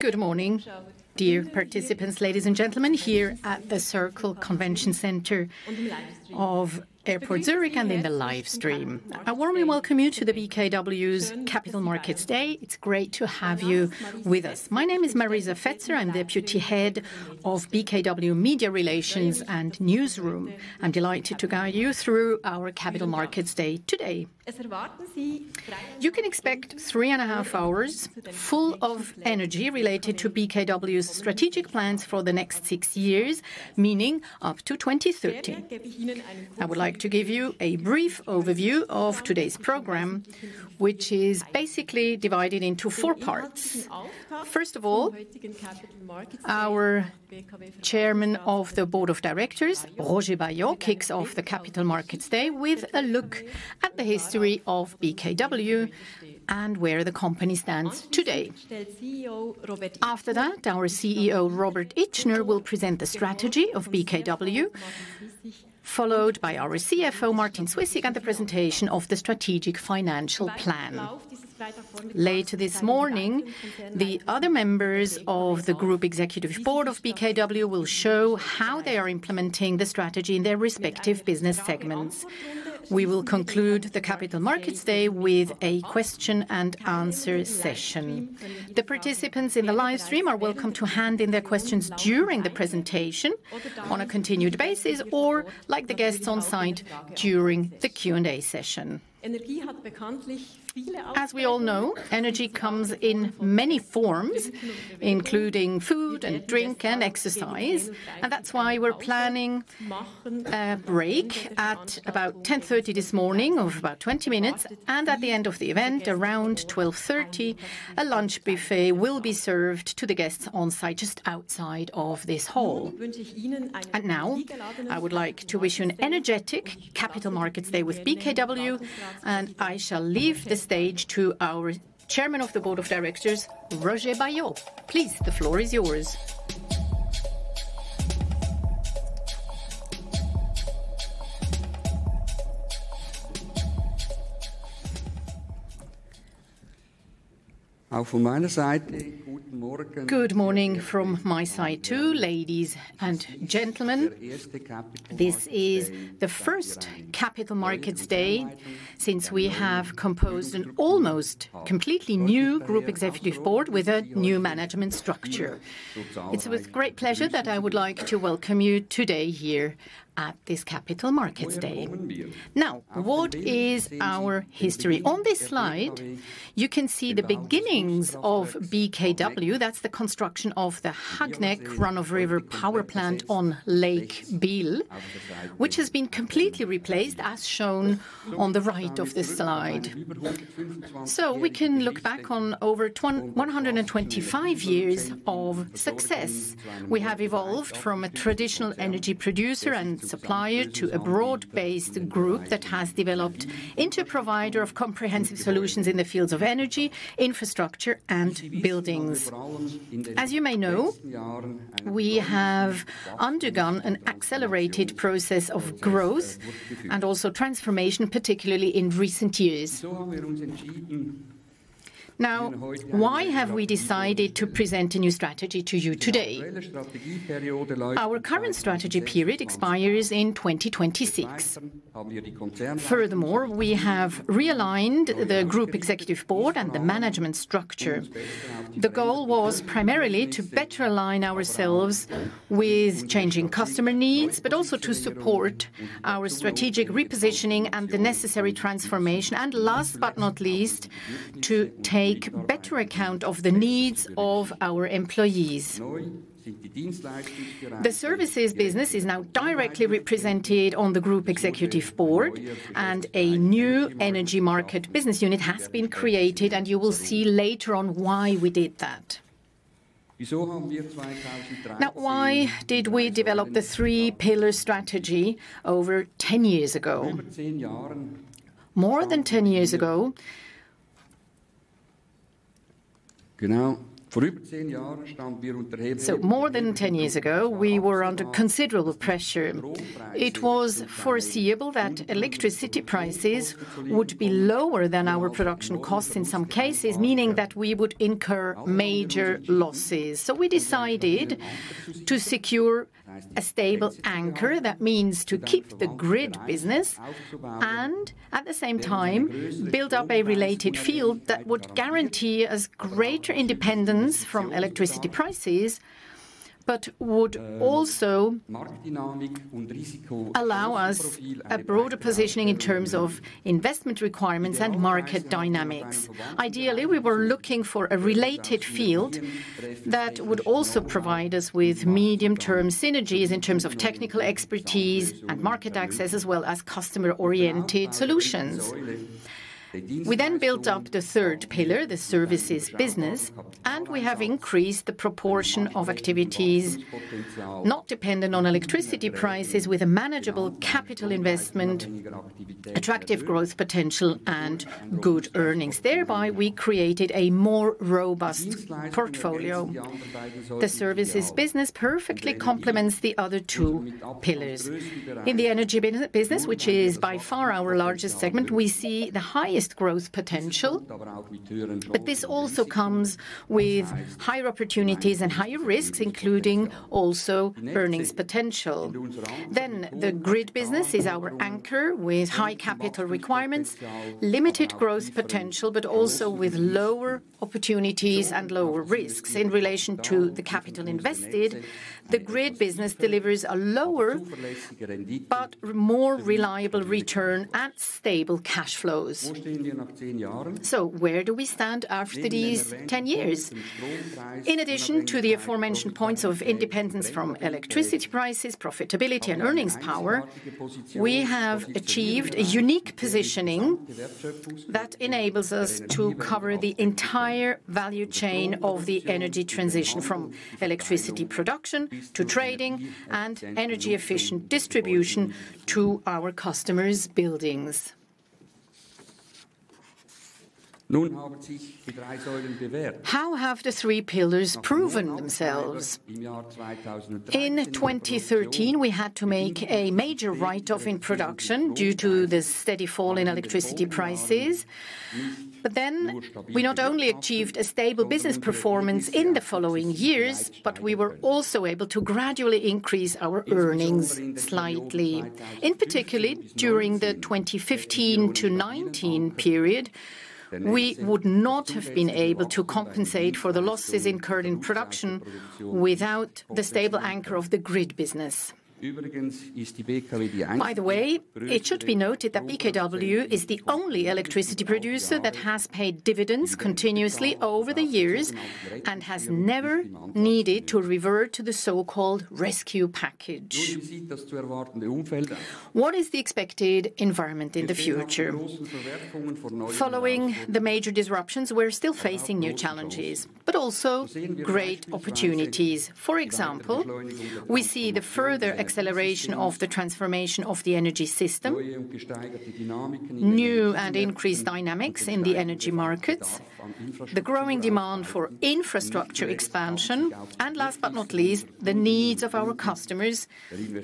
Good morning, dear participants, ladies and gentlemen, here at The Circle Convention Center at Zurich Airport and in the livestream. I warmly welcome you to BKW's Capital Markets Day. It's great to have you with us. My name is Marisa Fetzer. I'm deputy head of BKW Media Relations and Newsroom. I'm delighted to guide you through our Capital Markets Day today. You can expect three and a half hours full of energy related to BKW's strategic plan for the next six years, meaning up to 2030. I would like to give you a brief overview of today's program, which is basically divided into four parts. First of all, our Chairman of the Board of Directors Roger Baillod kicks off the Capital Markets Day with a look at the history of BKW and where the company stands today. After that, our CEO Robert Itschner will present the strategy of BKW followed by our CFO Martin Zwyssig and the presentation of the strategic financial plan. Later this morning, the other members of the Group Executive Board of BKW will show how they are implementing the strategy in their respective business segments. We will conclude the Capital Markets Day with a question-and-answer session. The participants in the livestream are welcome to hand in their questions during the presentation on a continued basis or, like the guests on site, during the Q&A session. As we all know, energy comes in many forms including food and drink and exercise, and that's why we're planning a break at about 10:30 A.M. this morning of about 20 minutes. At the end of the event around 12:30 P.M. a lunch buffet will be served to the guests on site just outside of this hall. Now I would like to wish you an energetic Capital Markets Day with BKW. I shall leave the stage to our Chairman of the Board of Directors Roger Baillod, please. The floor is yours. Good morning from my side too. Ladies and gentlemen, this is the first Capital Markets Day since we have composed an almost completely new Group Executive Board with a new management structure. It's with great pleasure that I would like to welcome you today here at this Capital Markets Day. Now, what is our history? On this slide you can see the beginnings of BKW. That's the construction of the Hagneck run-of-river power plant on Lake Biel which has been completely replaced as shown on the right of this slide. So we can look back on over 125 years of success. We have evolved from a traditional energy producer and supplier to a broad based group that has developed into a provider of comprehensive solutions in the fields of energy Infrastructure and Buildings. As you may know, we have undergone an accelerated process of growth and also transformation, particularly in recent years. Now, why have we decided to present a new strategy to you today? Our current strategy period expires in 2026. Furthermore, we have realigned the group Executive board and the management structure. The goal was primarily to better align ourselves with changing customer needs, but also to support our strategic repositioning and the necessary transformation. And last, not least, to take better account of the needs of our employees. The services business is now directly represented on the Group Executive Board and a new energy market business unit has been created and you will see later on why we did that. Now, why did we develop the three pillar strategy over 10 years ago? More than 10 years ago. More than 10 years ago we were under considerable pressure. It was foreseeable that electricity prices would be lower than our production costs, in some cases meaning that we would incur major losses. So we decided to secure a stable anchor. That means to keep the grid business and at the same time build up related field that would guarantee us greater independence from electricity prices, but would also allow us a broader positioning in terms of investment requirements and market dynamics. Ideally, we were looking for a related field that would also provide us with medium term synergies in terms of technical expertise and market access as well as customer oriented solutions. We then built up the third pillar, the services business, and we have increased the proportion of activities not dependent on electricity prices. With a manageable capital investment, attractive growth potential and good earnings. Thereby we created a more robust portfolio. The services business perfectly complements the other two pillars. In the energy business, which is by far our largest segment, we see the highest growth potential, but this also comes with higher opportunities and higher risks, including also earnings potential. Then the grid business is our anchor. With high capital requirements, limited growth potential, but also with lower opportunities and lower risks in relation to the capital invested, the grid business delivers a lower but more reliable return and stable cash flows. So where do we stand after these 10 years? In addition to the aforementioned points of independence from electricity prices, profitability and earnings power, we have achieved a unique positioning that enables us to cover the entire value chain of the energy transition from electricity production to trading and energy efficient distribution to our customers' buildings. How have the three pillars proven themselves? In 2013 we had to make a major write off in production due to the steady fall in electricity prices. But then we not only achieved a stable business performance in the following years, but we were also able to gradually increase our earnings slightly. In particular during the 2015-2019 period. We would not have been able to compensate for the losses incurred in production without the stable anchor of the grid business. By the way, it should be noted that BKW is the only electricity producer that has paid dividends continuously over the years and has never needed to revert to the so-called rescue package. What is the expected environment in the future? Following the major disruptions, we're still facing new challenges but also great opportunities. For example, we see the further acceleration of the transformation of the energy system, new and increased dynamics in the Energy Markets, the growing demand for infrastructure expansion and last but not least, the needs of our customers,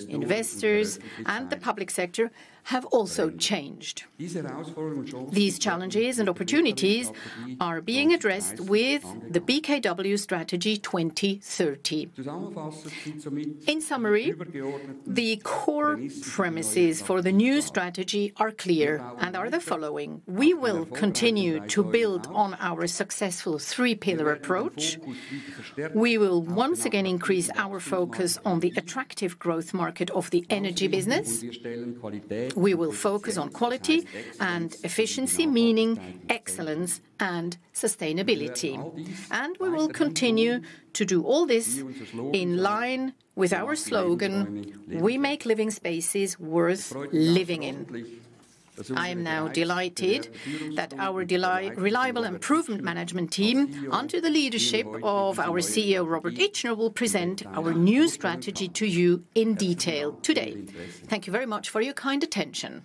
investors and the public sector have also changed. These challenges and opportunities are being addressed with the BKW Solutions 2030. In summary, the core premises for the new strategy are clear, and they are: we will continue to build on our successful three-pillar approach. We will once again increase our focus on the attractive growth market of the energy business. We will focus on quality and efficiency, meaning excellence and sustainability. We will continue to do all this in line with our slogan, "We make living spaces worth living in." I am now delighted that our reliable improvement management team under the leadership of our CEO Robert Itschner will present our new strategy to you in detail today. Thank you very much for your kind attention.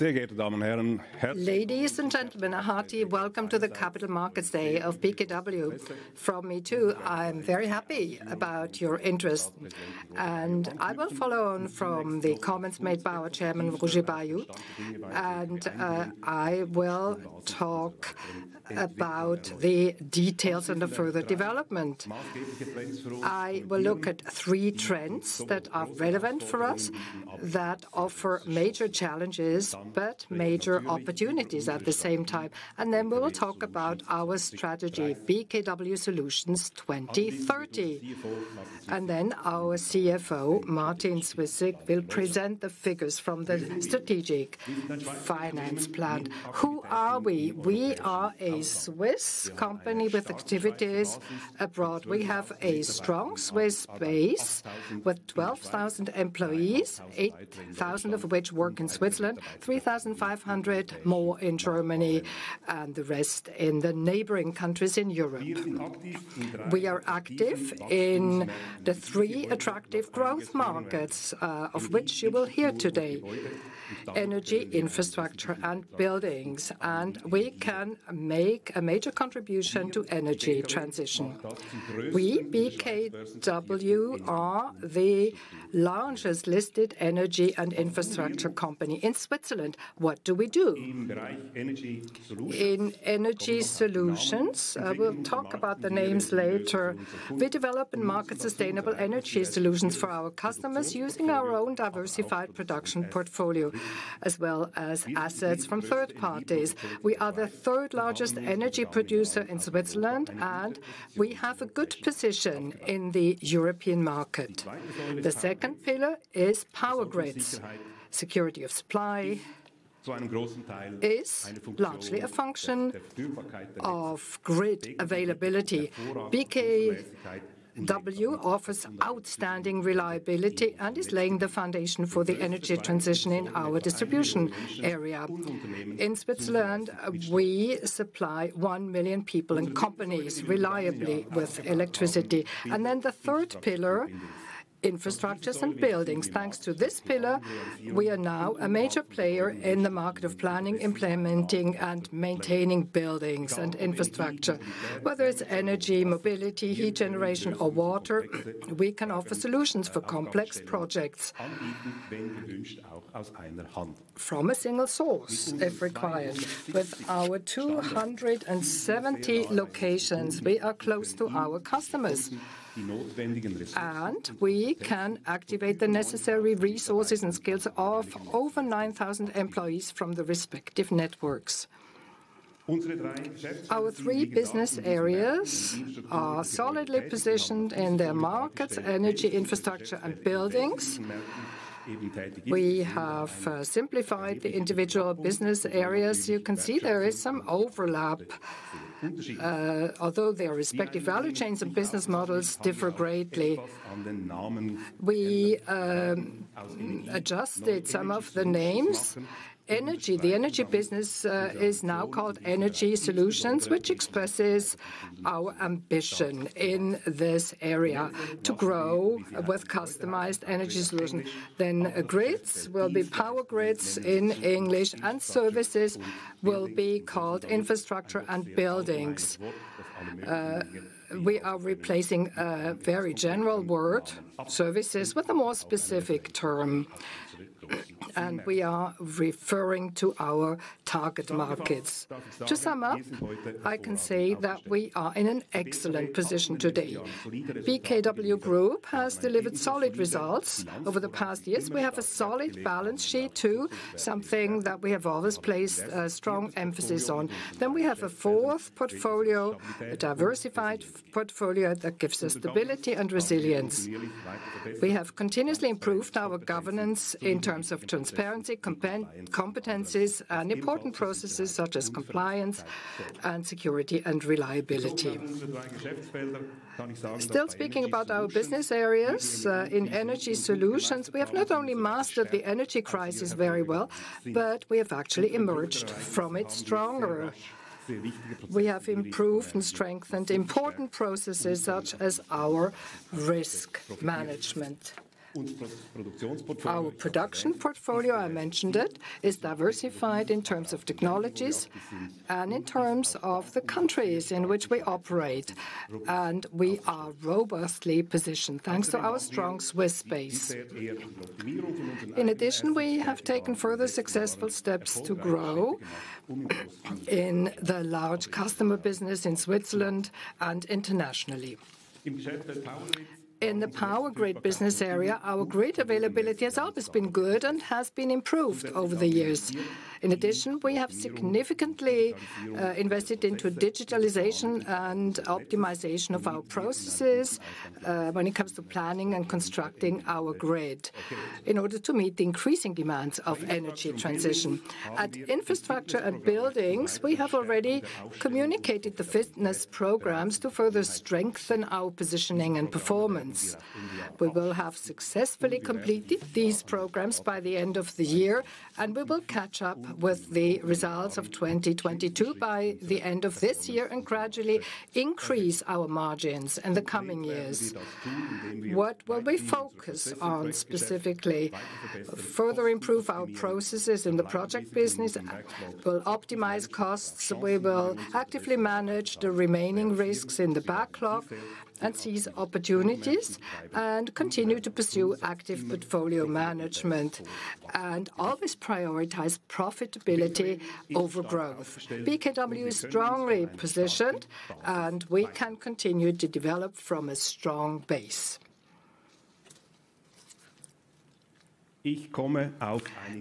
Ladies and gentlemen, a hearty welcome to the Capital Markets Day of BKW from me too. I'm very happy about your interest and I will follow on from the comments made by our Chairman Roger Baillod and I will talk about the details and the further development. I will look at three trends that are relevant for us that offer major challenges but major opportunities at the same time and then we will talk about our Strategy BKW Solutions 2030 and then our CFO Martin Zwyssig will present the figures from the Strategic Finance Plan. Who are we? We are a Swiss company with activities abroad. We have a strong Swiss base with 12,000 employees, 8,000 of which work in Switzerland, 3,500 more in Germany and the rest in the neighboring countries. In Europe. We are active in the three attractive growth markets of which you will hear: energy, infrastructure, and buildings, and we can make a major contribution to energy transition. We, BKW, are the largest listed energy and infrastructure company in Switzerland. What do we do in Energy Solutions? We'll talk about the names later. We develop and market sustainable Energy Solutions for our customers using our own diversified production portfolio as well as assets from third parties. We are the third largest energy producer in Switzerland, and we have a good position in the European market. The second pillar is Power Grids. Security of supply is largely a function of grid availability. BKW offers outstanding reliability and is laying the foundation for the energy transition. In our distribution area in Switzerland, we supply one million people and companies reliably with electricity, and then the third pillar, infrastructures and buildings. Thanks to this pillar, we are now a major player in the market of planning, implementing and maintaining buildings and infrastructure. Whether it's energy mobility, heat generation or water, we can offer solutions for complex projects from a single source if required. With our 270 locations, we are close to our customers and we can activate the necessary resources and skills of over 9,000 employees from the respective networks. Our three business areas are solidly positioned in their markets. Energy, Infrastructure and Buildings. We have simplified the individual business areas. You can see there is some overlap, although their respective value chains and business models differ greatly. We adjusted some of the names. Energy, the energy business is now called Energy Solutions, which expresses our ambition in this area to grow with customized Energy Solutions. Then BKW Power Grid will be Power Grids in English and services will be called Infrastructure and Buildings. We are replacing a very general word, services, with a more specific term and we are referring to our target markets. To sum up, I can say that we are in an excellent position today. BKW Group has delivered solid results over the past years. We have a solid balance sheet too, something that we have always placed strong emphasis on. Then we have a fourth portfolio, a diversified portfolio that gives us stability and resilience. We have continuously improved our governance in terms of transparency, competencies and important processes such as compliance and security and reliability. Still, speaking about our business areas in Energy Solutions, we have not only mastered the energy crisis very well, but we have actually emerged from it stronger. We have improved and strengthened important processes such as our risk management and our production portfolio. I mentioned it is diversified in terms of technologies and in terms of the countries in which we operate, and we are robustly positioned thanks to our strong suite. In addition, we have taken further successful steps to grow in the large customer business in Switzerland and internationally in the Power Grid business area. Our grid availability has always been good and has been improved over the years. In addition, we have significantly invested into digitalization and optimization of our production processes. When it comes to planning and constructing our grid in order to meet the increasing demands of energy transition and Infrastructure and Buildings, we have already communicated the fitness programs to further strengthen our positioning and performance. We will have successfully completed these programs by the end of the year and we will catch up with the results of 2022 by the end of this year and gradually increase our margins in the coming. What will we focus on specifically? Further improve our processes in the project business. Will optimize costs. We will actively manage the remaining risks in the backlog and seize opportunities and continue to pursue active portfolio management and always prioritize profitability over growth. BKW is strongly positioned and we can continue to develop from a strong base.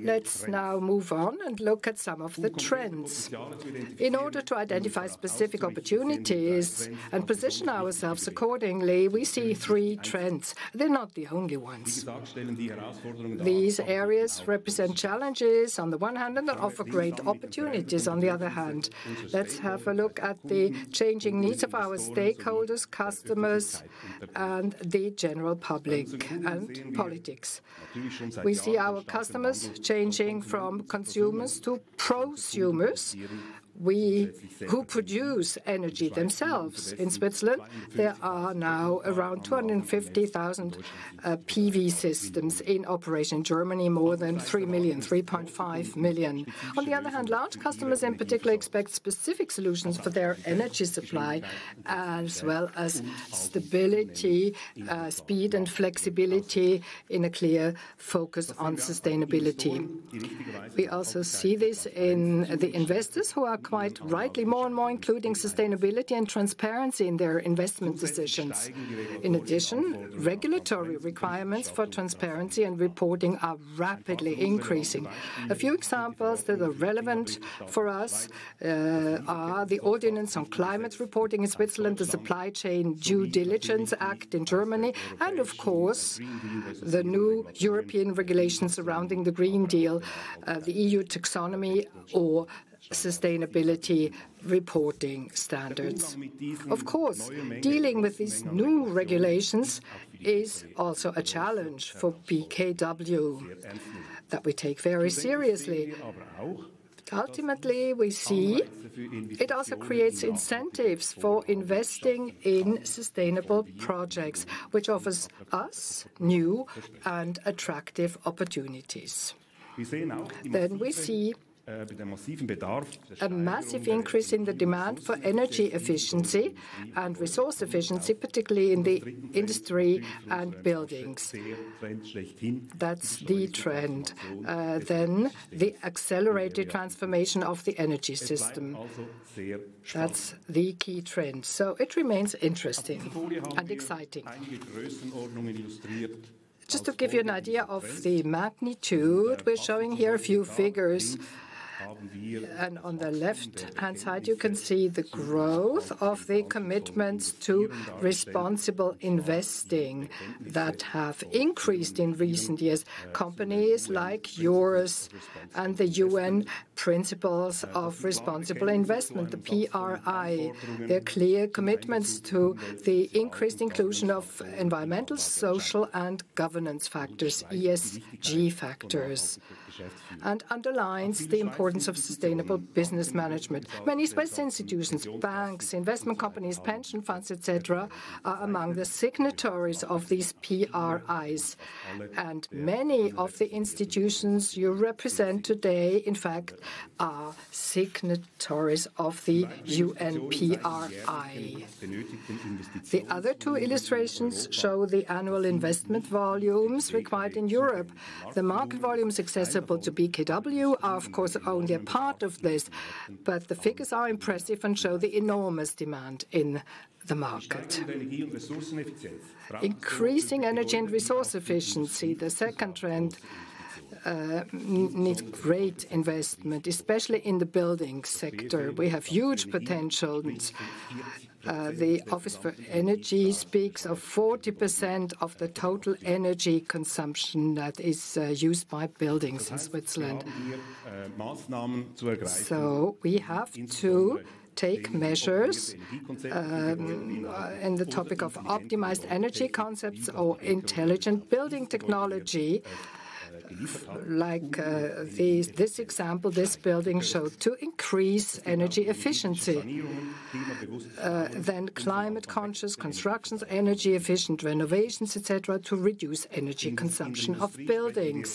Let's now move on and look at some of the trends in order to identify specific opportunities and position ourselves accordingly. We see three trends. They're not the only ones. These areas represent challenges on the one hand and that offer great opportunities on the other hand. Let's have a look at the changing needs of our stakeholders, customers, the general public, and politics. We see our customers changing from consumers to prosumers who produce energy themselves. In Switzerland there are now around 250,000 PV systems in operation, Germany more than 3.5 million. On the other hand, large customers in particular expect specific solutions for their energy supply as well as stability, speed and flexibility in a clear focus on sustainability. We also see this in the investors who are quite rightly more and more including sustainability and transparency in their investment decisions. In addition, regulatory requirements, requirements for transparency and reporting are rapidly increasing. A few examples that are relevant for us are the Ordinance on Climate Reporting in Switzerland, the Supply Chain Due Diligence Act in Germany, and of course the new European regulations surrounding the Green Deal, the EU Taxonomy or sustainability reporting standards. Of course, dealing with these new regulations is also a challenge for BKW that we take very seriously. Ultimately we see it also creates incentives for investing in sustainable projects which offers us new and attractive opportunities. Then we see a massive increase in the demand for energy efficiency and resource efficiency, particularly in the industry and buildings. That's the trend. Then the accelerated transformation of the energy system. That's the key trend, so it remains interesting and exciting. Just to give you an idea of the magnitude, we're showing here a few figures and on the left hand side you can see the growth of the commitments to responsible investing that have increased in recent years. Companies like yours and the UN Principles for Responsible Investment, the PRI their clear commitments to the increased inclusion of environmental, social and governance factors ESG factors and underlines the importance of sustainable business management. Many special institutions, banks, investment companies, pension funds, etc. are among the signatories of these PRIs. Many of the institutions you represent today in fact are signatories of the UNPRI. The other two illustrations show the annual investment volumes required in Europe. The market volumes accessible to BKW are of course only a part of this but the figures are impressive and show the enormous demand in the market increasing energy and resource efficiency. The second trend needs great investment, especially in the building sector. We have huge potential. The Office for Energy speaks of 40% of the total energy consumption that is used by buildings in Switzerland. So we have to take measures in the topic of optimized energy concepts or intelligent building technology. Like this example the building showed to increase energy efficiency, then climate conscious construction, energy efficient renovations etc. To reduce energy consumption of buildings.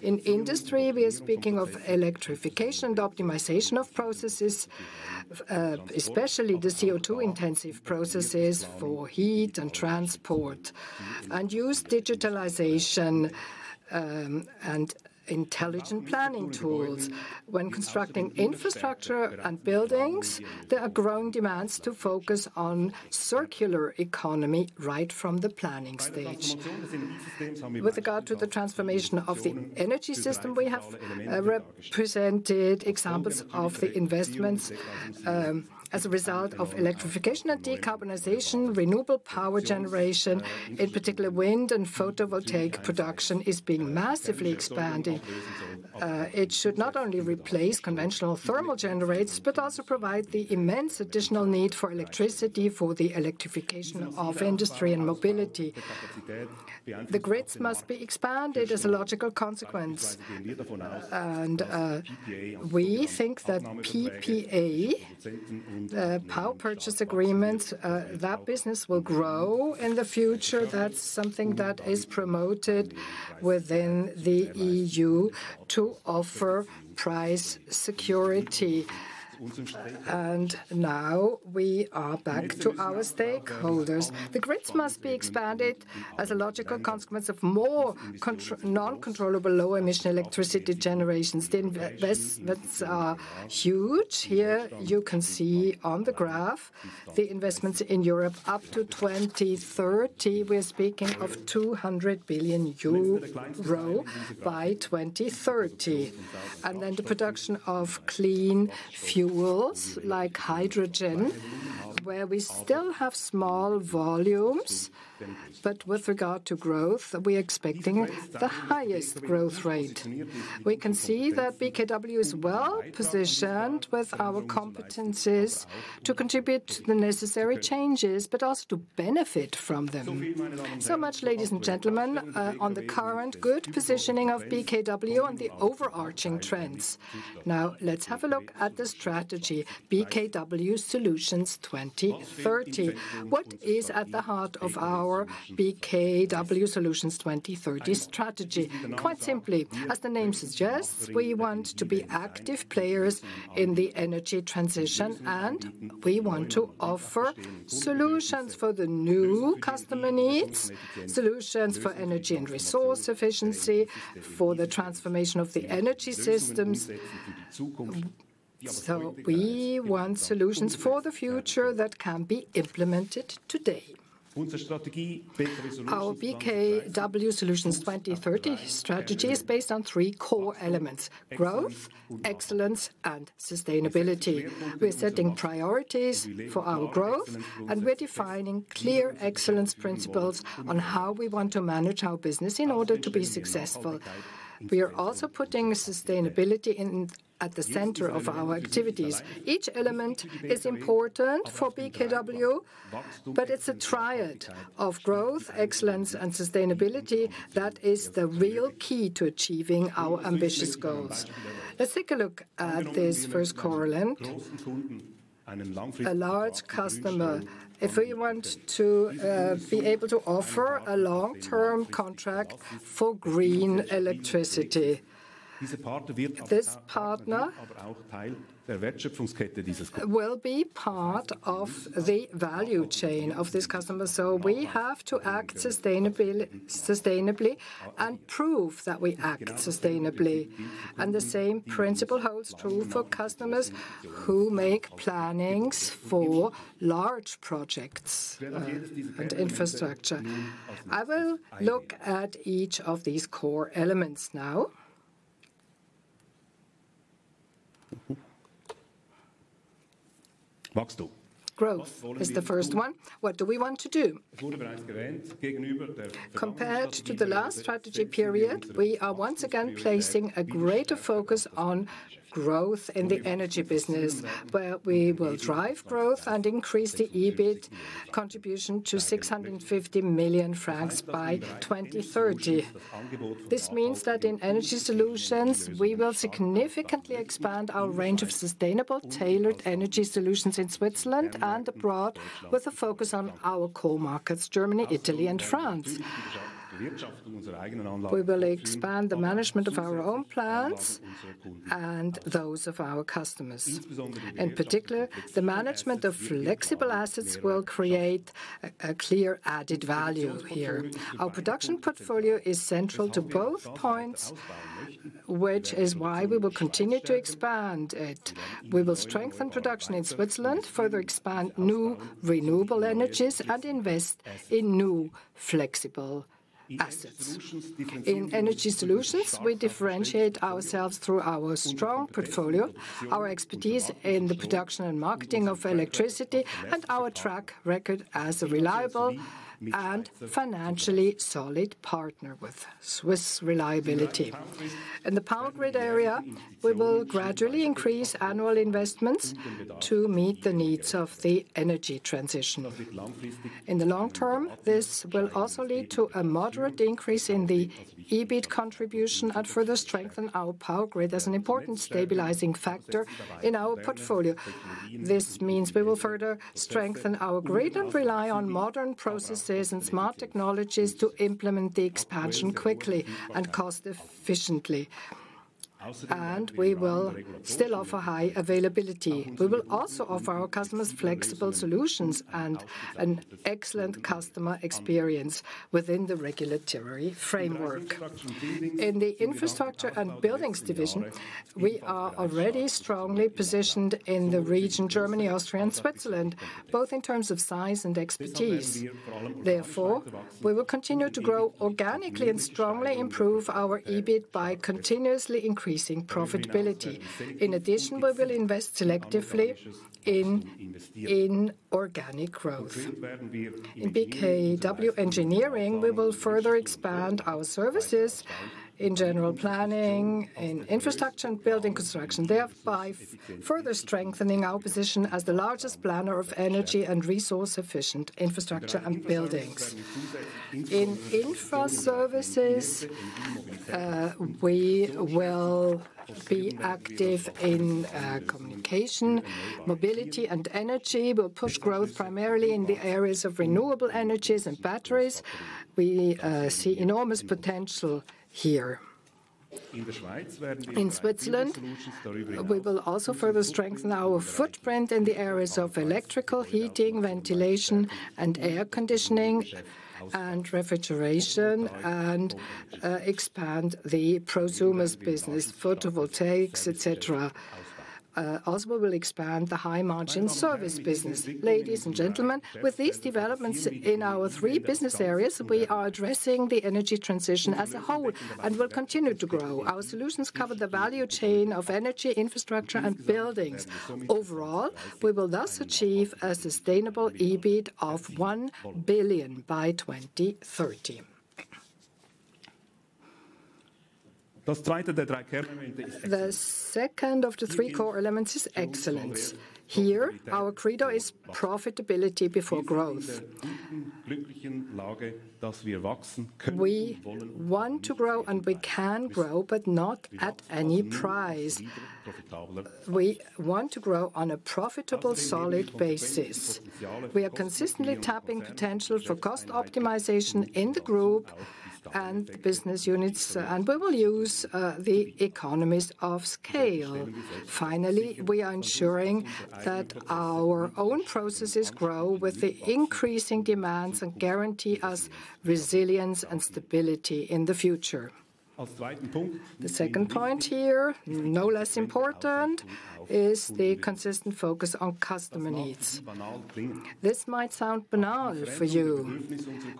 In industry we are speaking of electrification and optimization of processes, especially the CO2 intensive processes for heat and transport and use digitalization and intelligent planning tools when constructing Infrastructure and Buildings. There are growing demands to focus on circular economy right from the planning stage. With regard to the transformation of the energy system, we have represented examples of the investments. As a result of electrification and decarbonization, renewable power generation, in particular wind and photovoltaic production, is being massively expanded. It should not only replace conventional thermal generators, but also provide the immense additional need for electricity for the electrification of industry and mobility. The grids must be expanded as a logical consequence. We think that PPA, power purchase agreement, that business will grow in the future. That's something that is promoted within the EU to offer price security. And now we are back to our stakeholders. The grids must be expanded as a logical consequence of more non-controllable low-emission electricity generations. The investments are huge. Here you can see on the graph the investments in Europe up to 2030. We're speaking of 200 billion euro by 2030 and then the production of clean fuels like hydrogen where we still have small volumes but with regard to growth we expecting the highest growth rate. We can see that BKW is well positioned with our competencies to contribute the necessary changes, but also to benefit from them so much. Ladies and gentlemen, on the current good positioning of BKW and the overarching trends. Now let's have a look at the Strategy BKW Solutions 2030. What is at the heart of our BKW Solutions 2030 strategy? Quite simply, as the name suggests, we want to be active players in the energy transition and we want to offer solutions for the new customer needs. Solutions for energy and resource efficiency, for the transformation of the energy systems. So we want solutions for the future that can be implemented today. Our BKW Solutions 2030 strategy is based on three core growth, excellence, and sustainability. We're setting priorities for our growth and we're defining clear excellence principles on how we want to manage our business in order to be successful. We are also putting sustainability at the center of our activities. Each element is important for BKW, but it's a triad of growth, excellence, and sustainability that is the real key to achieving our ambitious goals. Let's take a look at this first: for a large customer. If we want to be able to offer a long-term contract for green electricity, this partner will be part of the value chain of this customer. So we have to act sustainably and prove that we act sustainably, and the same principle holds true for customers who make plans for large projects and infrastructure. I will look at each of these core elements now. Growth is the first one. What do we want to do? Compared to the last strategy period, we are once again placing a greater focus on growth in the energy business, where we will drive growth and increase the EBIT contribution to 615 million francs by 2030. This means that in Energy Solutions we will significantly expand our range of sustainable tailored Energy Solutions in Switzerland and abroad, with a focus on our core markets, Germany, Italy and France. We will expand the management of our own plants and those of our customers. In particular, the management of the flexible assets will create a clear added value here. Our production portfolio is central to both points, which is why we will continue to expand it. We will strengthen production in Switzerland, further expand new renewable energies and invest in new flexible assets. In Energy Solutions, we differentiate ourselves through our strong portfolio, our expertise in the production and marketing of electricity and our track record as a reliable and financially solid partner. With Swiss reliability in the Power Grid area, we will gradually increase annual investments to meet the needs of the energy transition. In the long term, this will also lead to a moderate increase in the EBIT contribution and further strengthen our Power Grid as an important stabilizing factor in our portfolio. This means we will further strengthen our grid and rely on modern processes and smart technologies to implement the expansion quickly and cost efficiently and we will still offer high availability. We will also offer our customers flexible solutions and excellent customer experience within the regulatory framework. In the Infrastructure and Buildings division, we are already strongly positioned in the region Germany, Austria and Switzerland both in terms of size and expertise. Therefore, we will continue to grow organically and strongly improve our EBIT by continuously increasing profitability. In addition, we will invest selectively in organic growth in BKW Engineering. We will further expand our services in general planning in infrastructure and building construction, thereby further strengthening our position as the largest planner of energy and resource efficient Infrastructure and Buildings. In Infra Services, we will be active in communication, mobility and energy will push growth primarily in the areas of renewable energies and batteries. We see enormous potential here in Switzerland. We will also further strengthen our footprint in the areas of electrical heating, ventilation and air conditioning and refrigeration and expand the prosumers business, photovoltaics, etc. Also, we will expand the high margin service business. Ladies and gentlemen, with these developments in our three business areas, we are addressing the energy transition as a whole and will continue to grow. Our solutions cover the value chain of energy, Infrastructure and Buildings overall. We will thus achieve a sustainable EBIT of 1 billion by 2030. The second of the three core elements is excellence. Here our credo is profitability before growth. We want to grow and we can grow, but not at any price. Want to grow on a profitable solid basis. We are consistently tapping potential for cost optimization in the group and business units and we will use the economies of scale. Finally, we are ensuring that our own processes grow with the increasing demands and guarantee us resilience and stability in the future. The second point here, no less important, is the consistent focus on customer needs. This might sound banal for you,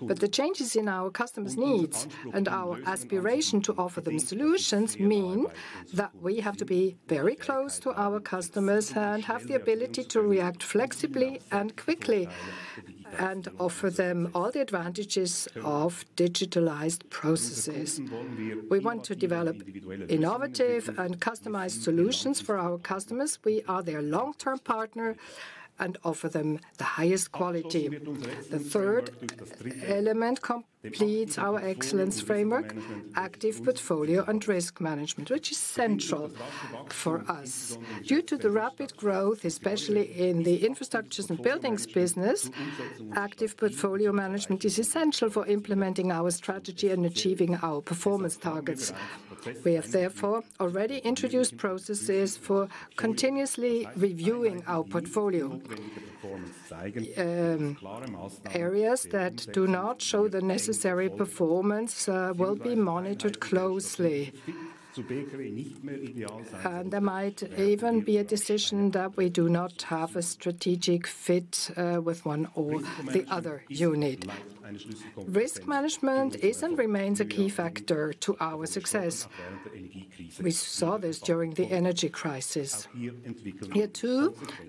but the changes in our customers' needs and our aspiration to offer them solutions mean that we have to be very close to our customers and have the ability to react flexibly and quickly and offer them all the advantages of digitalized processes. We want to develop innovative and customized solutions for our customers. We are their long-term partner and offer them the highest quality. The third element completes our excellence framework, active portfolio and risk management, which is central for us due to the rapid growth, especially in the infrastructures and buildings business. Active portfolio management is essential for implementing our strategy and achieving our performance targets. We have therefore already introduced processes for continuously reviewing our portfolio. Areas that do not show the necessary performance will be monitored closely. There might even be a decision that we do not have a strategic fit with one or the other unit. Risk management is and remains a key factor to our success. We saw this during the energy crisis. Here too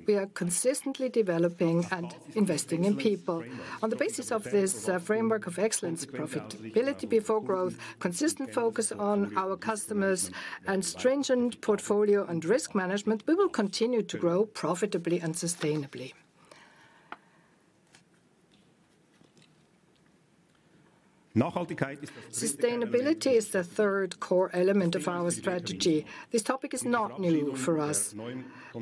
we are consistently developing and investing in people on the basis of this framework of excellence, profitability before growth, growth, consistent focus on our customers and stringent portfolio and risk management. We will continue to grow profitably and sustainably. Sustainability is the third core element of our strategy. This topic is not new for us,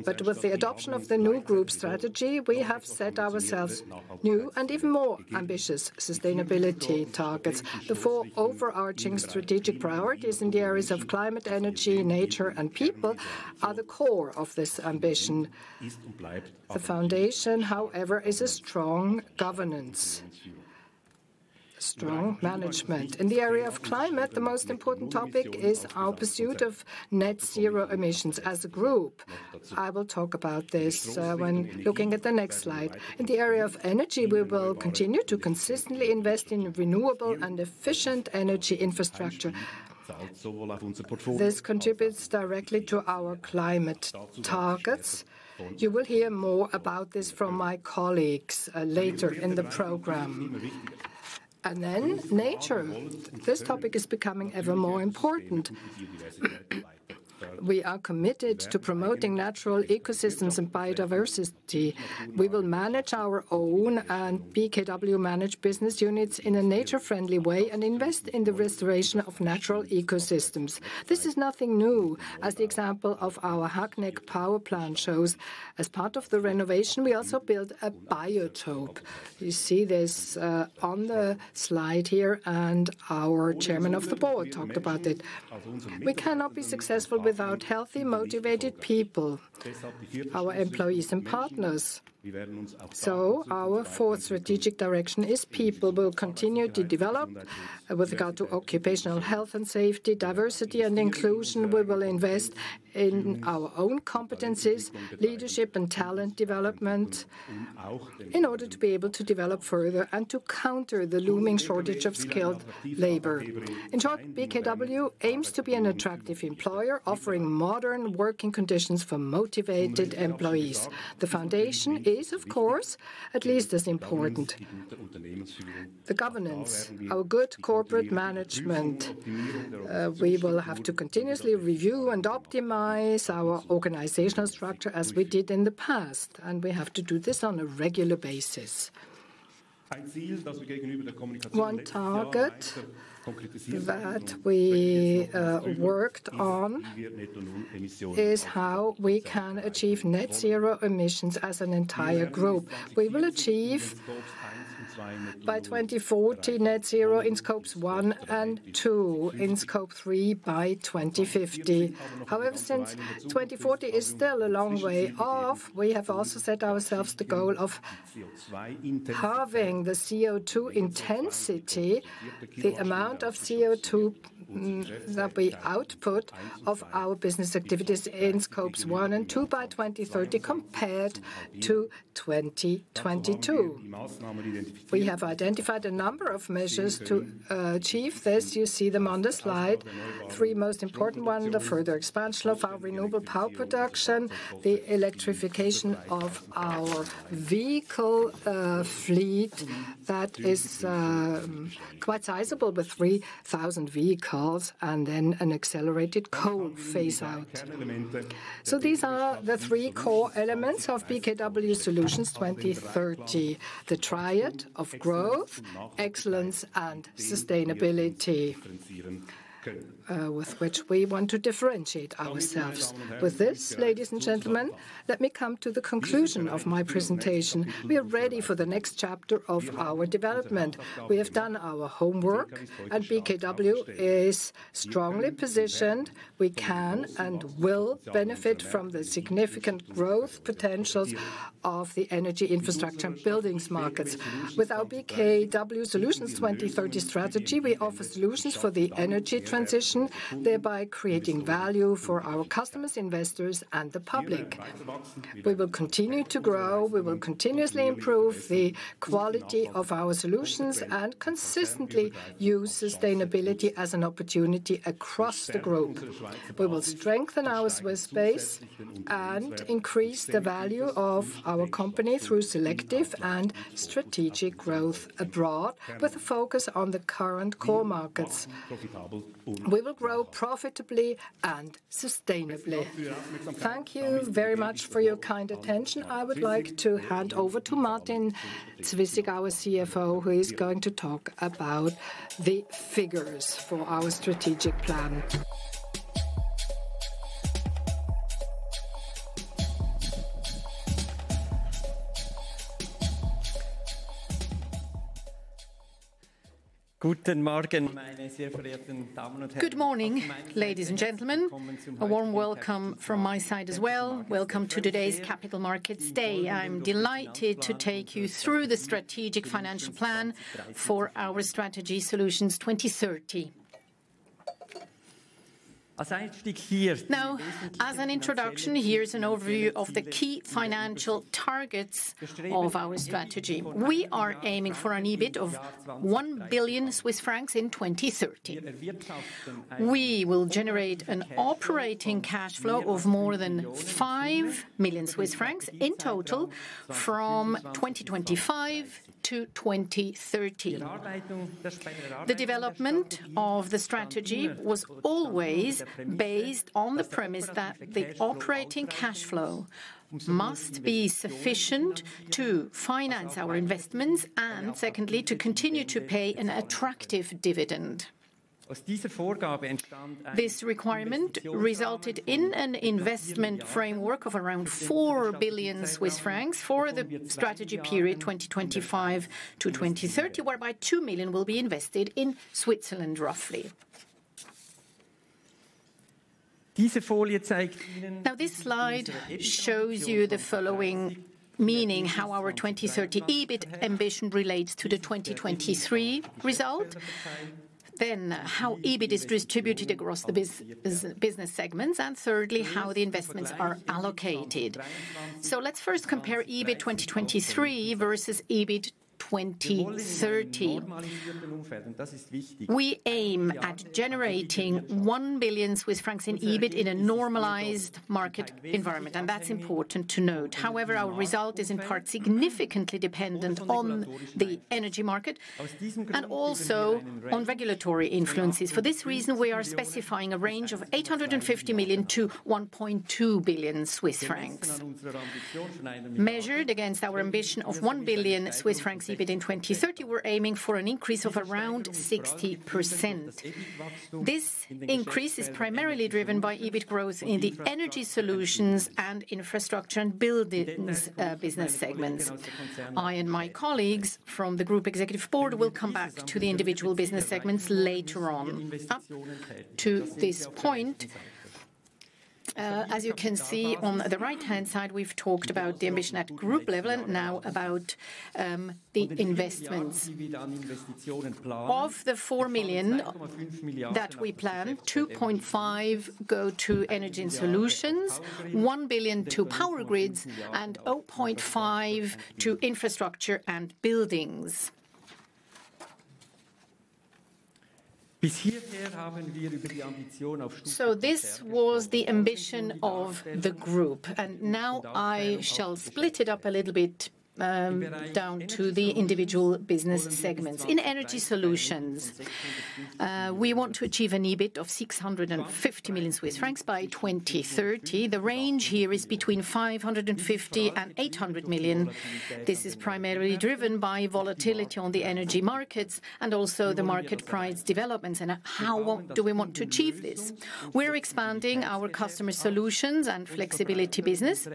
but with the adoption of the new group strategy we have set ourselves new and even more ambitious sustainability targets. The four overarching strategic priorities in the areas of climate, energy, nature and people are the core of this ambition. The foundation, however, is a strong governance, strong management in the area of climate. The most important topic is our pursuit of net zero emissions as a group. I will talk about this when looking at the next slide. In the area of energy, we will continue to consistently invest in renewable and efficient energy infrastructure. This contributes directly to our climate targets. You will hear more about this from my colleagues later in the program, and then nature, this topic is becoming ever more important. We are committed to promoting natural ecosystems and biodiversity. We will manage our own and BKW managed business units in a nature-friendly way and invest in the restoration of natural ecosystems. This is nothing new, as the example of our Hagneck power plant shows. As part of the renovation, we also built a biotope. You see this on the slide here, and our Chairman of the Board talked about it. We cannot be successful without having healthy motivated people, our employees and partners. Our fourth strategic direction is People. We will continue to develop with regard to occupational health and safety, diversity and inclusion. We will invest in our own competencies, leadership and talent development in order to be able to develop further and to counter the looming shortage of skilled labor. In short, BKW aims to be an attractive employer offering modern working conditions for motivated employees. The foundation is of course at least as important as the governance, our good corporate management. We will have to continuously review and optimize our organizational structure as we did in the past, and we have to do this on a regular basis. One target that we worked on is how we can achieve net zero emissions as an entire group. We will achieve by 2040 net zero in Scopes 1 and 2, in Scope 3 by 2050. However, since 2040 is still a long way off, we have also set ourselves the goal of halving the CO2 intensity, the amount of CO2 that we output of our business activities in Scopes 1 and 2 by 2030 compared to 2022. We have identified a number of measures to achieve this. You see them on the slide: three most important. First, the expansion of our renewable power production, the electrification of our vehicle fleet that is quite sizable with 3,000 vehicles and then an accelerated coal phase out. So, these are the three core elements of BKW Solutions 2030. The triad of growth, excellence and sustainability with which we want to differentiate ourselves. With this, Ladies and Gentlemen, let me come to the conclusion of my presentation. We are ready for the next chapter of our development. We have done our homework and BKW is strongly positioned. We can and will benefit from the significant growth potentials of the energy infrastructure buildings market. With our BKW Solutions 2030 strategy, we offer solutions for the energy transition, thereby creating value for our customers, investors and the public. We will continue to grow. We will continuously improve the quality of our solutions and consistently use sustainability as an opportunity across the group. We will strengthen our Swiss base and increase the value of our company through selective and strategic growth abroad with a focus on the current core markets. We will grow profitably and sustainably. Thank you very much for your kind attention. I would like to hand over to Martin Zwyssig, our CFO, who is going to talk about the figures for our strategic plan. Good morning, ladies and gentlemen. A warm welcome from my side as well. Welcome to today's Capital Markets Day. I'm delighted to take you through the strategic financial plan for our strategy, BKW Solutions 2030. Now, as an introduction, here's an overview of the key financial targets of our strategy. We are aiming for an EBIT of 1 billion Swiss francs in 2030. We will generate an operating cash flow of more than 5 million Swiss francs in total from 2025-2030. The development of the strategy was always based on the premise that the operating cash flow must be sufficient to finance our investments and secondly to continue to pay an attractive dividend. This requirement resulted in an investment framework of around 4 billion Swiss francs for the strategy period 2025-2030, whereby 2 million will be invested in Switzerland roughly. Now this slide shows you the following, meaning how our 2030 EBIT ambition relates to the 2023 result, then how EBIT is distributed across the business segments, and thirdly, how the investments are allocated. So let's first compare EBIT 2023 versus EBIT 2030. We aim at generating 1 billion Swiss francs in EBIT in a normalized market environment and that's important to note. However, our result is in part significantly dependent on the energy market and also on regulatory influences. For this reason we are specifying a range of 850 million-1.2 billion Swiss francs, measured against our ambition of 1 billion Swiss francs EBIT in 2030, we're aiming for an increase of around 60%. This increase is primarily driven by EBIT growth in the Energy Solutions and infrastructure and building business segments. I and my colleagues from the Group Executive Board will come back to the individual business segments later on. Up to this point, as you can see on the right-hand side, we've talked about the ambition at group level and now about the investments of the 4 billion that we plan. 2.5 billion go to Energy Solutions, 1 billion to Power Grids and 0.5 billion to Infrastructure and Buildings. This was the ambition of the group. Now I shall split it up a little bit down to the individual business segments. In Energy Solutions, we want to achieve an EBITDA of 650 million Swiss francs by 2030. The range here is between 550 million and 800 million. This is primarily driven by volatility on the Energy Markets and also the market price developments. How do we want to achieve this? We're expanding our customer solutions and flexibility business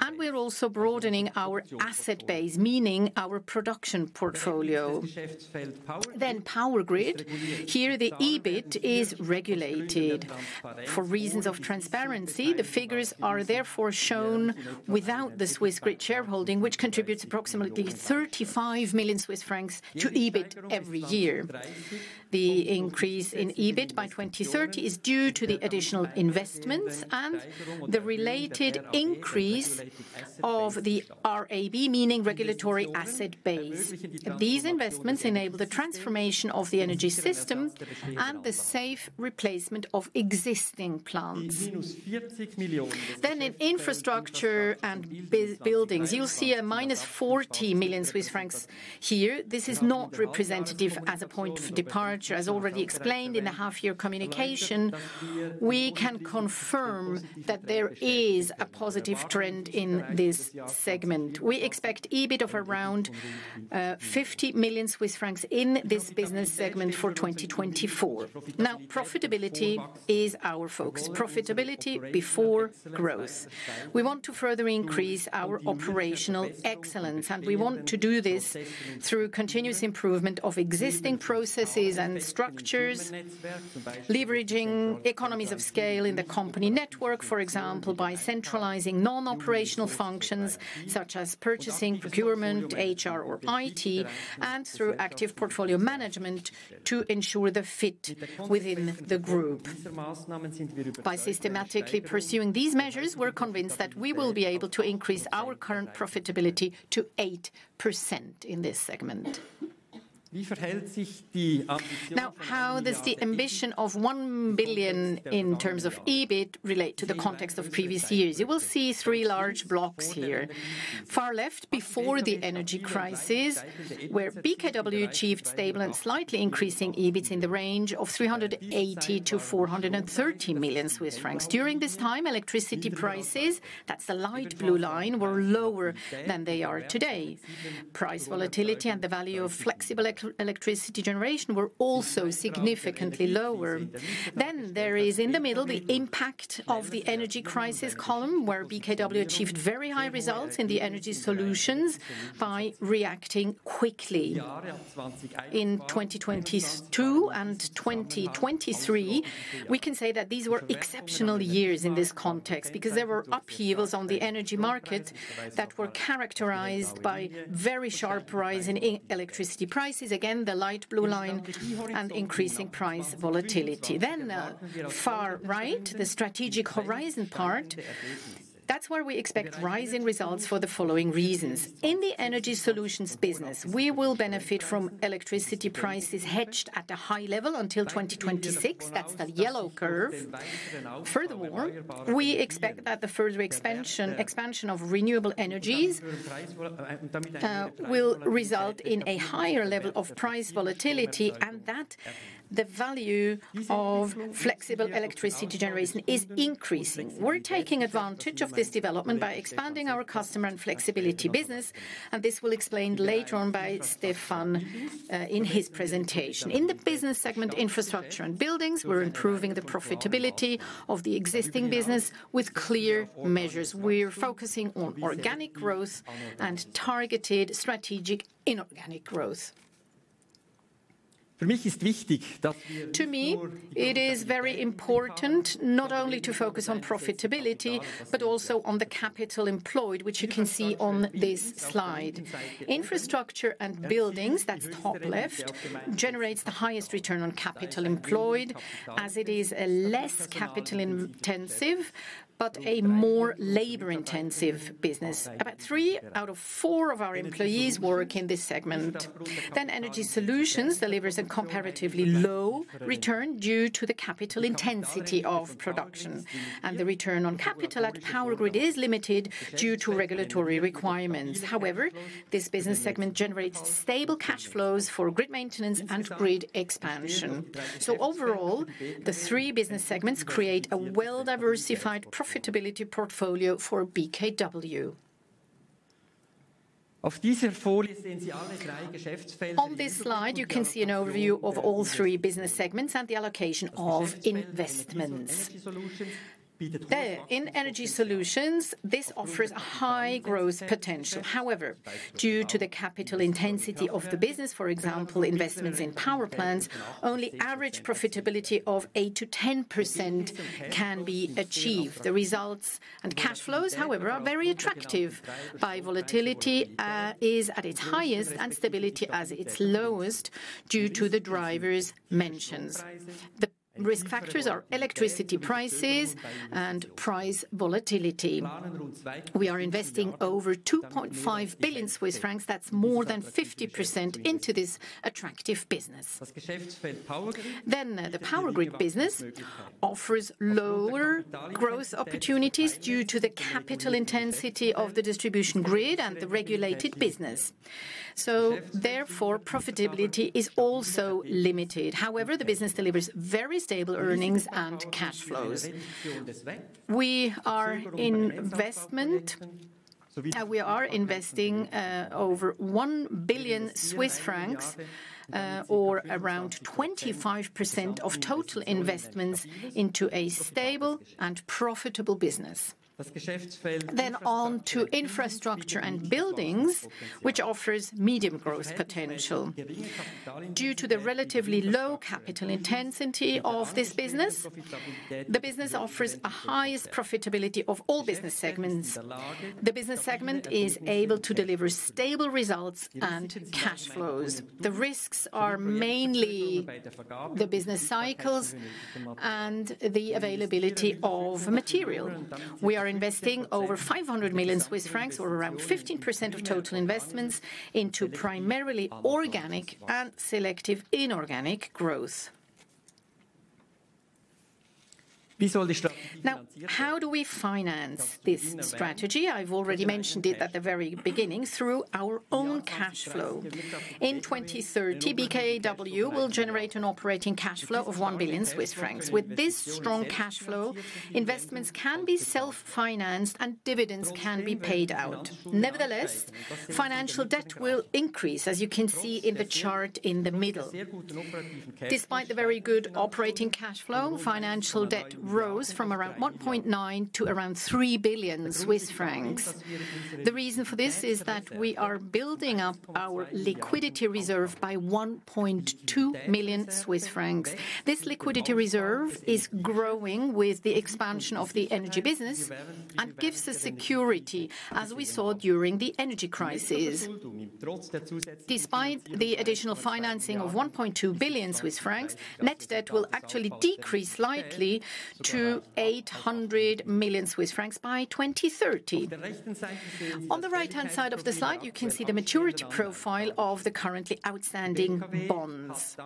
and we're also broadening our asset base, meaning our production portfolio, then Power Grid. Here the EBIT is regulated for reasons of transparency. The figures are therefore shown without the Swiss grid shareholding which contributes approximately 35 million Swiss francs to EBIT every year. The increase in EBIT by 2030 is due to the additional investments and the related increase of the RAB, meaning regulatory asset base. These investments enable the transformation of the energy system and the safe replacement of existing plants. Then in infrastructure and buildings, you'll see a -40 million Swiss francs here. This is not representative as a point of departure. As already explained in the half year communication, we can confirm that there is a positive trend in this segment. We expect EBIT of around 50 million Swiss francs in this business segment for 2024. Now profitability is our focus. Profitability before growth. We want to further increase our operational excellence and we want to do this through continuous improvement of existing processes and structures, leveraging economies of scale in the company network, for example by centralizing non operational functions such as purchasing, procurement, HR or IT and through active portfolio management to ensure the fit within the group. By systematically pursuing these measures, we're convinced that we will be able to increase our current profitability to 8% in this segment. Now, how does the ambition of 1 billion in terms of EBIT relate to the context of previous years? You will see three large blocks here, far left before the energy crisis where BKW achieved stable and slightly increasing EBITs in the range of 380-430 million Swiss francs. During this time, electricity produced prices, that's the light blue line, were lower than they are today. Price volatility and the value of flexible electricity generation were also significantly lower. Then there is in the middle, the impact of the energy crisis column where BKW achieved very high results in the Energy Solutions by reacting quickly in 2022 and 2023. We can say that these were exceptional years in this context because there were upheavals on the energy market that were characterized by very sharp rise in electricity prices. Again the light blue line and increasing price volatility. Then far right, the strategic horizon part. That's where we expect rise in results for the following reasons in the Energy Solutions business, we will benefit from electricity prices hedged at a high level until 2026. That's the yellow curve. Furthermore, we expect that the further expansion of renewable energies will result in a higher level of price volatility and that the value of flexible electricity generation is increasing. We're taking advantage of this development by expanding our customers and flexibility business and this will explain later on by Stefan in his presentation. In the business segment Infrastructure and Buildings, we're improving the profitability of the existing business with clear measures. We're focusing on organic growth and targeted strategic inorganic growth. To me it is very important not only to focus on profitability but also on the capital employed which you can see on this slide. Infrastructure and Buildings that's top left generates the highest return on capital employed as it is a less capital intensive but a more labor intensive business. About three out of four of our employees work in this segment. Then, Energy Solutions delivers a comparatively low return due to the capital intensity of production, and the return on capital at Power Grid is limited due to regulatory requirements. However, this business segment generates stable cash flows for grid maintenance and grid expansion. Overall, the three business segments create a well-diversified profitability portfolio for BKW. On this slide, you can see an overview of all three business segments and the allocation of investments in Energy Solutions. This offers a high-growth potential. However, due to the capital intensity of the business, for example investments in power plants, only average profitability of 8%-10% can be achieved. The results and cash flows, however, are very attractive. Attractiveness by volatility is at its highest and stability at its lowest due to the drivers mentioned. The risk factors are electricity prices and price volatility. We are investing over 2.5 billion Swiss francs, that's more than 50% into this attractive business. Then the Power Grid business offers lower growth opportunities due to the capital intensity of the distribution grid and the regulated business. So therefore profitability is also limited. However, the business delivers very stable earnings and cash flows. We are investing over 1 billion Swiss francs or around 25% of total investments into a stable and profitable business. Then on to Infrastructure and Buildings which offers medium growth potential due to the relatively low capital intensity of this business. The business offers the highest profitability of all business segments. The business segment is able to deliver stable results and cash flows. The risks are mainly the business cycles and the availability of material. We are investing over 500 million Swiss francs or around 15% of total investments into primarily organic and selective inorganic growth. Now, how do we finance this strategy? I've already mentioned it at the very beginning. Through our own cash flow in 2030, BKW will generate an operating cash flow of 1 billion Swiss francs. With this strong cash flow, investments can be self financed and dividends can be paid out. Nevertheless, financial debt will increase. As you can see in the chart in the middle. Despite the very good operating cash flow, financial debt rose from around 1.9 billion to around 3 billion Swiss francs. The reason for this is that we are building up our liquidity reserve by 1.2 million Swiss francs. This liquidity reserve is growing with the expansion of the energy business and gives us security as we saw during the energy crisis. Despite the additional financing of 1.2 billion Swiss francs, net debt will actually decrease slightly to 800 million Swiss francs by 2030. On the right hand side of the slide, you can see the maturity profile of the currently outstanding bonds.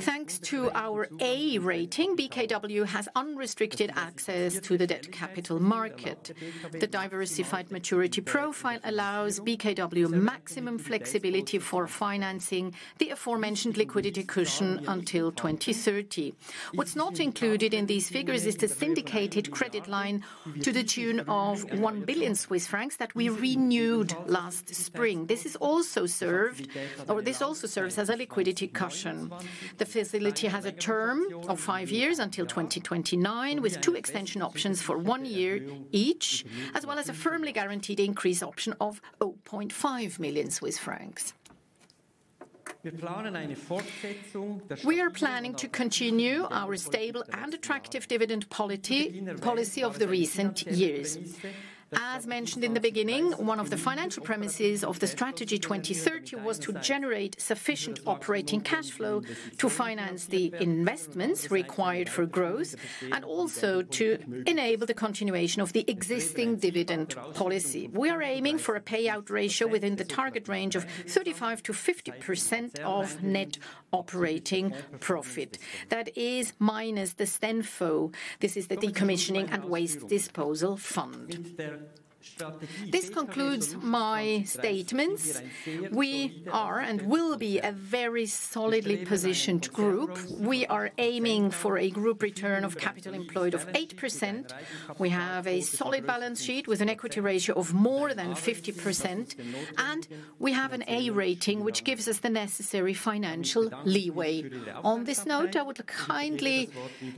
Thanks to our A rating, BKW has unrestricted access to the debt capital market. The diversified maturity profile allows BKW maximum flexibility for financing, balancing the aforementioned liquidity cushion until 2030. What's not included in these figures is the syndicated credit line to the tune of 1 billion Swiss francs that we renewed last spring. This also serves as a liquidity cushion. The facility has a term of five years until 2029 with two extension options for one year each as well as a firmly guaranteed increase option of 5 million CHF. We are planning to continue our stable and attractive dividend policy of the recent years. As mentioned in the beginning, one of the financial premises of the strategy 2030 was to generate sufficient operating cash flow to finance the investments required for growth and also to enable the continuation of the existing dividend policy. We are aiming for a payout ratio within the target range of 35%-50% of net operating profit. That is minus the STENFO. This is the decommissioning and waste disposal fund. This concludes my statements. We are and will be a very solidly positioned group. We are aiming for a group return on capital employed of 8%. We have a solid balance sheet with an equity ratio of more than 50%. We have an A rating which gives us the necessary financial leeway. On this note, I would kindly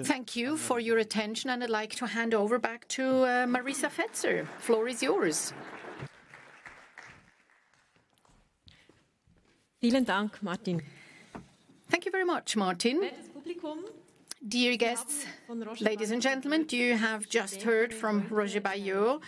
thank you for your attention and I'd like to hand over back to Marisa Fetzer. Floor is yours. Thank you very much, Martin. Dear guests, ladies and gentlemen, you have just heard from Roger Baillod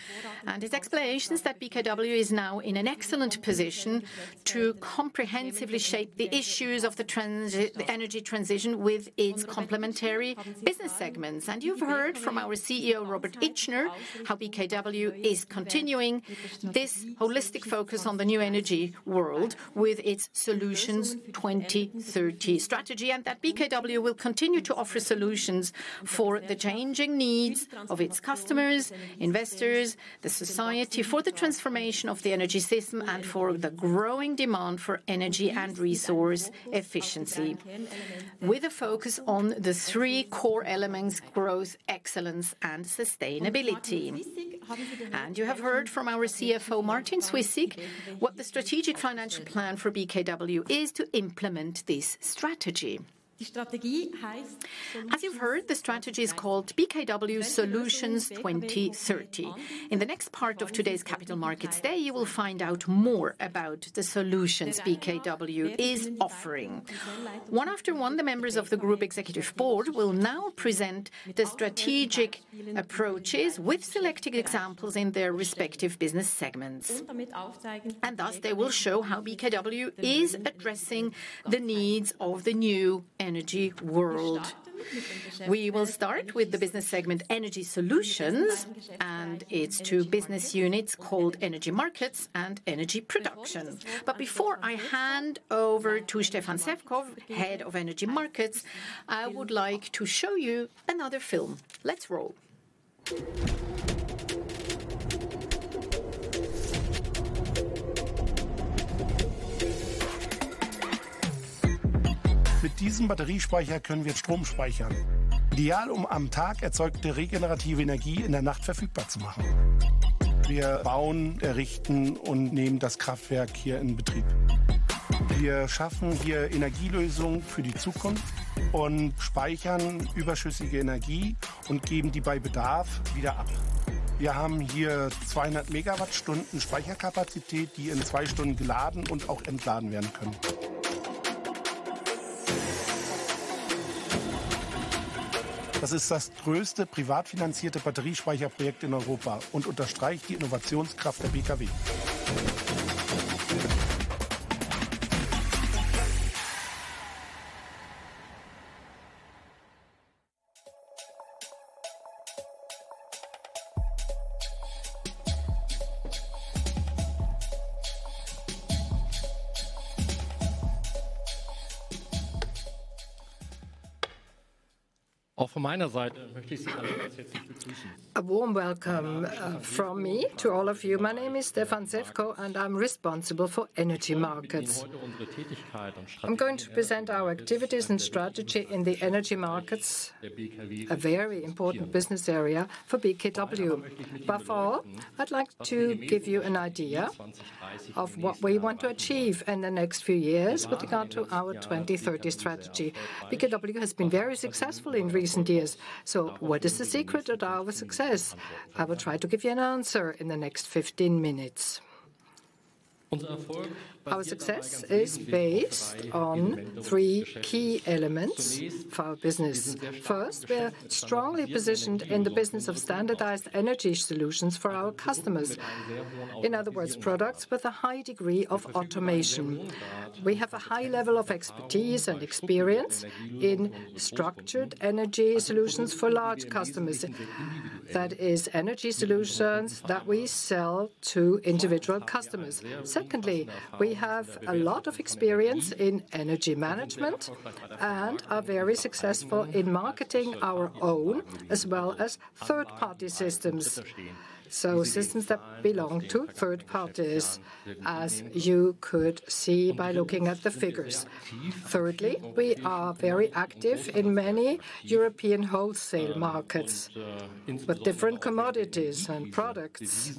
and his explanations that BKW is now in an excellent position to comprehensively shape the issues of the energy transition with its complementary business segments. And you've heard from our CEO Robert Itschner how BKW is continuing this whole holistic focus on the new energy world with its Solutions 2030 strategy and that BKW will continue to offer solutions for the changing needs of its customers, investors, the society, for the transformation of the energy system and for the growing demand for energy and resource efficiency with a focus on the three core growth, excellence and sustainability. You have heard from our CFO Martin Zwyssig what the strategic financial plan for BKW is to implement this strategy. As you've heard, the strategy is called BKW Solutions 2030. In the next part of today's Capital Markets Day, you will find out more about the solutions BKW is offering. One after one, the members of the Group Executive Board will now present the strategic approach with selected examples in their respective business segments. Thus they will show how BKW is addressing the needs of the new energy world. We will start with the business segment Energy Solutions and its two business units called Energy Markets and Energy Production. Before I hand over to Stefan Sewckow, Head of Energy Markets, I would like to show you another film. Let's roll. A warm welcome from me to all of you. My name is Stefan Sewckow and I'm responsible for Energy Markets. I'm going to present our activities and strategy in the Energy Markets, a very important business area for BKW. Before, I'd like to give you an idea of what we want to achieve in the next few years with regard to our 2030 strategy because BKW has been very successful in recent years. So what is the secret of our success? I will try to give you an answer in the next 15 minutes. Our success is based on three key elements for our business. First, we are strongly positioned in the business of standardized Energy Solutions for our customers. In other words, products with a high degree of automation. We have a high level of expertise and experience in structured Energy Solutions for large customers. That is Energy Solutions that we sell to individual customers. Secondly, we have a lot of experience in energy management and are very successful in marketing our own as well as third party systems. So systems that belong to third parties as you could see by looking at the figures. Thirdly, we are very active in many European wholesale markets with different commodities and products.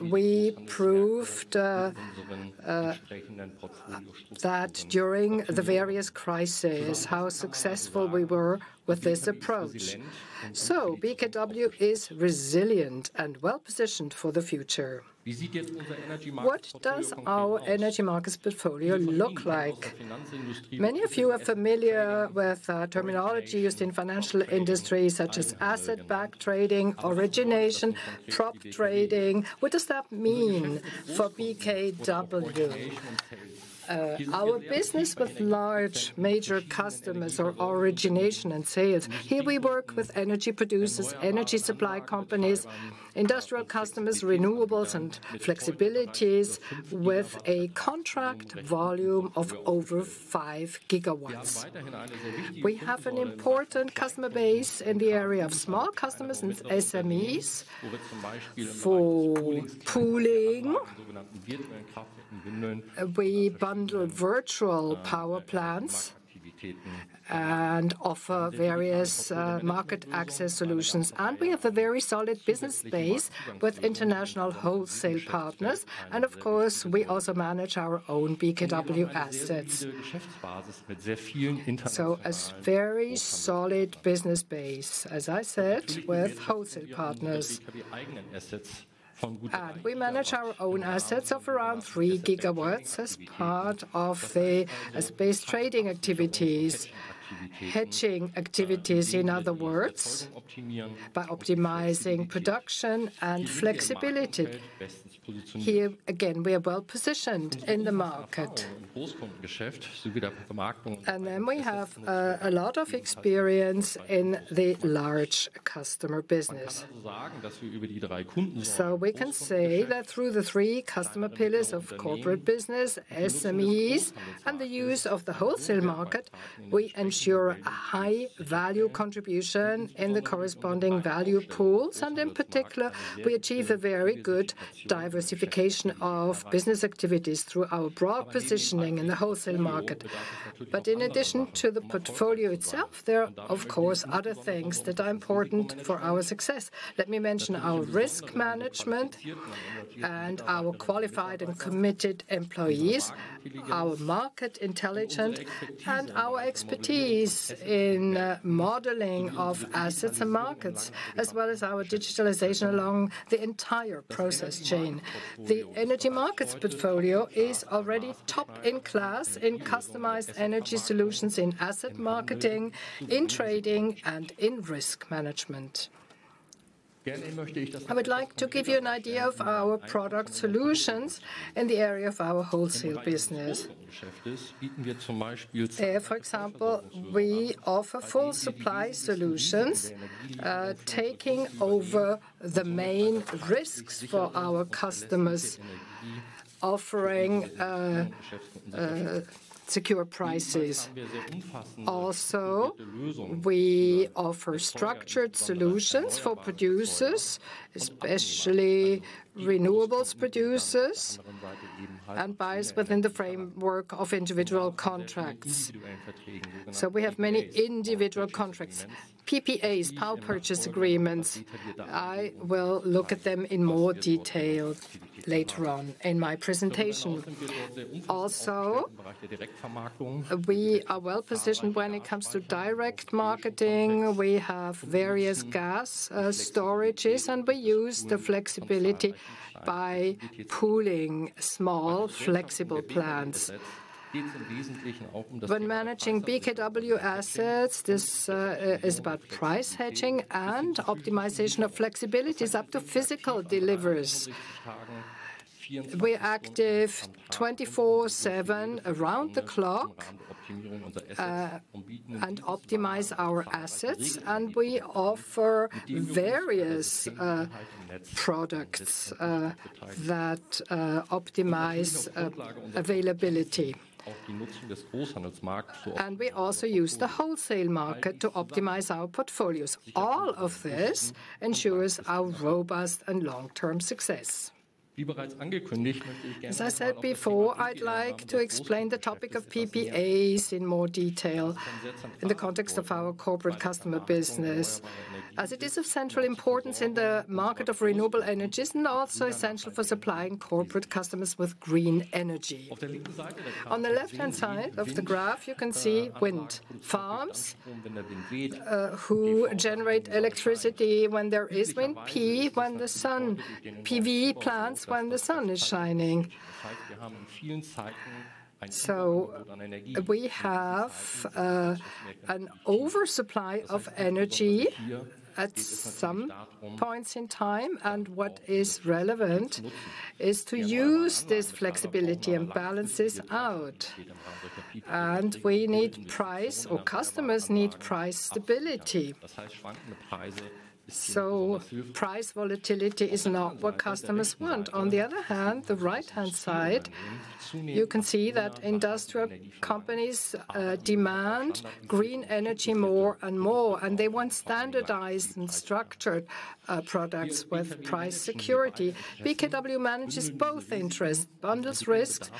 We proved that during the various crises how successful we were with this approach. So BKW is resilient and well positioned for the future. What does our Energy Markets portfolio look like? Many of you are familiar with terminology used in financial industry such as asset-backed trading, origination, prop trading. What does that mean? For BKW, our business with large major customers or origination and sales. Here we work with energy producers, energy supply companies, industrial customers, renewables and flexibilities. With a contract volume of over 5 GW, we have an important customer base in the area of small customers and SMEs for pooling. We bundle virtual power plants and offer various market access solutions. We have a very solid business base with international wholesale partners. Of course, we also manage our own BKW assets. So, a very solid business base, as I said, with wholesale partners. We manage our own assets of around 3 GW as part of the asset trading activities, hedging activities. In other words, by optimizing production and flexibility. Here again, we are well positioned in the market. Then we have a lot of experience in the large customer business. We can say that through the three customer pillars of corporate business, SMEs and the use of the wholesale market, we ensure a high value contribution in the corresponding value pools. In particular we achieve a very good diversification of business activities through our broad positioning in the wholesale market. But in addition to the portfolio itself, there are of course other things that are important for our success. Let me mention our risk management and our qualified and committed employees, our market intelligence and our expertise in modeling of assets and markets as well as our digitalization along the entire process chain. The energy market, our markets portfolio is already top in class in customized Energy Solutions, in asset marketing, in trading and in risk management. I would like to give you an idea of our product solutions in the area of our wholesale business. There, for example, we offer full supply solutions taking over the main risks for our customers, offering secure prices. Also, we offer structured solutions for producers, especially renewables producers and buyers within the framework of individual contracts, so we have many individual contracts, PPAs, power purchase agreements. I will look at them in more detail later on in my presentation. Also, we are well positioned when it comes to direct marketing. We have various gas storages and we use the flexibility by pooling small flexible plants when managing BKW assets. This is about price hedging and optimization of flexibilities up to physical deliveries. We act 24/7 around the clock and optimize our assets and we offer various products that optimize availability and we also use the wholesale market to optimize our portfolios. All of this ensures our robust and long-term success. As I said before, I'd like to explain the topic of PPAs in more detail in the context of our corporate customer business as it is of central importance in the market of renewable energies and also essential for supplying corporate customers with green energy. On the left hand side of the graph you can see wind farms who generate electricity when there is wind PV plants when the sun is shining. So we have an oversupply of energy at some points in time and what is relevant is to use this flexibility and balances out and we need price or customers need price stability so price volatility is not what customers want. On the other hand, the right hand side you can see that industrial companies demand green energy more and more and they want standardized and structured products with price security. BKW manages both interests, bundles risks,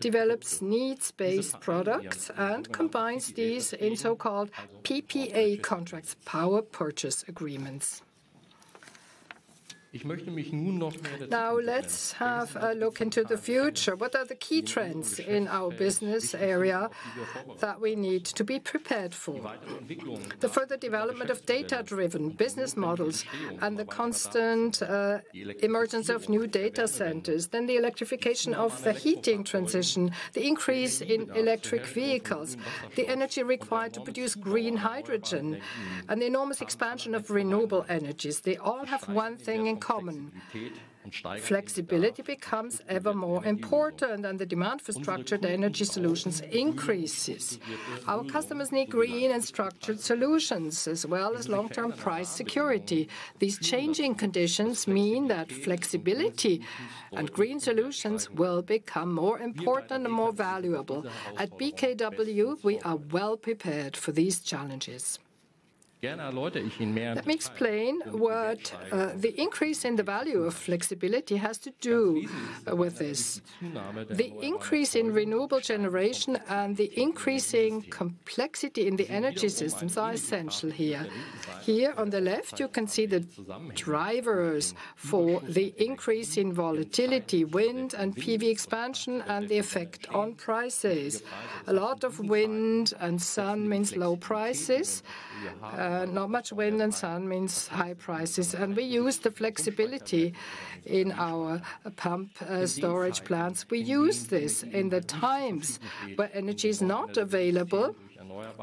develops needs-based products and combines these in so-called PPA contracts, power purchase agreements. Now let's have a look into the future. What are the key trends in our business area that we need to be prepared for? The further development of data-driven business models and the constant emergence of new data centers. Then the electrification of the heating transition, the increase in electric vehicles, the energy required to produce green hydrogen and the enormous expansion of renewable energies. They all have one thing in common. Flexibility becomes ever more important and the demand for structured Energy Solutions increases. Our customers need green and structured solutions as well as long-term price security. These changing conditions mean that flexibility and green solutions will become more important and more valuable. At BKW we are well prepared for these challenges. Let me explain what the increase in the value of flexibility has to do with this. The increase in renewable generation and the increasing complexity in the energy systems are essential here. Here on the left you can see the drivers for the increase in volatility, wind and PV expansion and the effect on prices. A lot of wind and sun means low prices, not much wind and sun means high prices. And we use the flexibility in our pumped storage plants. We use this in the times where energy is not available.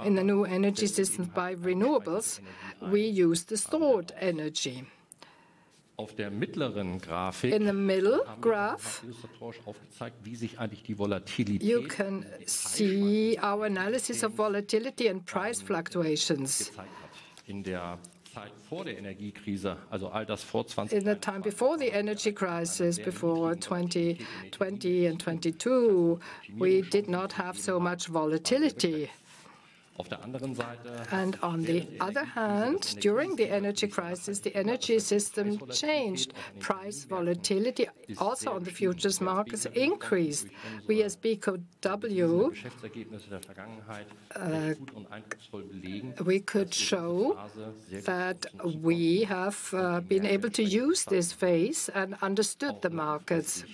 In the new energy system by renewables we use the stored energy of the middle of the graphic. In the middle graph you can see our analysis of volatility and price fluctuations. In the time before the energy crisis, before 2020 and 2022 we did not have so much volatility. On the other hand, during the energy crisis, the energy system changed. Price volatility also on the futures markets increased. We as BKW. We could show that we have been able to use this phase and understood the markets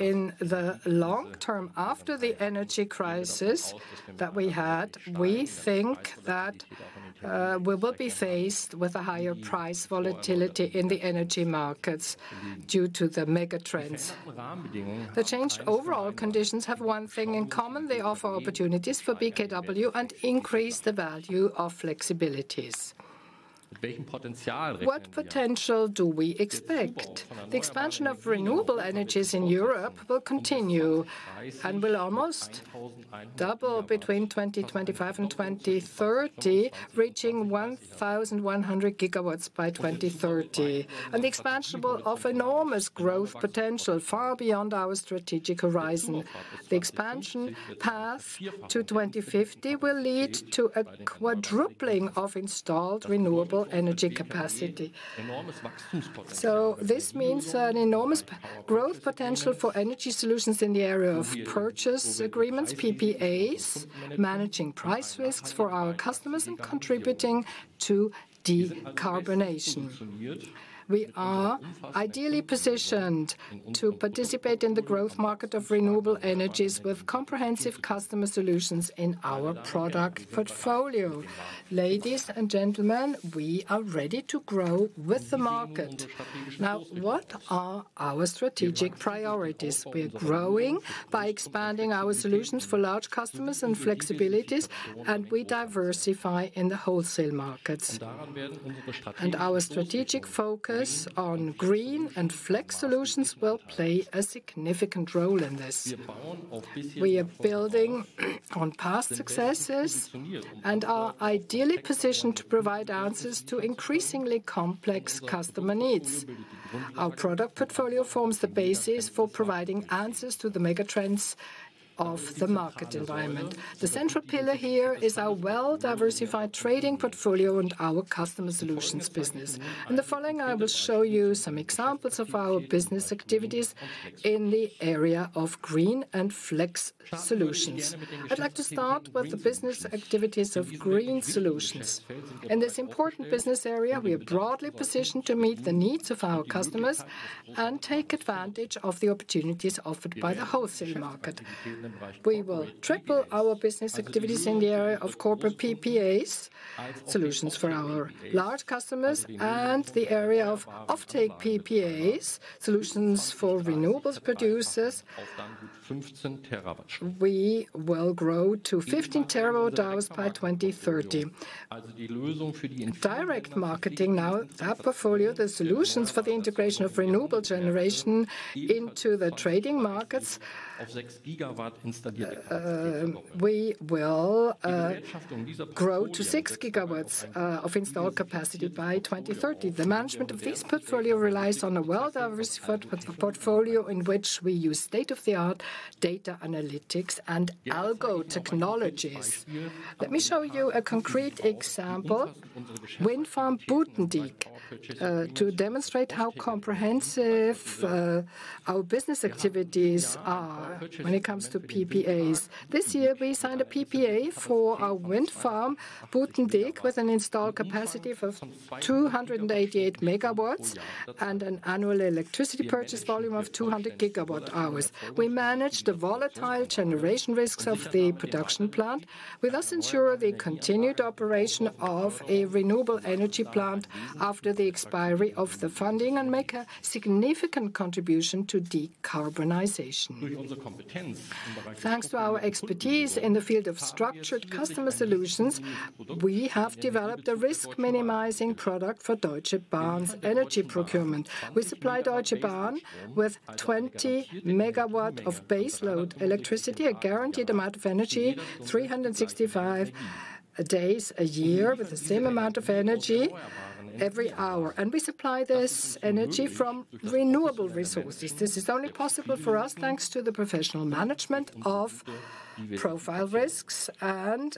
in the long long term. After the energy crisis that we had, we think that we will be faced with a higher price volatility in the Energy Markets due to the megatrends. The changed overall conditions have one thing in common they offer opportunities for BKW and increase the value of flexibilities. What potential do we expect? The expansion of renewable energies in Europe will continue and will almost double between 2025 and 2030 reaching 1,100 GW by 2030. The expansion will offer enormous growth potential far beyond our strategic horizon. The expansion path to 2050 will lead to a quadrupling of installed renewable energy capacity. So this means an enormous growth potential for Energy Solutions in the area of Power Purchase Agreements, PPAs, managing price risks for our customers and contributing to decarbonization. We are ideally positioned to participate in the growth market of renewable energies with comprehensive customer solutions in our product portfolio. Ladies and gentlemen, we are ready to grow with the market. Now what are our strategic priorities? We are growing by expanding our solutions for large customers and flexibilities, and we diversify in the wholesale markets. Our strategic focus on green and flex solutions will play a significant role in this. We are building on past successes and are ideally positioned to provide answers to increasingly complex customer needs. Our product portfolio forms the basis for providing answers to the megatrends of the market environment. The central pillar here is our well diversified trading portfolio and our customer solutions business, and following, I will show you some examples of our business activities in the area of green and flex solutions. I'd like to start with the business activities of green solutions in this important business area. We are broadly positioned to meet the needs of our customers and take advantage of the opportunities offered by the wholesale market. We will triple our business activities in the area of corporate PPAs solutions for our large customers and the area of offtake PPAs solutions for renewables producers. We will grow to 15 TWh by 2030. Direct marketing. Now our portfolio, the solutions for the integration of renewable generation into the trading markets of 6 GW installation. We will grow to 6 GW of installed capacity by 2030. The management of this portfolio relies on a well diversified portfolio in which we use state of the art data analytics and algo technologies. Let me show you a concrete example, Wind Farm Butendiek, to demonstrate how comprehensive our business activities are when it comes to PPAs. This year we signed a PPA for our wind farm Butendiek. With an installed capacity of 288 MW and an annual electricity purchase volume of 200 GWh, we manage the volatile generation risks of the production plant. We thus ensure the continued operation of a renewable energy plant after the expiry of the funding and make a significant contribution to decarbonization. Thanks to our expertise in the field of structured customer solutions, we have developed a risk minimizing product for Deutsche Bahn's energy procurement. We supply Deutsche Bahn with 20 MW of baseload electricity, a guaranteed amount of energy, 365 days a year, with the same amount of energy every hour. And we supply this energy from renewable resources. This is only possible for us thanks to the professional management of profile risks and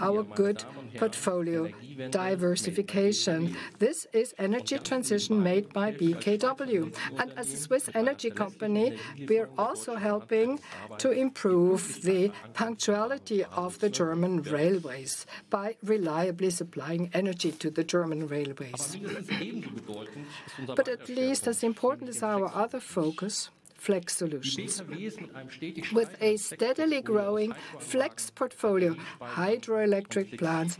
our good portfolio diversification. This is energy transition made by BKW. And as a Swiss energy company, we're also helping to improve the punctuality of the German railways by reliably supplying energy to the German railways. But at least as important as our other focus, flex solutions. With a steadily growing flex portfolio, hydroelectric plants,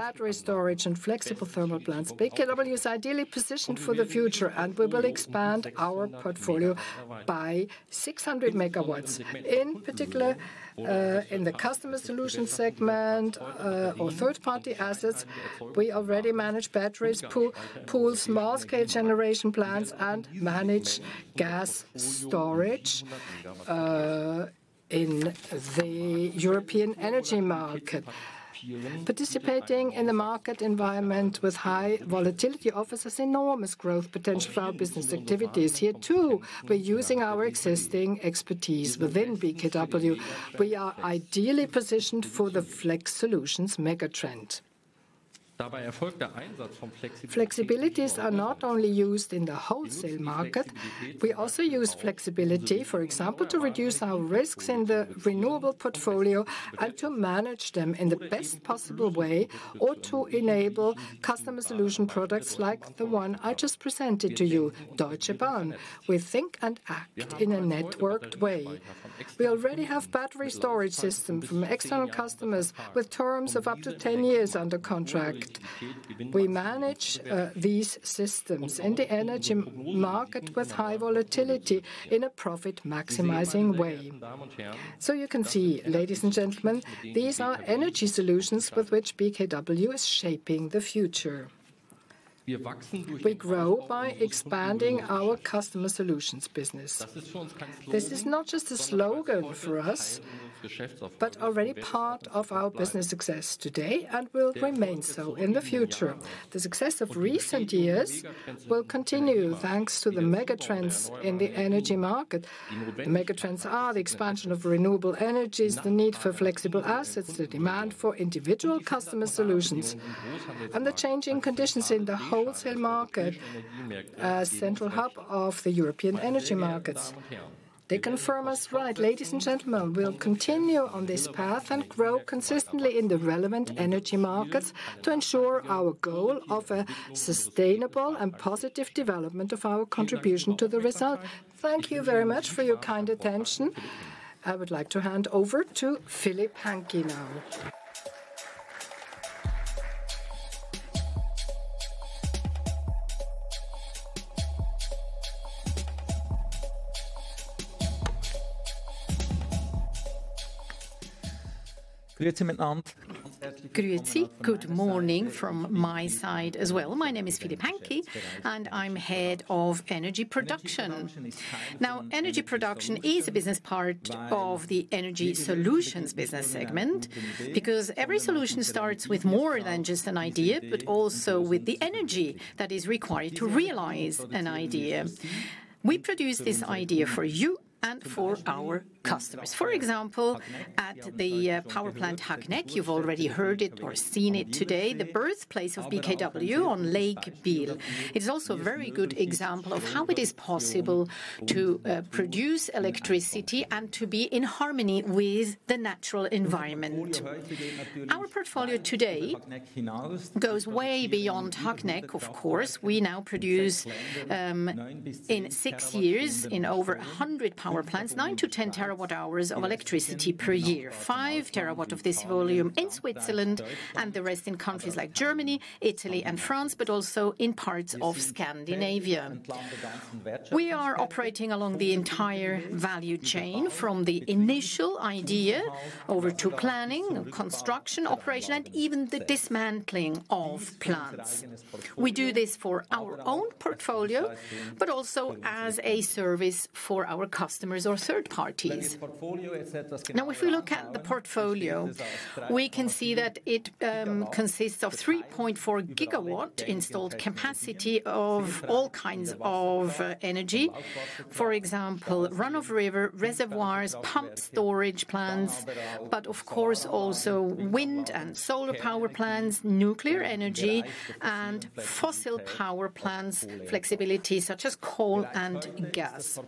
battery storage and flexible thermal plants, BKW is ideally positioned for the future and we will expand our portfolio by 600 MW. In particular, in the customer solutions segment or third party assets, we already manage batteries, pool small scale generation plants and manage gas storage in the European energy market. Participating in the market environment with high volatility offers us enormous growth potential for our business activities. Here too, by using our existing expertise within BKW, we are ideally positioned for the Flex solutions. Megatrend flexibilities are not only used in the wholesale market. We also use flexibility, for example, to reduce our risks in the renewable portfolio and to manage them in the best possible way or to enable customer solution products like the one I just presented to you, Deutsche Bahn. We think and act in a networked way. We already have battery storage system from external customers with terms of up to 10 years under contract. We manage these systems in the energy market with high volatility in a profit maximizing world. So you can see, ladies and gentlemen, these are Energy Solutions with which BKW is shaping the future. We grow by expanding our customer solutions business. This is not just a slogan for us, but already part of our business success today and will remain so in the future. The success of recent years will continue thanks to the megatrends in the energy market. The megatrends are the expansion of renewable energies, the need for flexible assets, the demand for individual customer solutions and the changing conditions in the wholesale market, a central hub of the European Energy Markets. They confirm us, right, ladies and gentlemen. We'll continue on this path and grow consistently in the relevant Energy Markets to ensure our goal of a sustainable and positive development of our contribution to the result. Thank you very much for your kind attention. I would like to hand over to Philipp Hänggi now. Good morning from my side as well. My name is Philipp Hänggi and I'm Head of Energy Production. Now, Energy Production is a business part of the Energy Solutions business segment. Because every solution starts with more than just an idea, but also with the energy that is required to realize an idea. We produce this idea for you and for our customers. For example, at the power plant Hagneck. You've already heard it or seen it today, the birthplace of BKW on Lake Biel. It's also a very good example of how it is possible to produce electricity and to be in harmony with the natural environment. Our portfolio today goes way beyond Hagneck, of course. We now produce in six years, in over 100 power plants, nine to 10 TWh of electricity per year, 5 TW of this volume in Switzerland and the rest in countries like Germany, Italy and France, but also in parts of Scandinavia. We are operating along the entire value chain, from the initial idea over to planning, construction, operation and even the dismantling of plants. We do this for our own portfolio, but also as a service for our customers or third parties. Now, if we look at the portfolio, we can see that it consists of 3.4 GW installed capacity of all kinds of energy. For example, run-of-river reservoirs, pumped storage plants, but of course also wind and solar power plants, nuclear energy and fossil power plants flexibility such as coal and gas.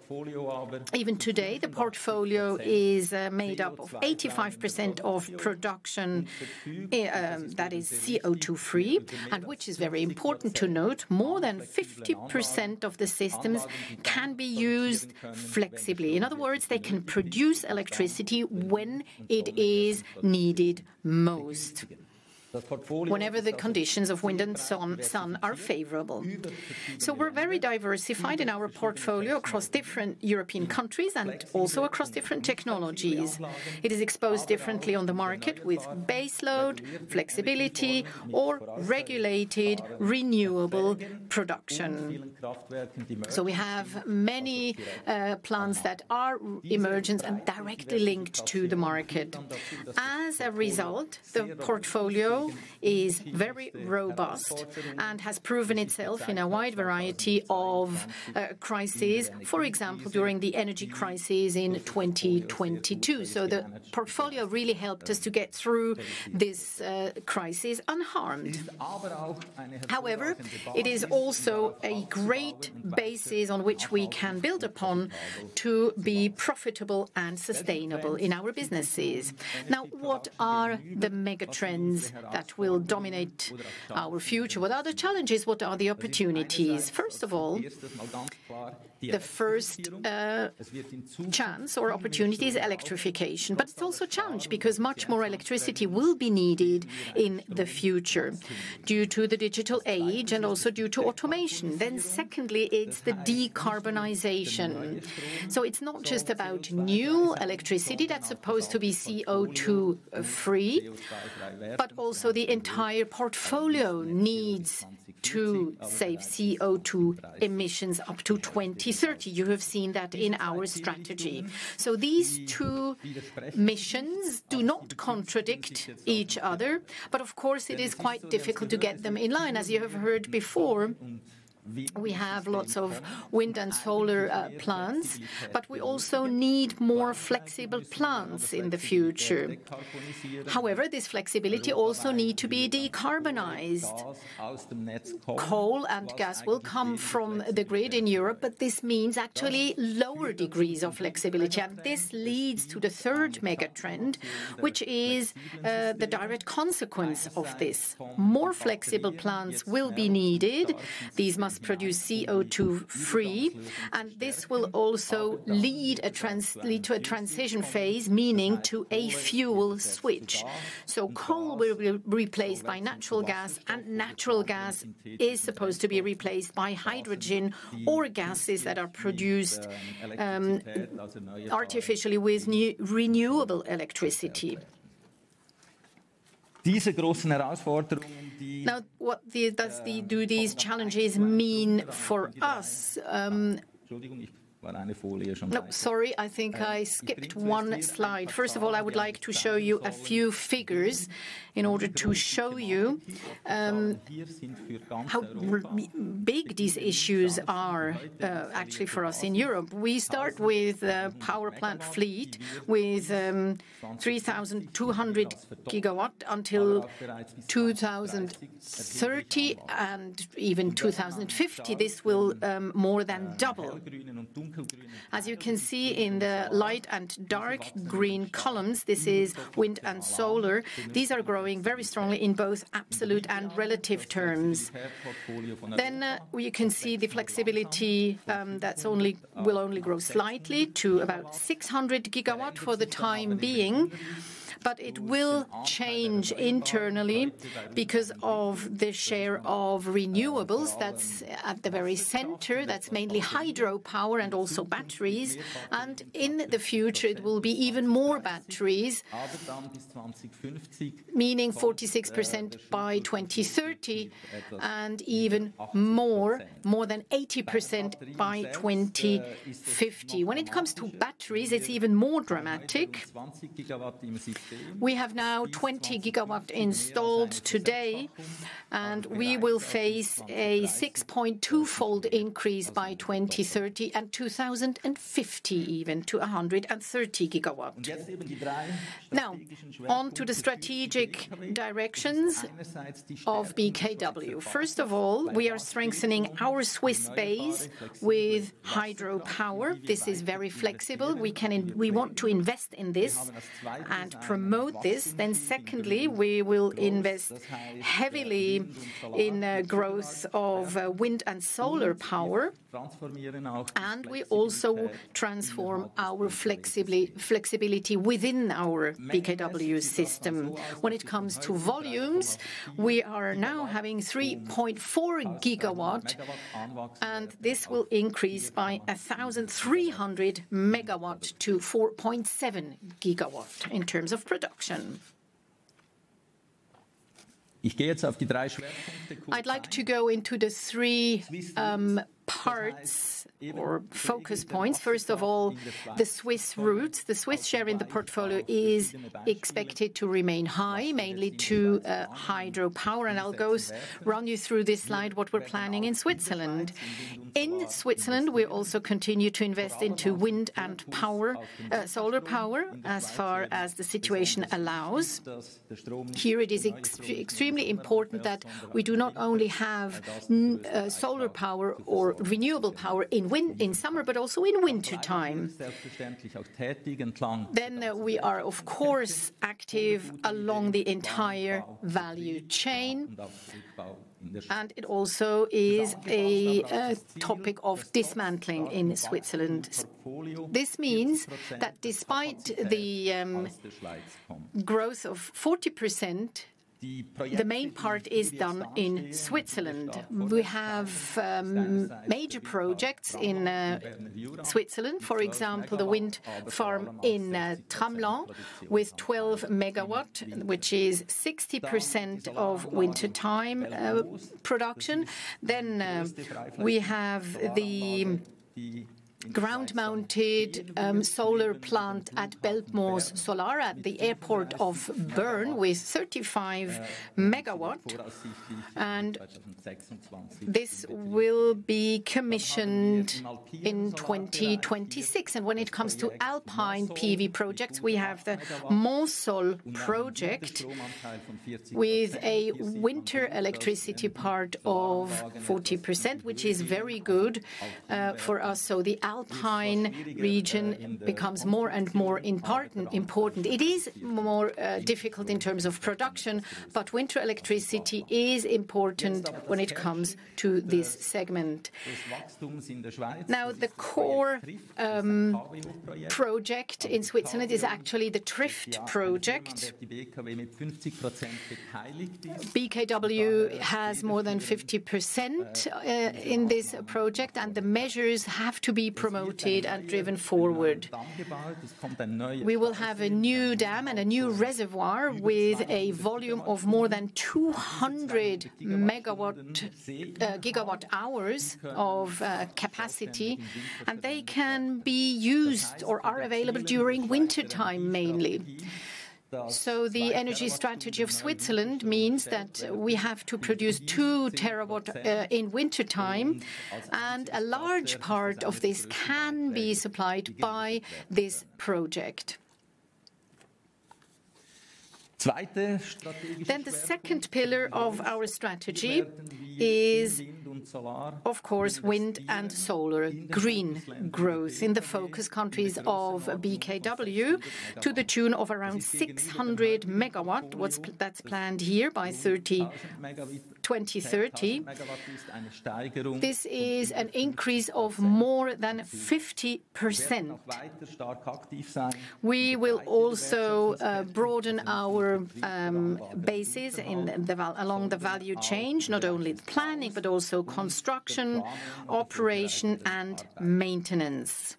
Even today, the portfolio is made up of 85% of production that is CO2 free, which is very important to note. More than 50% of the systems can be used flexibly. In other words, they can produce electricity when it is needed most, whenever the conditions of wind and sun are favorable. So we're very diversified in our portfolio. Across different European countries and also across different technologies, it is exposed differently on the market with baseload flexibility or regulated renewable production. So we have many plants that are merchant and directly linked to the market. As a result, the portfolio is very robust and has proven itself in a wide variety of crises. For example, during the energy crisis in 2022. So the portfolio really helped us to get through this crisis unharmed. However, it is also a great basis on which we can build upon to be profitable and sustainable in our businesses. Now, what are the megatrends that will dominate our future? What are the challenges? What are the opportunities? First of all, the first chance or opportunity is electrification. But it's also a challenge because much more electricity will be needed in the future due to the digital age and also due to automation. Then secondly, it's the decarbonization. So it's not just about new electricity that's supposed to be CO2 free, but also the entire portfolio needs to save CO2 emissions up to 2030. You have seen that in our strategy. So these two missions do not contradict each other. But of course it is quite difficult to get them in line. As you have heard before, we have lots of wind and solar plants, but we also need more flexible plants in the future. However, this flexibility also needs to be decarbonized. Coal and gas will come off the grid in Europe, but this means actually lower degrees of flexibility. And this leads to the third megatrend, which is the direct consequence of this. More flexible plants will be needed. These must produce CO2 free and this will also lead to a transition phase, meaning to a fuel switch. So coal will be replaced by natural gas and natural gas is supposed to be replaced by hydrogen or gases that are produced artificially with renewable electricity. Now what do these challenges mean for us? No, sorry, I think I skipped one slide. First of all, I would like to show you a few figures in order to show you how big these issues are actually for us in Europe. We start with the power plant fleet with 3,200 GW to 2030 and even 2050. This will more than double. As you can see in the light and dark green columns, this is wind and solar. These are growing very strongly in both absolute and relative terms. Then you can see the flexibility that will only grow slightly to about 600 GW for the time being. But it will change internally because of the share of renewables that's at the very center. That's mainly hydropower and also batteries. And in the future it will be even more batteries, meaning 46% by 2030 and even more than 80% by 2050. When it comes to batteries, it's even more dramatic. We have now 20 GW installed today and we will face a 6.2-fold increase by 2030 and 2050, even to 130 GW. Now on to the strategic directions of BKW. First of all, we are strengthening our Swiss base with hydropower. This is very flexible. We want to invest in this and promote this. Then secondly, we will invest heavily in growth of wind and solar power and we also transform our flexibility within our BKW system. When it comes to volumes, we are now having 3.4 GW and this will increase by 1,300 MW-4.7 GW. In terms of production, I'd like to go into the three parts or focus points. First of all, the Swiss route. The Swiss share in the portfolio is expected to remain high, mainly to hydropower. I'll run you through this slide. What we're planning in Switzerland. In Switzerland, we also continue to invest into wind and solar power, as far as the situation allows. Here it is extremely important that we do not only have solar power or renewable power in summer, but also in wintertime. We are of course active along the entire value chain, and it also is a topic of dismantling in Switzerland. This means that despite the growth of 40%, the main part is done in Switzerland. We have major projects in Switzerland. For example, the wind farm in Tramelan with 12 MW, which is 60% of wintertime production. We have the ground-mounted solar plant at Belpmoos Solar at the airport of Bern with 35 MW. This will be commissioned in 2026. When it comes to Alpine PV projects, we have the Mont-Soleil project with a winter electricity part of 40% which is very good for us. The Alpine region becomes more and more important. It is more difficult in terms of production, but winter electricity is important when it comes to this segment. The core project in Switzerland is actually the Trift project. BKW has more than 50% in this project and the measures have to be promoted and driven forward. We will have a new dam and a new reservoir with a volume of more than 200 GWh of capacity. They can be used or are available during wintertime mainly. The energy strategy of Switzerland means that we have to produce 2 TWh in wintertime. A large part of this can be supplied by this project. Then the second pillar of our strategy is of course wind and solar. Green growth in the focus countries of BKW to the tune of around 600 MW that's planned here by 2030. This is an increase of more than 50%. We will also broaden our bases along the value chain. Not only planning, but also construction, operation and maintenance.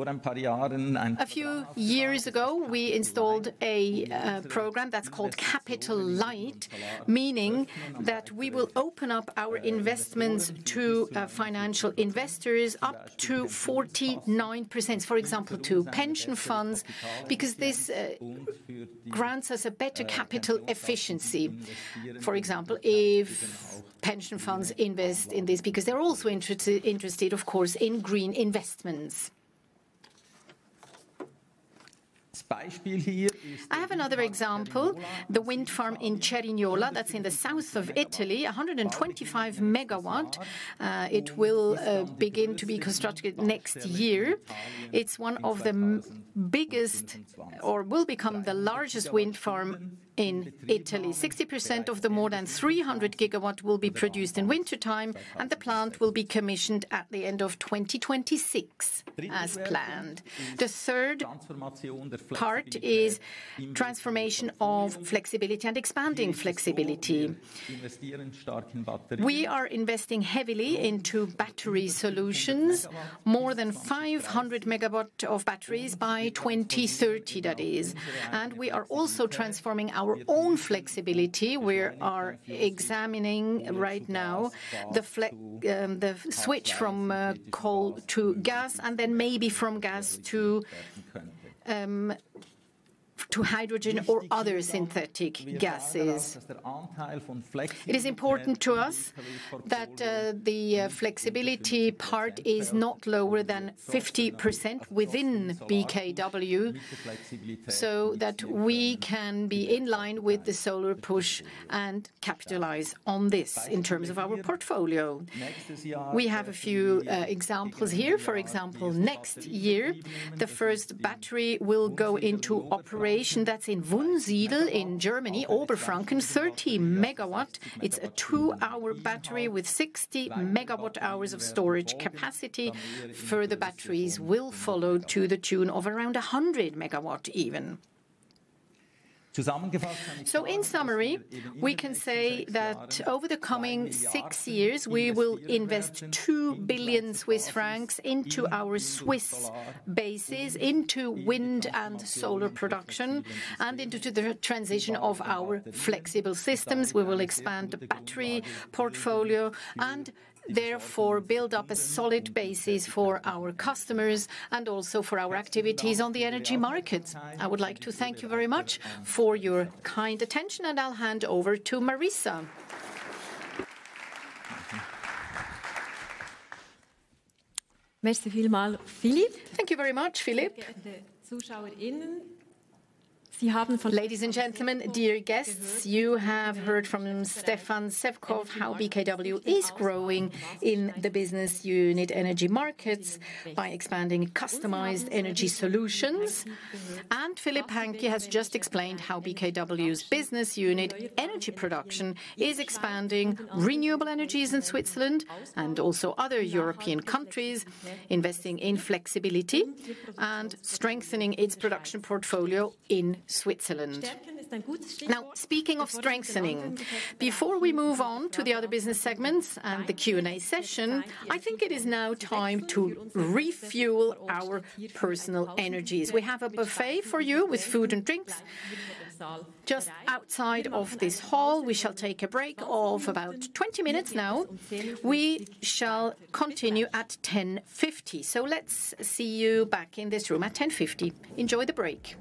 A few years ago we installed a program that's called Capital Light, meaning that we will open up our investments to financial investors up to 49%, for example to pension funds, because this grants us a better capital efficiency. For example, pension funds invest in this because they're also interested, of course, in green investments. I have another example, the wind farm in Cerignola that's in the south of Italy, 125 MW. It will begin to be constructed next year. It's one of the biggest or will become the largest wind farm in Italy. 60% of the more than 300 GW will be produced in wintertime and the plant will be commissioned at the end of 2026 as planned. The third part is transformation of flexibility and expanding flexibility. We are investing heavily into battery solutions. More than 500 MW of batteries by 2030, that is, and we are also trying transforming our own flexibility. We are examining right now the switch from coal to gas and then maybe from gas to hydrogen or other synthetic gases. It is important to us that the flexibility part is not lower than 50% within BKW so that we can be in line with the solar push and capitalize on this in terms of our portfolio. We have a few examples here. For example, next year the first battery will go into operation. That's in Wunsiedel in Germany. Oberfranken 30 MW. It's a two hour battery with 60 MWh of storage capacity. Further batteries will follow to the tune of around 100 MW. Even so, in summary, we can say that over the coming six years we will invest 2 billion Swiss francs into our Swiss bases, into wind and solar production and into the transition of our flexible systems. We will expand the battery portfolio and therefore build up a solid basis for our customers and also for our activities on the Energy Markets. I would like to thank you very much for your kind attention and I'll hand over to Marisa. Thank you very much, Philipp. Ladies and gentlemen, dear guests, you have heard from Stefan Sewckow how BKW is growing in the business unit Energy Markets by expanding customized Energy Solutions. Philipp Hänggi has just explained how BKW's business unit Energy Production is expanding renewable energies in Switzerland and also other European countries, investing in flexibility and strengthening its production portfolio in Switzerland. Now, speaking of strengthening, before we move on to the other business segments and the Q&A session, I think it is now time to refuel our personal energies. We have a buffet for you with food and drinks just outside of this hall. We shall take a break of about 20 minutes now. We shall continue at 10:50 A.M. So let's. Let's see you back in this room at 10:50 A.M. Enjoy the break.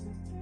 It's Marisa.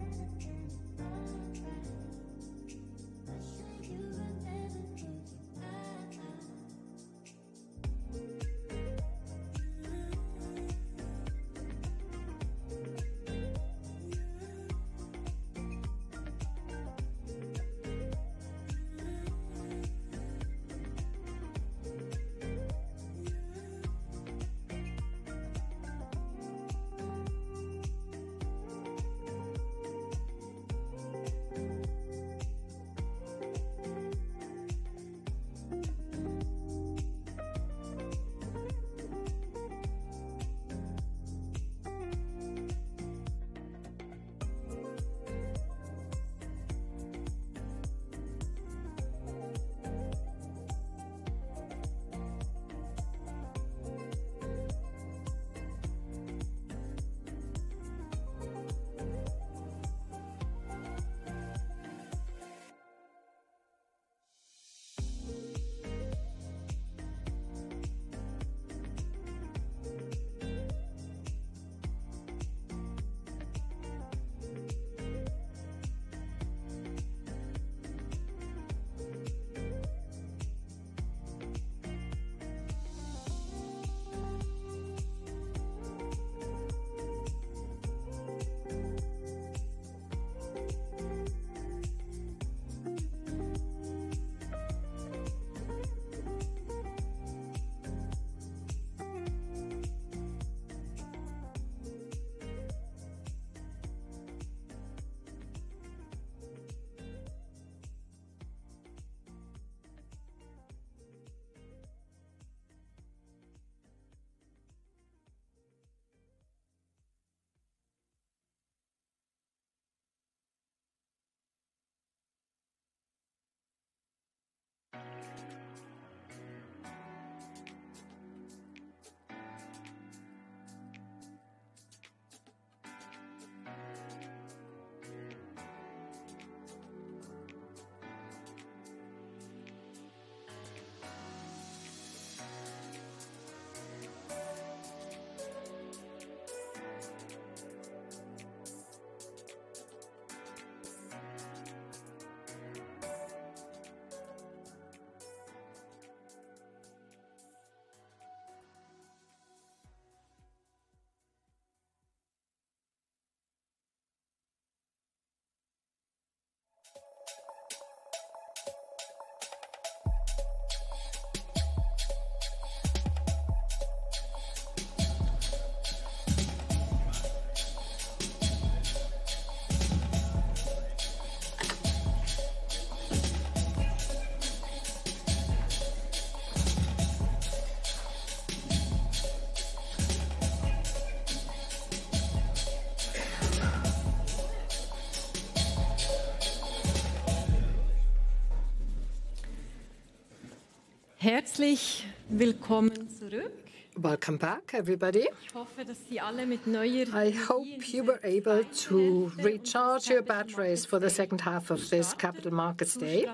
Welcome back everybody. I hope you were able to recharge your batteries for the second half of this Capital Markets Day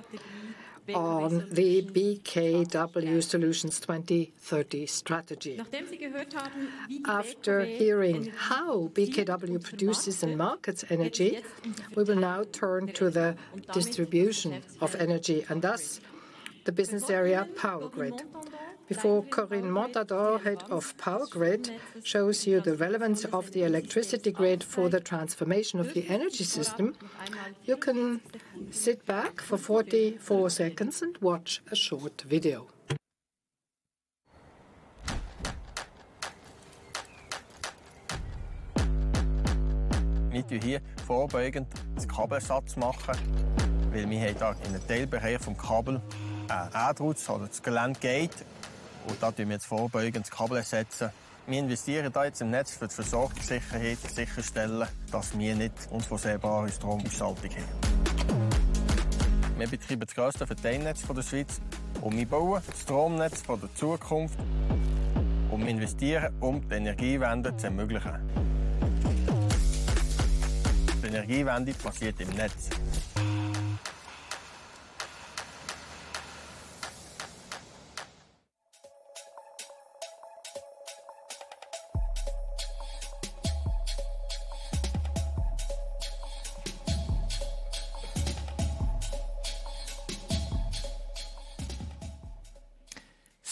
on the BKW Solutions 2030 strategy. After hearing how BKW produces and markets energy, we will now turn to the distribution of energy and thus the business area Power Grid before Corinne Montandon, Head of Power Grid, shows you the relevance of the electricity grid for the transformation of the energy system. You can sit back for 44 seconds and watch a short video.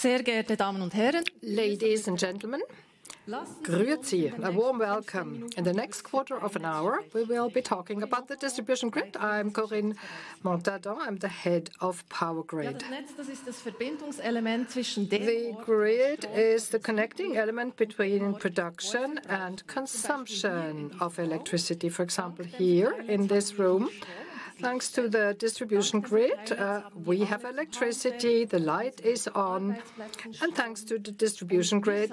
Ladies and gentlemen, a warm welcome. In the next quarter of an hour we will be talking about the distribution grid. I'm Corinne Montandon. I'm the head of Power Grid. The grid is the connecting element between production and consumption of electricity. For example, here in this room, thanks to the distribution grid we have electricity. The light is on. And thanks to the distribution grid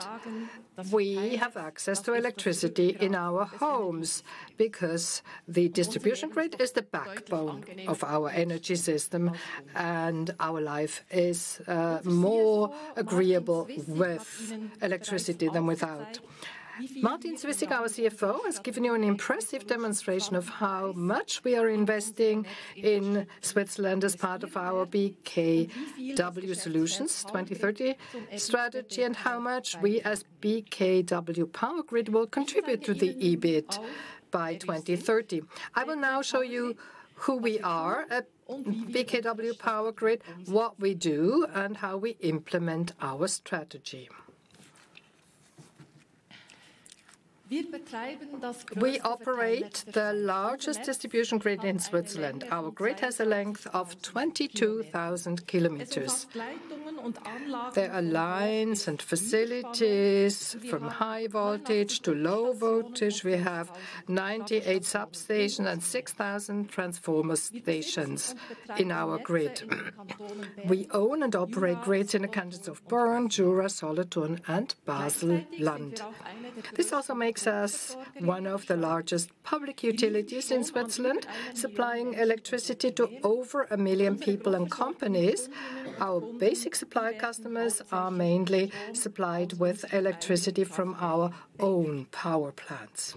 we have access to electricity in our home. Because the distribution grid is the backbone of our energy system and our life is more agreeable with electricity than without. Martin Zwyssig, our CFO, has given you an impressive demonstration of how much we are investing in Switzerland as part of our BKW Solutions 2030 strategy and how much we, as BKW Power Grid, will contribute to the EBIT by 2030. I will now show you who we are at BKW Power Grid, what we do and how we implement our strategy. We operate the largest distribution grid in Switzerland. Our grid has a length of 22,000 km. There are lines and facilities from high voltage to low voltage. We have 98 substations and 6,000 transformer stations in our grid. We own and operate grids in the countries of Bern, Jura, Solothurn and Basel-Landschaft. This also makes us one of the largest public utilities in Switzerland, supplying electricity to over a million people and companies. Our basic supply customers are mainly supplied with electricity from our own power plants.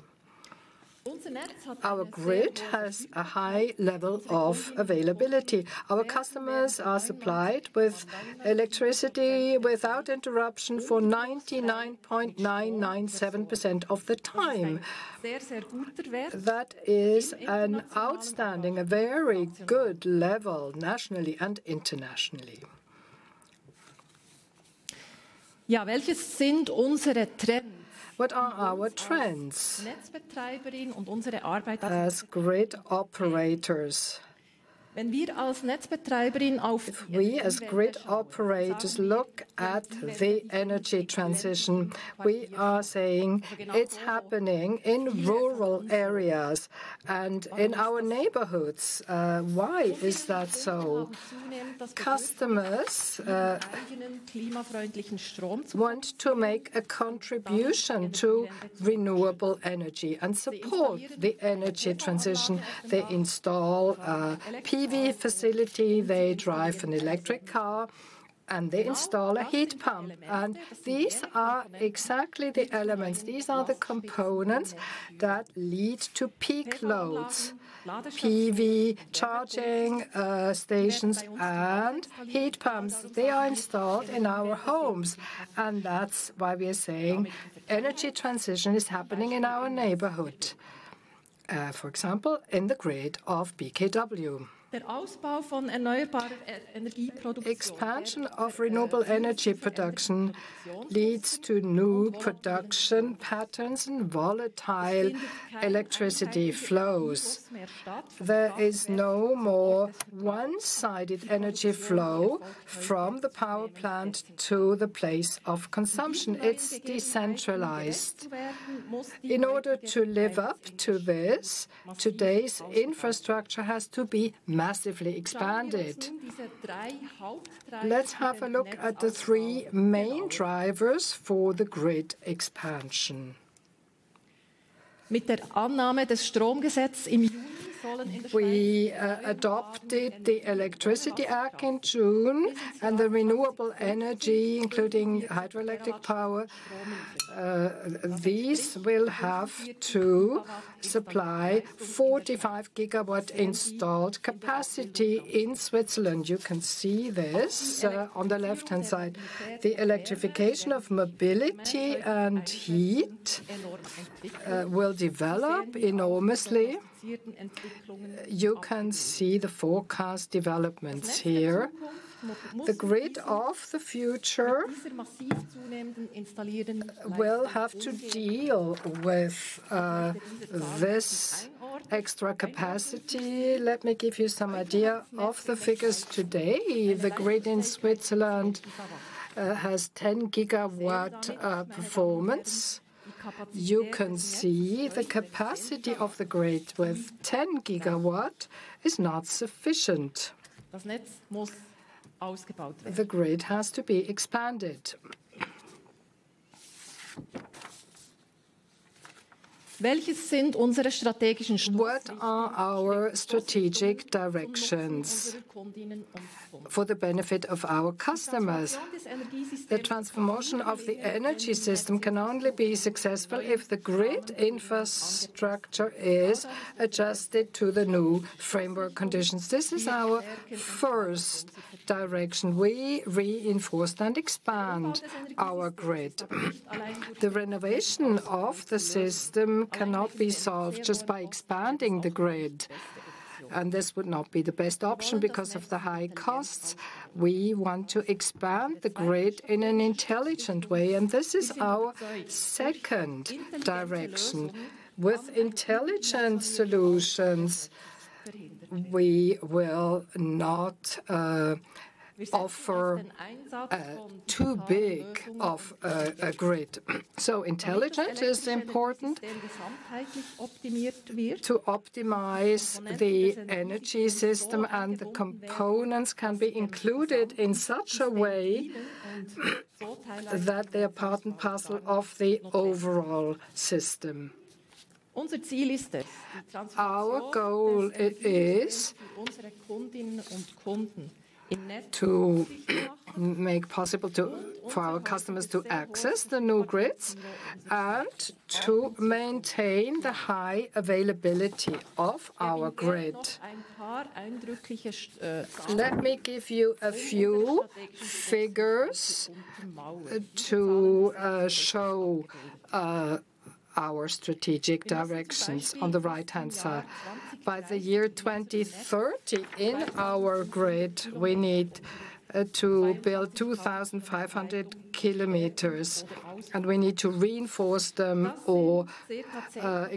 Our grid has a high level of availability. Our customers are supplied with electricity without interruption for 99.997% of the time. That is an outstanding, a very good level nationally and internationally. What are our trends as grid operators? If we as grid operators look at the energy transition, we are saying it's happening in rural areas and in our neighborhoods. Why is that so? Customers want to make a contribution to renewable energy and support the energy transition. They install PV facilities, they drive an electric car and they install a heat pump, and these are exactly the elements. These are the components that lead to peak loads, PV charging stations and heat pumps. They are installed in our homes and that's why we are saying energy transition is happening in our neighborhood. For example, in the grid of BKW, expansion of renewable Energy Production leads to new production patterns and volatile electricity flows. There is no more one-sided energy flow from the power plant to the place of consumption. It's decentralized. In order to leverage this, today's infrastructure has to be massively expanded. Let's have a look at the three main drivers for the grid expansion. We adopted the Electricity Act in June and the renewable energy including hydroelectric power. So these will have to supply 45 GW installed capacity in Switzerland. You can see this on the left-hand side. The electrification of mobility and heat will develop enormously. You can see the forecast developments here. The grid of the future will have to deal with this extra capacity. Let me give you some idea of the figures. Today the grid in Switzerland has 10 GW performance. You can see the capacity of the grid with 10 GW but is not sufficient. The grid has to be expanded. What are our strategic directions for the benefit of our customers? The transformation of the energy system can only be successful if the grid infrastructure is adjusted to the new framework conditions. This is our first direction. We reinforce and expand our grid. The renovation of the system cannot be solved just by expanding the grid. And this would not be the best option because of the high costs. We want to expand the grid in an intelligent way. And this is our second direction. With intelligent solutions. We will not offer too big of a grid. So intelligence is important to optimize the energy system. And the components can be included in such a way that they are part and parcel of the overall system. Our goal it is to make possible for our customers to access the new grids and to maintain the high availability of our grid. Let me give you a few figures to show our strategic directions. On the right hand side, by the year 2030 in our grid we need to build 2500 km and we need to reinforce them or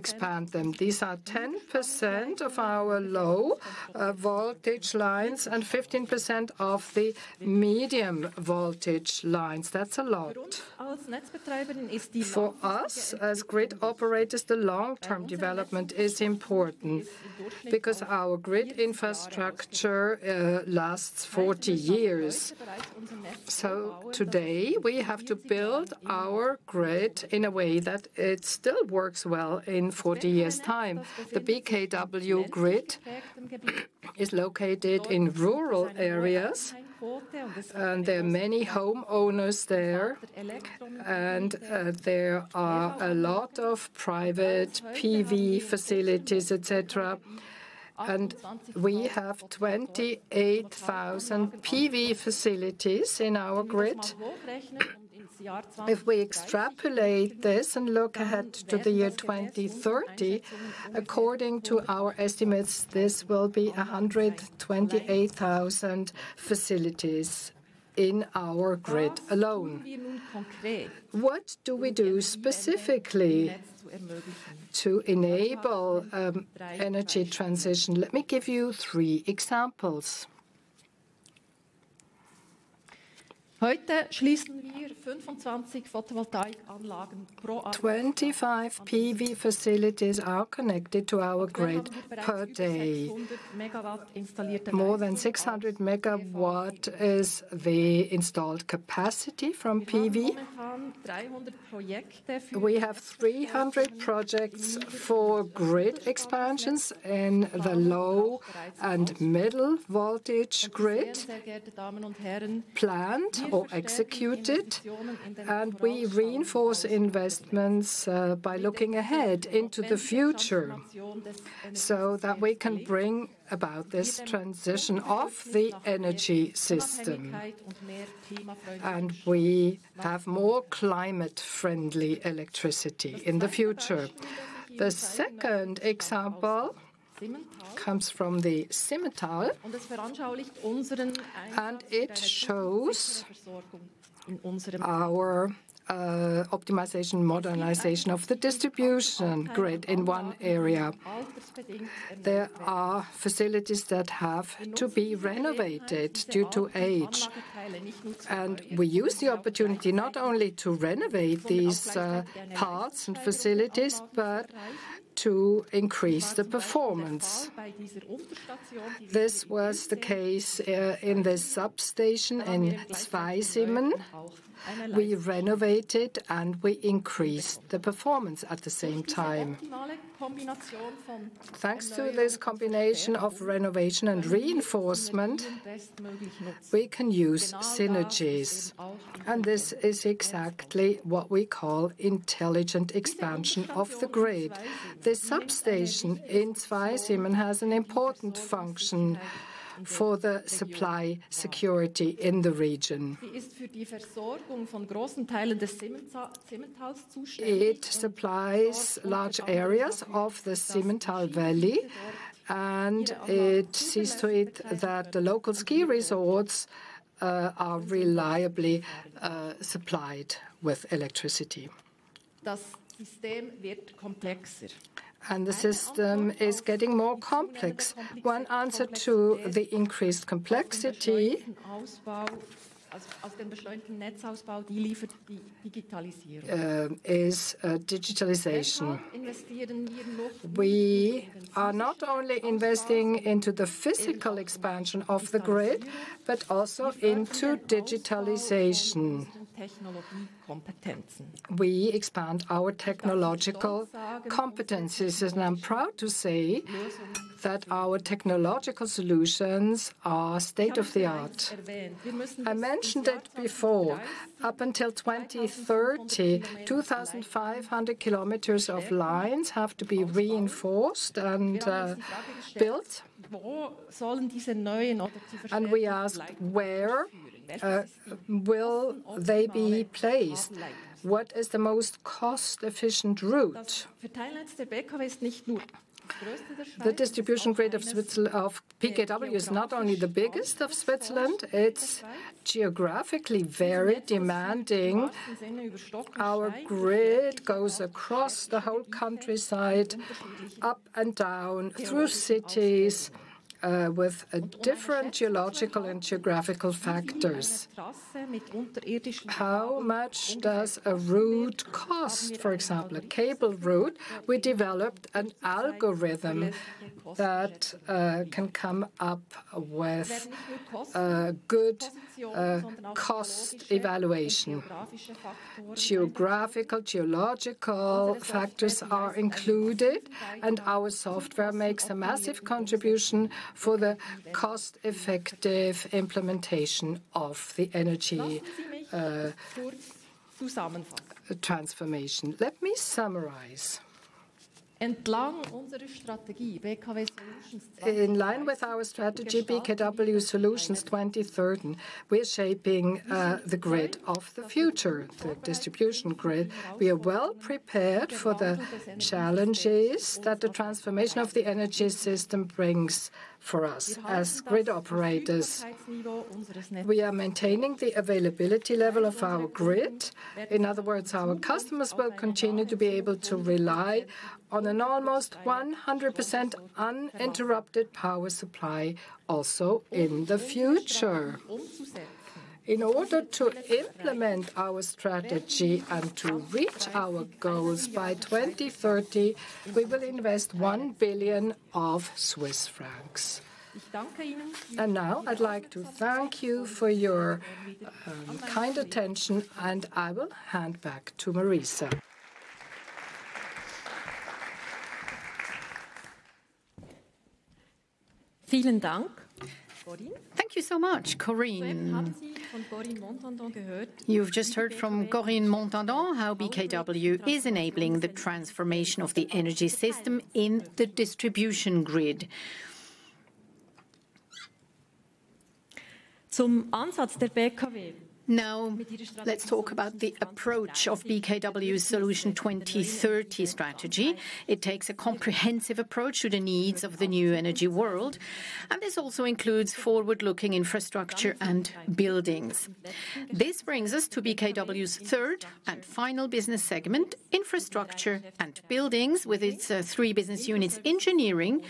expand them. These are 10% of our low voltage lines and 15% of the medium voltage lines. That's a lot for us as grid operators. The long term development is important because our grid infrastructure lasts 40 years. Today we have to build our grid in a way that it still works well in 40 years time. The BKW grid is located in rural areas and there are many homeowners there. There are a lot of private PV facilities, etc. We have 28,000 PV facilities in our grid. If we extrapolate this and look ahead to the year 2030, according to our estimates, this will be 128,000 facilities in our grid alone. What do we do specifically to enable energy transition? Let me give you three examples. 25 PV facilities are connected to our grid per day. More than 600 MW is the installed capacity from PV. We have 300 projects for grid expansions in the low and middle voltage grid planned or executed. We reinforce investments by looking ahead into the future so that we can bring about this transition of the energy. System. We have more climate-friendly electricity in the future. The second example comes from the Simmental and it shows our optimization modernization of the distribution grid. In one area there are facilities that have to be renovated due to age. We use the opportunity not only to renovate these parts and facilities, but to increase the performance. This was the case in this substation in Zweisimmen. We renovated and we increased the performance. At the same time, thanks to this combination of renovation and reinforcement, we can use synergies. This is exactly what we call intelligent expansion of the grid. The substation in Zweisimmen has an important function for the supply security in the region. It supplies large areas of the Simmental valley and it sees to it that the local ski resorts are reliably supplied with electricity and the system is getting more complex. One answer to the increased complexity is digitalization. We are not only investing into the physical expansion of the grid, but also into digitalization. We expand our technological competence, and I'm proud to say that our technological solutions are state of the art. I mentioned it before. Up until 2030, 2,500 km of lines have to be reinforced and built. We ask where will they be placed? What is the most cost efficient route? The distribution grid of BKW is not only the biggest of Switzerland, it is geographically very demanding. Our grid goes across the whole countryside, up and down through cities, with different geological and geographical factors. How much does a route cost? For example, a cable route. We developed an algorithm that can come up with good cost evaluation. Geographical geological factors are included. Our software makes a massive contribution for the cost effective implementation of the energy transformation. Let me summarize. In line with our strategy, BKW Solutions 2030, we're shaping the grid of the future, the distribution grid. We are well prepared for the challenges that the transformation of the energy system brings for us as grid operators. We are maintaining the availability level of our grid. In other words, our customers will continue to be able to rely on an almost 100% uninterrupted power supply. Also, in the future, in order to implement our strategy and to reach our goals by 2030, we will invest 1 billion. Now I'd like to thank you for your kind attention and I will hand back to Marisa. Thank you so much. Corinne. You've just heard from Corinne Montandon. How BKW is enabling the transformation of the energy system in the distribution grid. Now let's talk about the approach of BKW Solutions 2030 strategy. It takes a comprehensive approach to the needs of the new energy world, and this also includes forward looking Infrastructure and Buildings. This brings us to BKW's third and final business segment, Infrastructure and Buildings with its three business units, Engineering,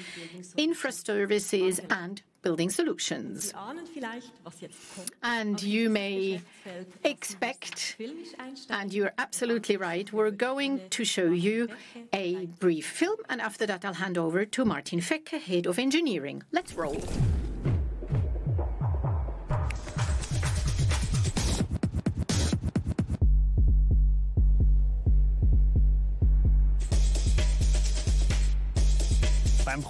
Infra Services and Building Solutions. You may expect and you're absolutely right, we're going to show you a brief film and after that I'll hand over to Martin Fecke, head of engineering. Let's roll. Thank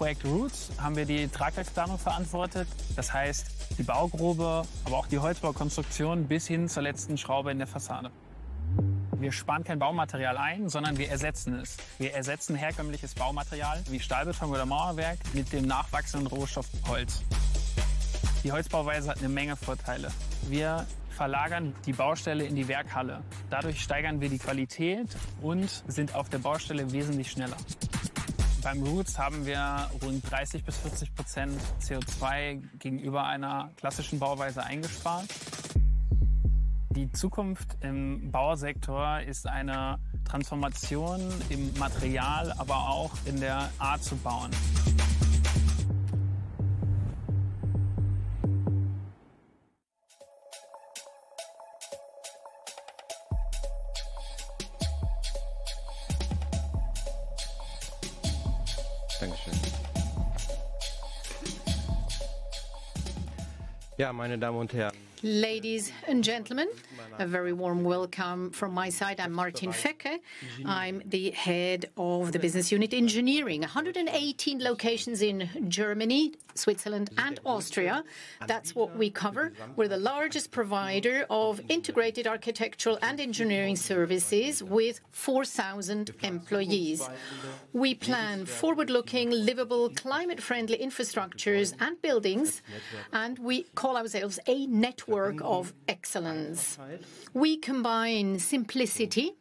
you. Ladies and gentlemen, a very warm welcome from my side. I'm Martin Fecke. I'm the head of the business unit Engineering. 118 locations in Germany, Switzerland and Austria. That's what we cover. We're the largest provider of integrated architectural and engineering services with 4,000 employees. We plan forward-looking livable, climate-friendly infrastructures and buildings. We call ourselves a network of excellence. We combine simplicity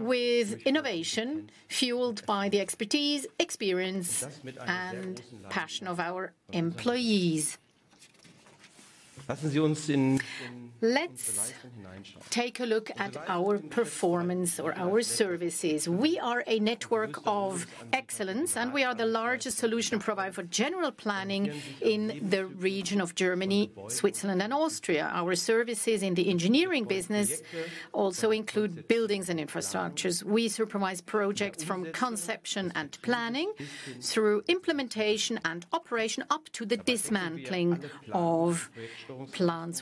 with innovation fueled by the expertise, experience and passion of our employees. Let's take a look at our performance or our services. We are a network of excellence and we are the largest solution provider for general planning in the region of Germany, Switzerland and Austria. Our services in the engineering business also include buildings and infrastructures. We supervise projects from conception and planning through implementation and operation up to the dismantling of plants.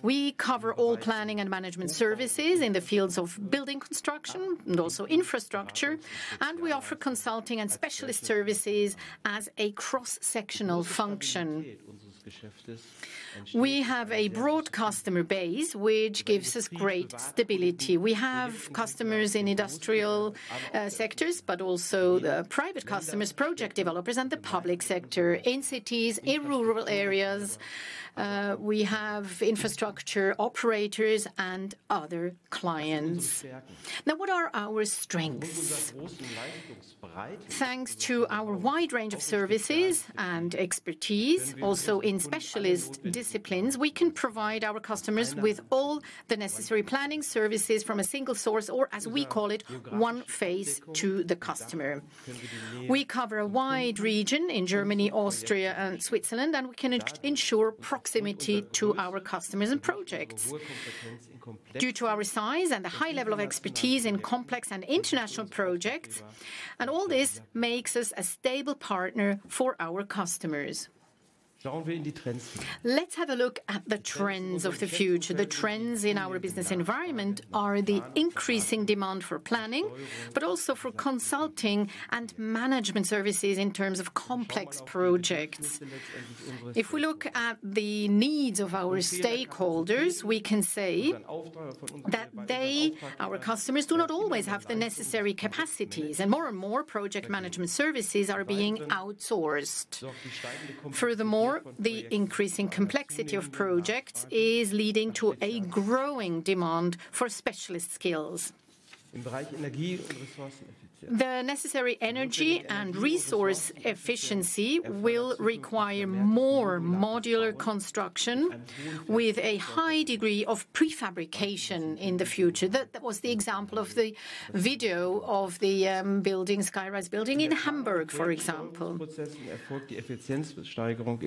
We cover all planning and management services in the fields of building, construction and also infrastructure. We offer consulting and specialist services as a cross-sectional function. We have a broad customer base which gives us great stability. We have customers in industries, industrial sectors, but also private customers, project developers and the public sector in cities. In rural areas, we have infrastructure operators and other clients. Now, what are our strengths? Thanks to our wide range of services and expertise, also in specialist disciplines, we can provide our customers with all the necessary planning services from a single source or as we call it, one phase to the customer. We cover a wide region in Germany, Austria and Switzerland and we can ensure proximity to our customers and projects due to our size and the high level of expertise in complex and international projects. And all this makes us a stable partner for our customers. Let's have a look at the trends of the future. The trends in our business environment are the increasing demand for planning, but also for consulting and management services. In terms of complex projects, if we look at the needs of our stakeholders, we can say that they, our customers do not always have the necessary capacities, and more and more project management services are being outsourced. Furthermore, the increasing complexity of projects is leading to a growing demand for specialist skills. The necessary energy and resource efficiency will require more modular construction with a high degree of prefabrication in the future. That was the example of the video of the building Skyrise building in Hamburg, for example.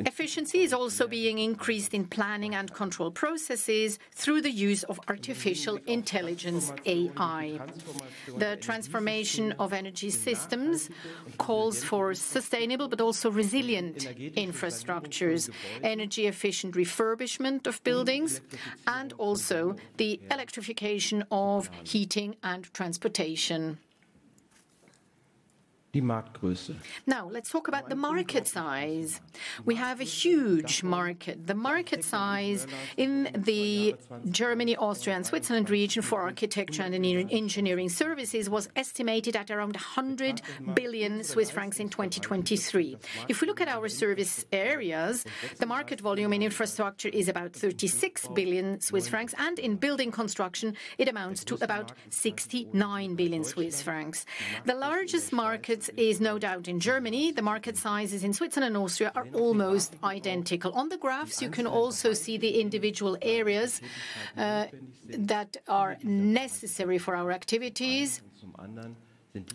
Efficiency is also being increased in planning and control processes through the use of artificial intelligence. The transformation of energy systems calls for sustainable but also resilient infrastructures, energy efficient refurbishment of buildings and also the electrification of heating and transportation. Now let's talk about the market size. We have a huge market. The market size in the Germany, Austria, and Switzerland region for architecture and engineering services was estimated at around 100 billion Swiss francs in 2023. If we look at our service areas, the market volume in infrastructure is about 36 billion Swiss francs and in building construction it amounts to about 69 billion Swiss francs. The largest market is no doubt in Germany. The market sizes in Switzerland and Austria are almost identical on the graphs. You can also see the individual areas that are necessary for our activities.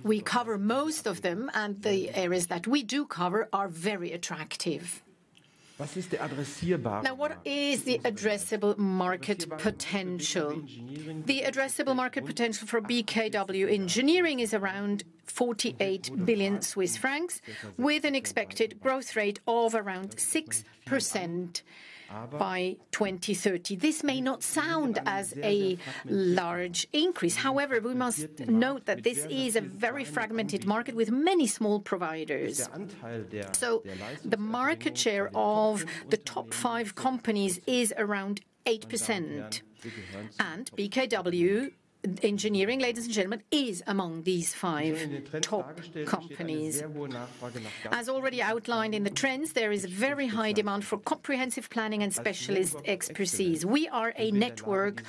We cover most of them and the areas that we do cover are very attractive. Now, what is the addressable market potential? The addressable market potential for BKW Engineering is around 48 billion Swiss francs. With an expected growth rate of around 6% by 2030. This may not sound as a large increase. However, we must note that this is a very fragmented market with many small providers. So the market share of the top five companies is around 8%. And BKW Engineering, ladies and gentlemen, is among these five top companies. As already outlined in the trends, there is very high demand for comprehensive planning and specialist expertise. We are a network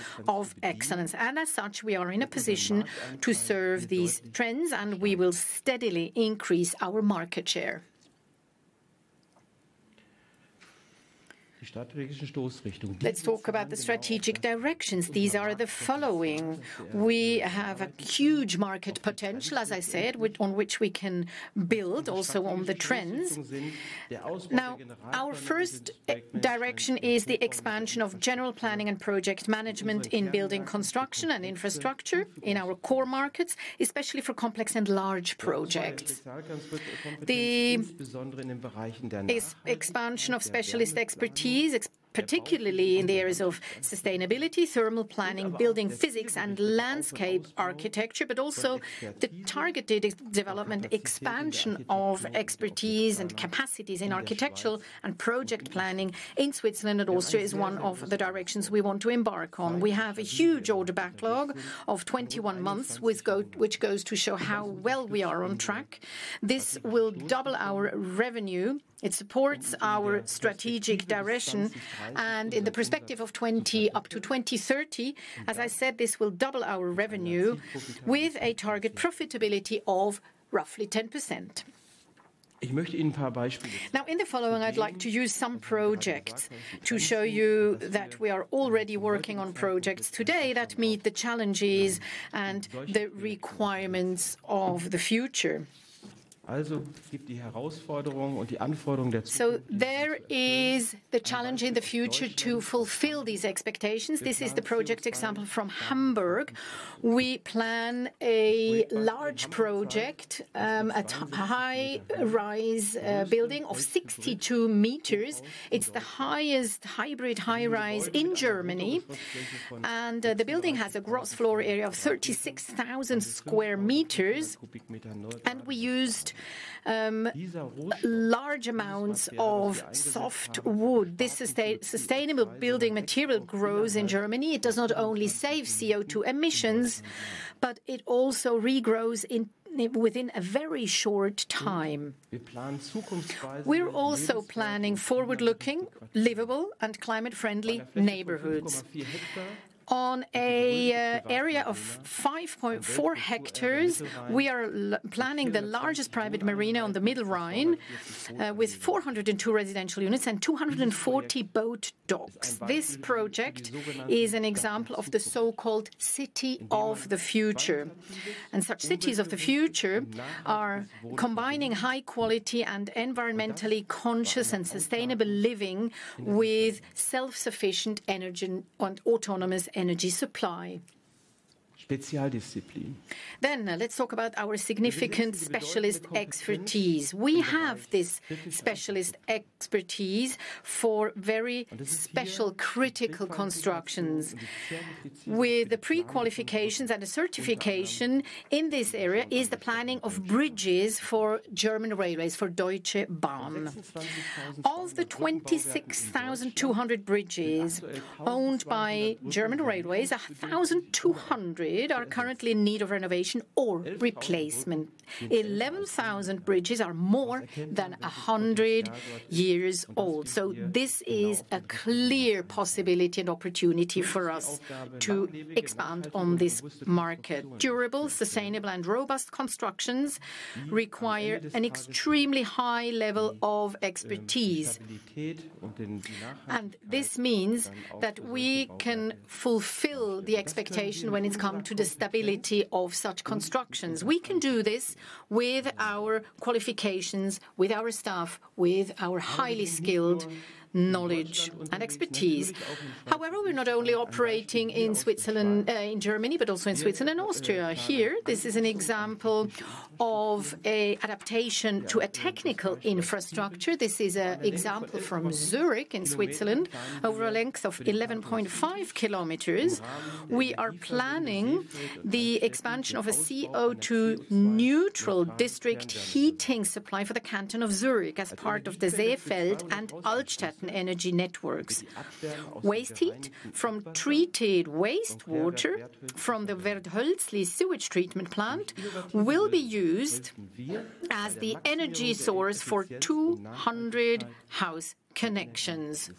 excellence and as such we are in a position to serve these trends and we will steadily increase our market share. Let's talk about the strategic directions. These are the following. We have a huge market potential, as I said, on which we can build also on the trends. Now, our first. The first direction is the expansion of general planning and project management in building, construction and infrastructure in our core markets, especially for complex and large projects. The expansion of specialist expertise, particularly in the areas of sustainability, thermal planning, building physics and landscape architecture, but also the targeted development, expansion of expertise and capacities in architectural and project planning in Switzerland and Austria is one of the directions we want to embark on. We have a huge order backlog of 21 months which goes to show how well we are on track. This will double our revenue. It supports our strategic direction and in the perspective of up to 2030, as I said, this will double our revenue with a target profitability of roughly 10%. Now in the following I'd like to use some projects to show you that we are already working on projects today that meet the challenges and the requirements of the future. So there is the challenge in the future to fulfill these expectations. This is the project example from Hamburg. We plan a large project, a high-rise building of 62 meters. It's the highest hybrid high-rise in Germany, and the building has a gross floor area of 36,000 square meters. And we used large amounts of softwood. This sustainable building material grows in Germany. It does not only save CO2 emissions, but it also regrows within a very short time. We're also planning forward-looking livable and climate-friendly neighborhoods. On an area of 5.4 hectares, we are planning the largest private marina on the Middle Rhine with 402 residential units and 240 boat docks. This project is an example of the so-called city of the future. And such cities of the future are combining high quality and environmentally conscious and sustainable living with self-sufficient energy and autonomous energy supply. Then let's talk about our significant specialist expertise. We have this specialist expertise for very special critical constructions with the pre-qualifications and the certification in this area: the planning of bridges for German Railways for Deutsche Bahn. Of the 26,200 bridges owned by German Railways, 1,200 are currently in need of renovation or replacement. 11,000 bridges are more than 100 years old. So this is a clear possibility and opportunity for us to expand on this market. Durable, sustainable and robust constructions require an extremely high level of expertise. And this means that we can fulfill the expectation when it comes to the stability of such constructions. We can do this with our qualifications, with our staff, with our highly skilled knowledge and expertise. However, we're not only operating in Switzerland, in Germany, but also in Switzerland and Austria. Here this is an example of an adaptation to a technical infrastructure. This is an example from Zürich in Switzerland. Over a length of 11.5 km, we are planning the expansion of a CO2 neutral district heating supply for the canton of Zürich as part of the Seefeld and Altstetten energy networks. Waste heat from treated waste water from the Werdhölzli sewage treatment plant will be used as the energy source for 200 house connections.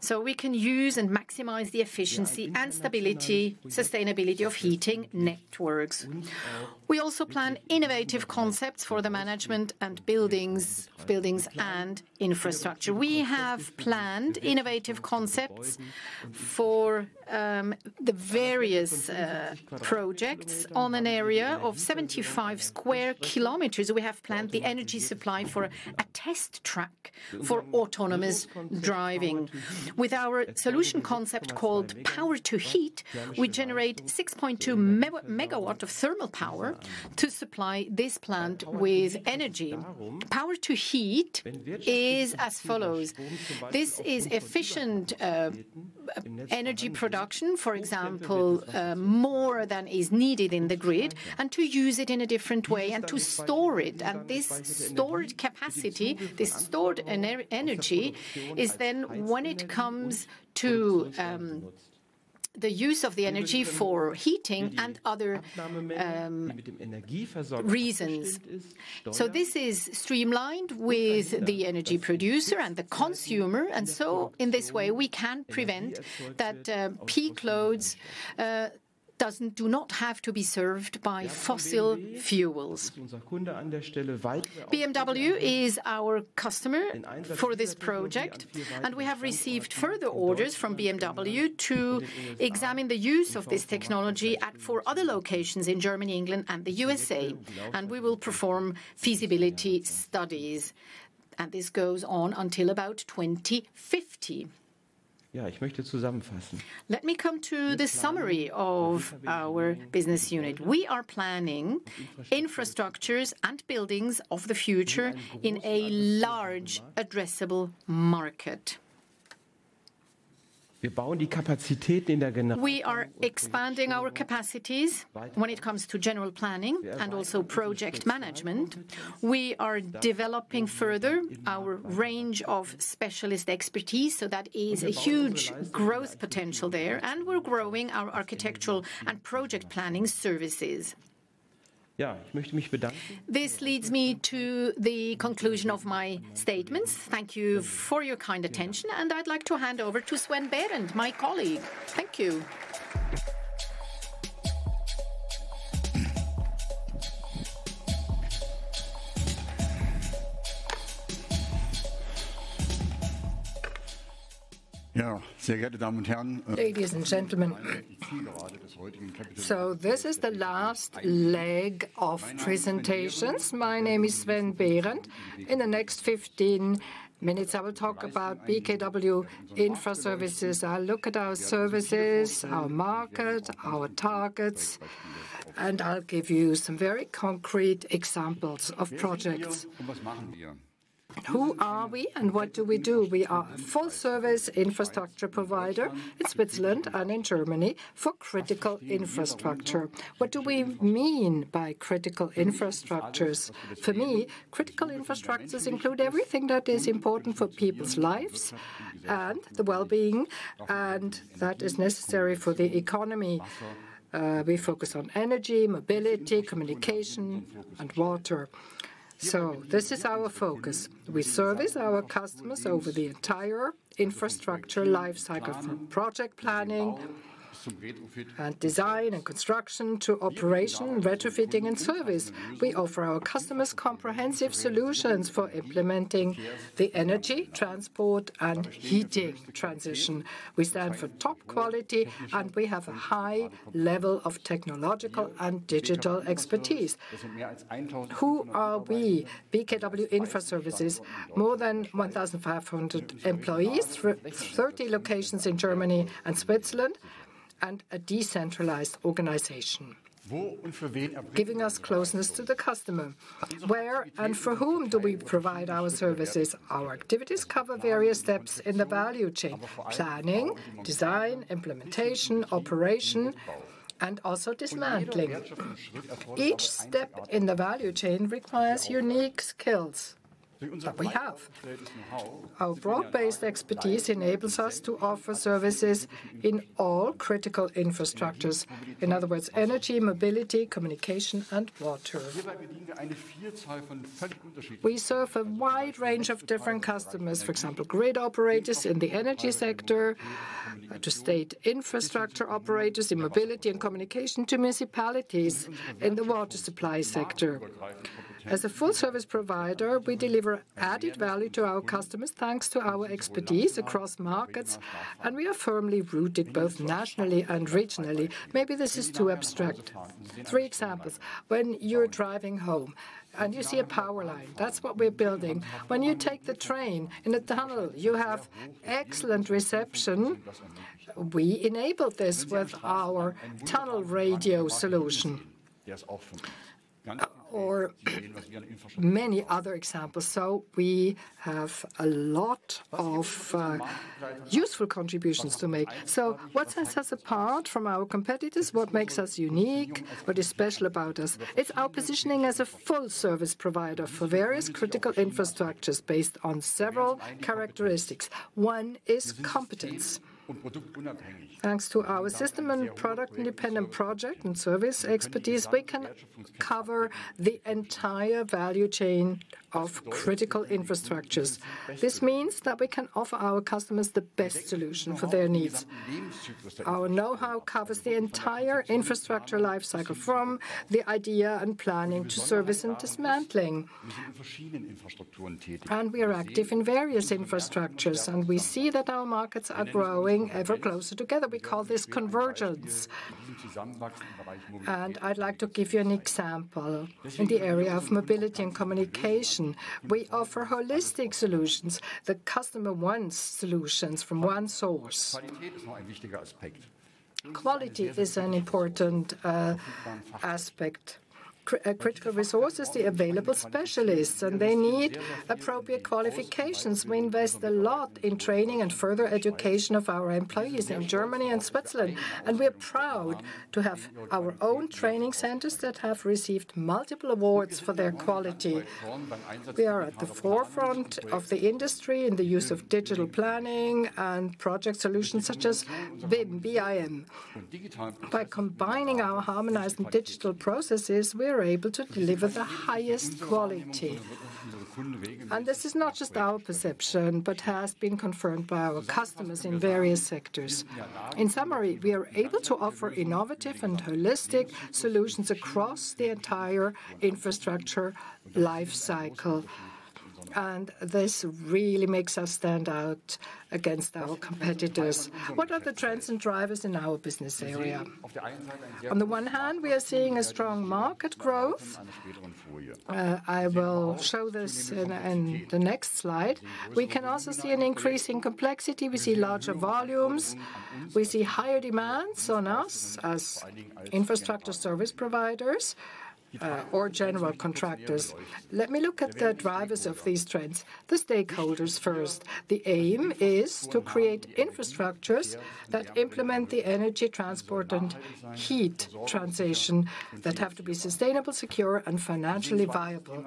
So we can use and maximize the efficiency and stability sustainability of heating networks. We also plan innovative concepts for the management and buildings and infrastructure. We have planned innovative concepts for the various projects. On an area of 75 sq km. We have planned the energy supply for a test track for autonomous driving with our solution concept called power to heat. We generate 6.2 MW of thermal power to supply this plant with energy. Power to heat is as follows. This is efficient Energy Production, for example, more than is needed in the grid and to use it in a different way and to store it. And this stored capacity, this stored energy is then when it comes to the use of the energy for heating and other reasons. So this is streamlined with the energy producer and the consumer. And so in this way we can prevent that peak loads do not have to be served by fossil fuels. BMW is our customer for this project and we have received further orders from BMW to examine the use of this technology at four other locations in Germany, England and the USA. And we will perform feasibility studies and this goes on until about 2050. Let me come to the summary of our business unit. We are planning infrastructures and buildings of the future in a large addressable market. We are expanding our capacities when it comes to general planning and also project management. We are developing further our range of specialist expertise. So that is a huge growth potential there. And we're growing our architectural and project planning services. This leads me to the conclusion of my statements. Thank you for your kind attention and I'd like to hand over to Sven Behrend, my colleague. Thank you. Ladies and gentlemen. So this is the last leg of presentations. My name is Sven Behrend. In the next 15 minutes I will talk about BKW Infra Services. I look at our services, our market, our targets and I'll give you some very concrete examples of projects. Who are we and what do we do? We are a full service infrastructure provider in Switzerland and in Germany for critical infrastructure. What do we mean by critical infrastructures? For me, critical infrastructures include everything that is important for people's lives and the well being and that is necessary for the economy. We focus on energy mobility, communication and water. So this is our focus. We service our customers over the entire infrastructure life cycle. From project planning and design and construction to operation, retrofitting and service. We offer our customers comprehensive solutions for implementing the energy transport and heating transition. We stand for top quality and we have a high level of technological and digital expertise. Who are we? BKW Infra Services. More than 1,500 employees, 30 locations in Germany and Switzerland and a decentralized organization giving us closeness to the customer. Where and for whom do we provide our services? Our activities cover various steps in the value planning, design, implementation, operation and also dismantling. Each step in the value chain requires unique skills that we have. Our broad-based expertise enables us to offer services in all critical infrastructures. In other words, energy, mobility, communication and water. We serve a wide range of different customers. For example, grid operators in the energy sector to state infrastructure operators in mobility and communication to municipalities in the water supply sector. As a full-service provider, we deliver added value to our customers thanks to our expertise across markets. We are firmly rooted both nationally and regionally. Maybe this is too abstract. Three examples. When you're driving home and you see a power line, that's what we're building. When you take the train in a tunnel, you have excellent reception. We enabled this with our tunnel radio solution or many other examples. We have a lot of useful contributions to make. What sets us apart from our competitors? What makes us unique? What is special about us? It's our positioning as a full service provider for various critical infrastructures based on several characteristics. One is competence. Thanks to our system and product independent project and service expertise, we can cover the entire value chain of critical infrastructures. This means that we can offer our customers the best solution for their needs. Our know-how covers the entire infrastructure lifecycle from the idea and planning to service and dismantling. And we are active in various infrastructures and we see that our markets are growing ever closer together. We call this convergence and I'd like to give you an example. In the area of mobility and communication, we offer holistic solutions. The customer wants solutions from one source. Quality is an important aspect. Critical resources, the available specialists and they need appropriate qualifications. We invest a lot in training and further education of our employees in Germany and Switzerland. And we are proud to have our own training centers that have received multiple awards for their quality. We are at the forefront of the industry in the use of digital planning and project solutions such as BIM. By combining our harmonizing digital processes, we are able to deliver the highest quality. This is not just our perception, but has been confirmed by our customers in various sectors. In summary, we are able to offer innovative and holistic solutions across the entire infrastructure life cycle. This really makes us stand out against our competitors. What are the trends and drivers in our business area? On the one hand, we are seeing a strong market growth. I will show this in the next slide. We can also see an increase in complexity. We see larger volumes. We see higher demands on us as infrastructure service providers or general contractors. Let me look at the drivers of these trends. The stakeholders. First, the aim is to create infrastructures that implement the energy transport and heat transition that have to be sustainable, secure and financially viable.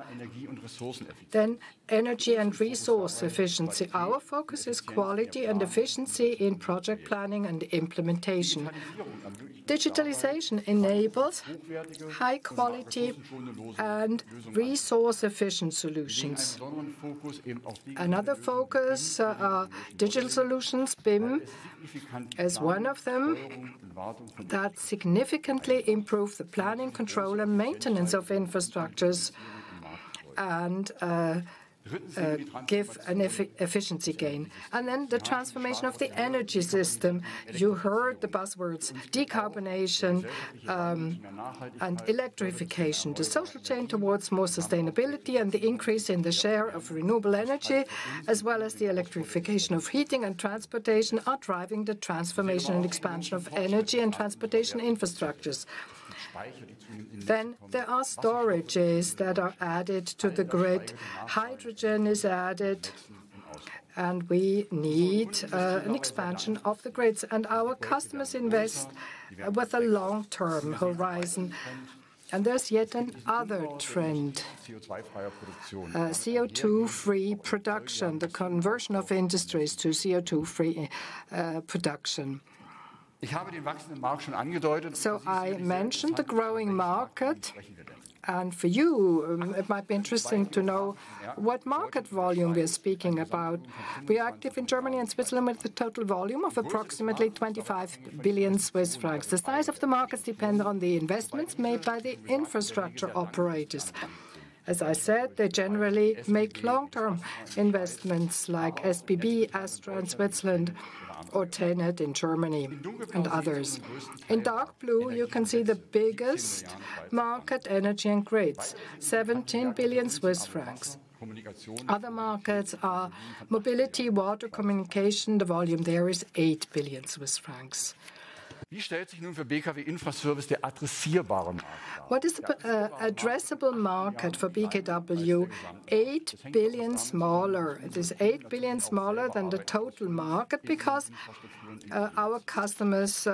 Energy and resource efficiency. Our focus is quality and efficiency. Efficiency in project planning and implementation. Digitalization enables high quality and resource-efficient solutions. Another focus are digital solutions. BIM is one of them that significantly improve the planning, control and maintenance of infrastructures and give an efficiency gain. And then the transformation of the energy system. You heard the buzzwords decarbonization and electrification. The social change towards more sustainability and the increase in the share of renewable energy as well as the electrification of heating and transportation are driving the transformation and expansion of energy and transportation infrastructures. Then there are storages that are added to the grid, hydrogen is added and we need an expansion of the grids. And our customers invest with a long-term horizon. And there's yet another trend, CO2-free production, the conversion of industries to CO2-free production. I mentioned the growing market and for you it might be interesting to know what market volume we are speaking about. We are active in Germany and Switzerland with a total volume of approximately 25 billion Swiss francs. The size of the markets depend on the investments made by the infrastructure operators. As I said, they generally make long term investments like SBB, ASTRA in Switzerland or TenneT in Germany and others. In dark blue you can see the biggest market energy and grids. 17 billion Swiss francs. Other markets are mobility, water, communication. The volume there is 8 billion Swiss francs. What is the addressable market for BKW? 8 billion. Smaller. It is 8 billion smaller than the total market because our customers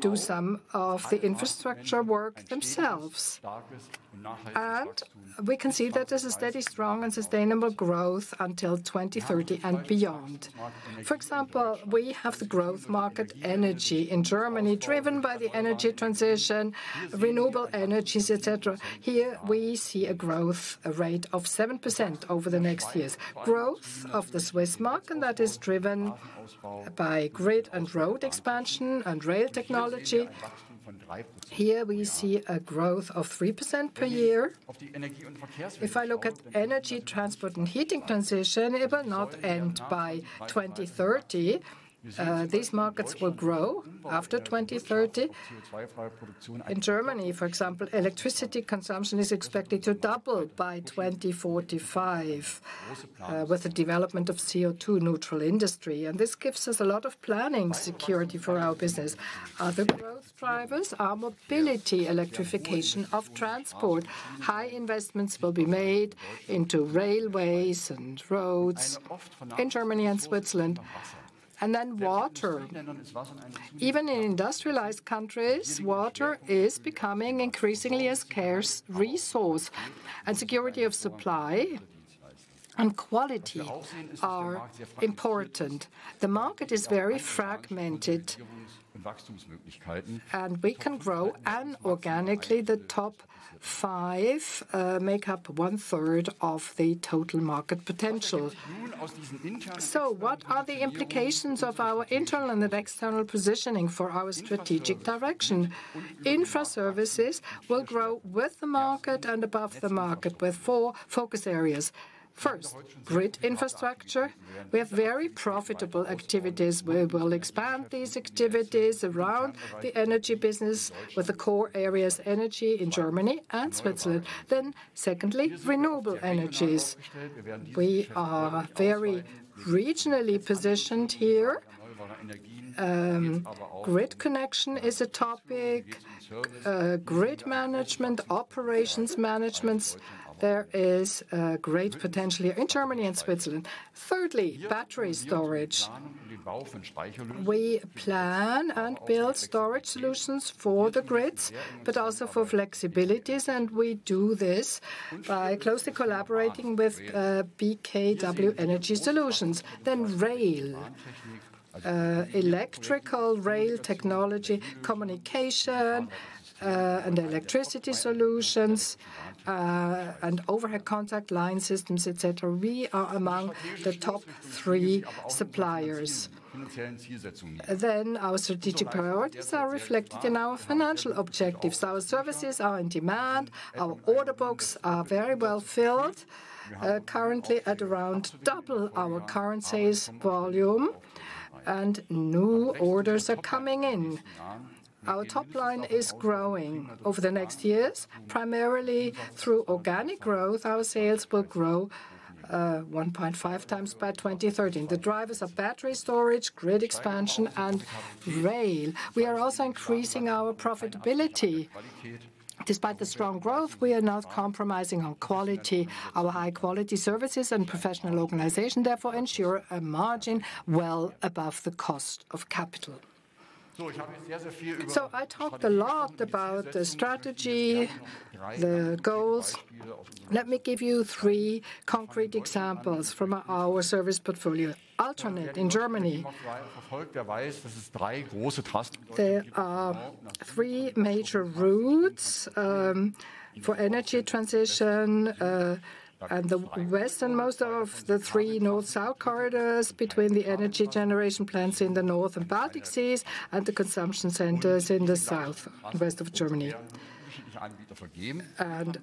do some of the infrastructure work themselves. And we can see that there's a steady, strong and sustainable growth until 2030 and beyond. For example, we have the growth market energy in Germany driven by the energy transition, renewable energies, etc. Here we see a growth rate of 7% over the next year's growth of the Swiss market that is driven by grid and road expansion and rail technology. Here we see a growth of 3% per year. If I look at energy, transport and heating transition, it will not end by 2030. These markets will grow after 2030. In Germany, for example, electricity consumption is expected to double by 2045 with the development of CO2 neutral industry. And this gives us a lot of planning security for our business. Other growth drivers are mobility, electrification of transport. High investments will be made into railways and roads in Germany and Switzerland, and then water. Even in industrialized countries, water is becoming increasingly a scarce resource and security of supply and quality are important. The market is very fragmented and we can grow organically and the top five make up one third of the total market potential. So what are the implications of our internal and external positioning for our strategic direction? Infra Services will grow with the market and above the market with four focus areas. First, grid infrastructure. We have very profitable activities. We will expand these activities around the energy business with the core areas energy in Germany and Switzerland. Then secondly, renewable energies. We are very regionally positioned here. Grid connection is a topic. Grid management, operations management. There is great potential here in Germany and Switzerland. Thirdly, battery storage. We plan and build storage solutions for the grids, but also for flexibilities. And we do this by closely collaborating with BKW Energy Solutions. Then rail, electrical, rail technology, communication and electricity solutions and overhead contact lines, systems, etc. We are among the top three suppliers. Then our strategic priorities are reflected in our financial objectives. Our services are in demand. Our order books are very well filled, currently at around double our current sales volume. And new orders are coming in. Our top line is growing over the next year, primarily through organic growth. Our sales will grow 1.5 times by 2030. The drivers of battery storage, grid expansion and rail. We are also increasing our profitability. Despite the strong growth, we are not compromising on quality. Our high quality services and professional organization therefore ensure a margin well above the cost of capital. So I talked a lot about the strategy, the goals. Let me give you three concrete examples from our service portfolio. Ultranet. In Germany there are three major routes for energy transition and the west and most of the three north-south corridors between the energy generation plants in the north and Baltic Sea and the consumption centers in the southwest of Germany, and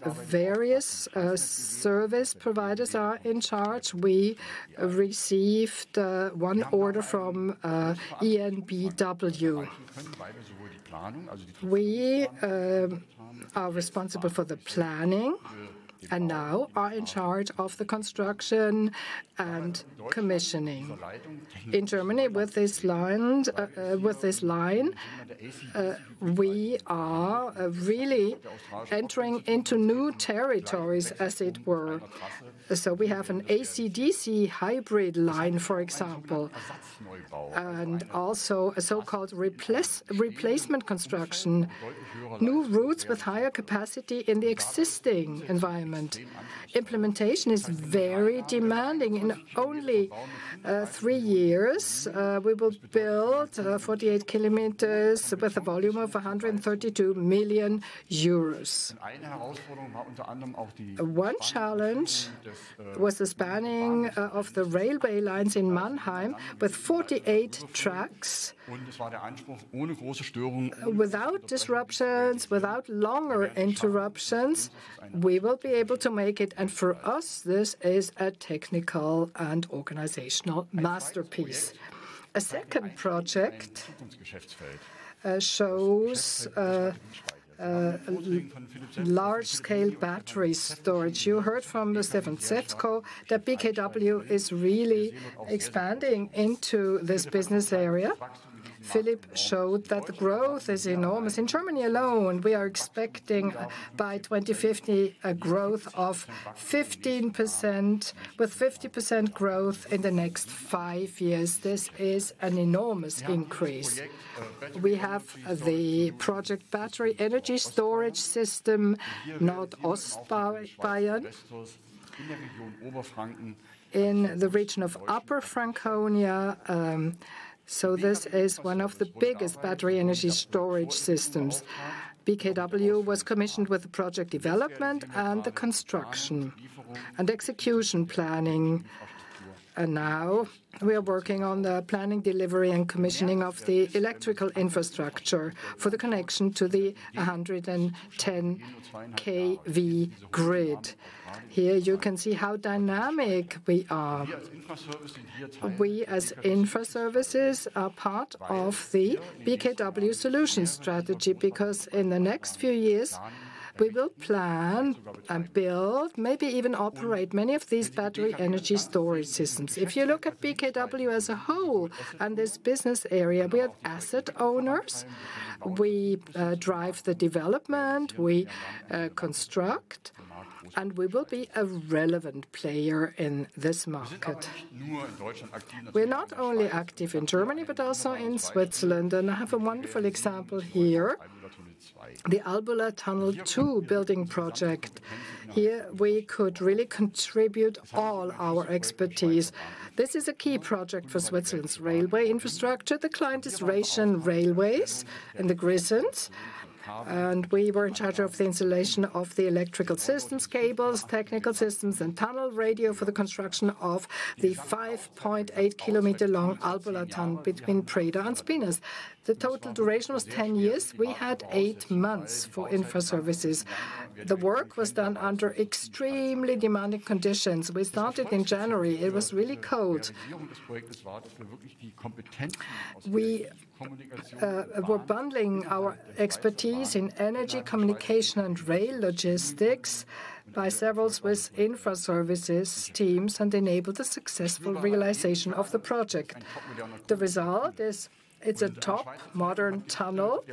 various service providers are in charge. We received one order from EnBW. We are responsible for the planning and now are in charge of the construction and commissioning in Germany. With this line we are really entering into new territories, as it were. So we have an AC/DC hybrid line, for example, and also a so-called replacement construction. New routes with hybrid capacity in the existing environment. Implementation is very demanding. In only three years we will build 48 km with a volume of 132 million euros. One challenge was the spanning of the railway lines in Mannheim. With 48 tracks, without disruptions, without longer interruptions, we will be able to make it. For us this is a technical and organizational masterpiece. A second project shows large scale battery storage. You heard from Stefan Sewckow that BKW is really expanding into this business area. Philipp showed that the growth is enormous. In Germany alone, we are expecting by 2050 a growth of 15%. With 50% growth in the next five years. This is an enormous increase. We have the project battery energy storage system in Bayernwerk in the region of Upper Franconia. So this is one of the biggest battery energy storage systems. BKW was commissioned with the project development and the construction and execution planning. Now we are working on the planning, delivery and commissioning of the electrical infrastructure for the construction connection to the 110 kV grid. Here you can see how dynamic we are. We, as Infra Services, are part of the BKW Solutions strategy. Because in the next few years we will plan and build, maybe even operate many of these battery energy storage systems. If you look at BKW as a whole and this business area, we have asset owners, we drive the development, we construct and we will be a relevant player in this market. We're not only active in Germany but also in Switzerland. I have a wonderful example. Here, the Albula Tunnel 2 building project. Here we could really contribute all our expertise. This is a key project for Switzerland's railway infrastructure. The client is Rhaetian Railway in the Grisons and we were in charge of the installation of the electrical systems, cables, technical systems and tunnel radio for the construction of the 5.8 km long Albula Tunnel between Preda and Spinas. The total duration was 10 years. We had eight months for infrastructure. The work was done under extremely demanding conditions. We started in January. It was really cold. We were bundling our expertise in energy communication and rail logistics by several Swiss Infra Services teams and enabled a successful realization of the project. The result is it's a top modern tunnel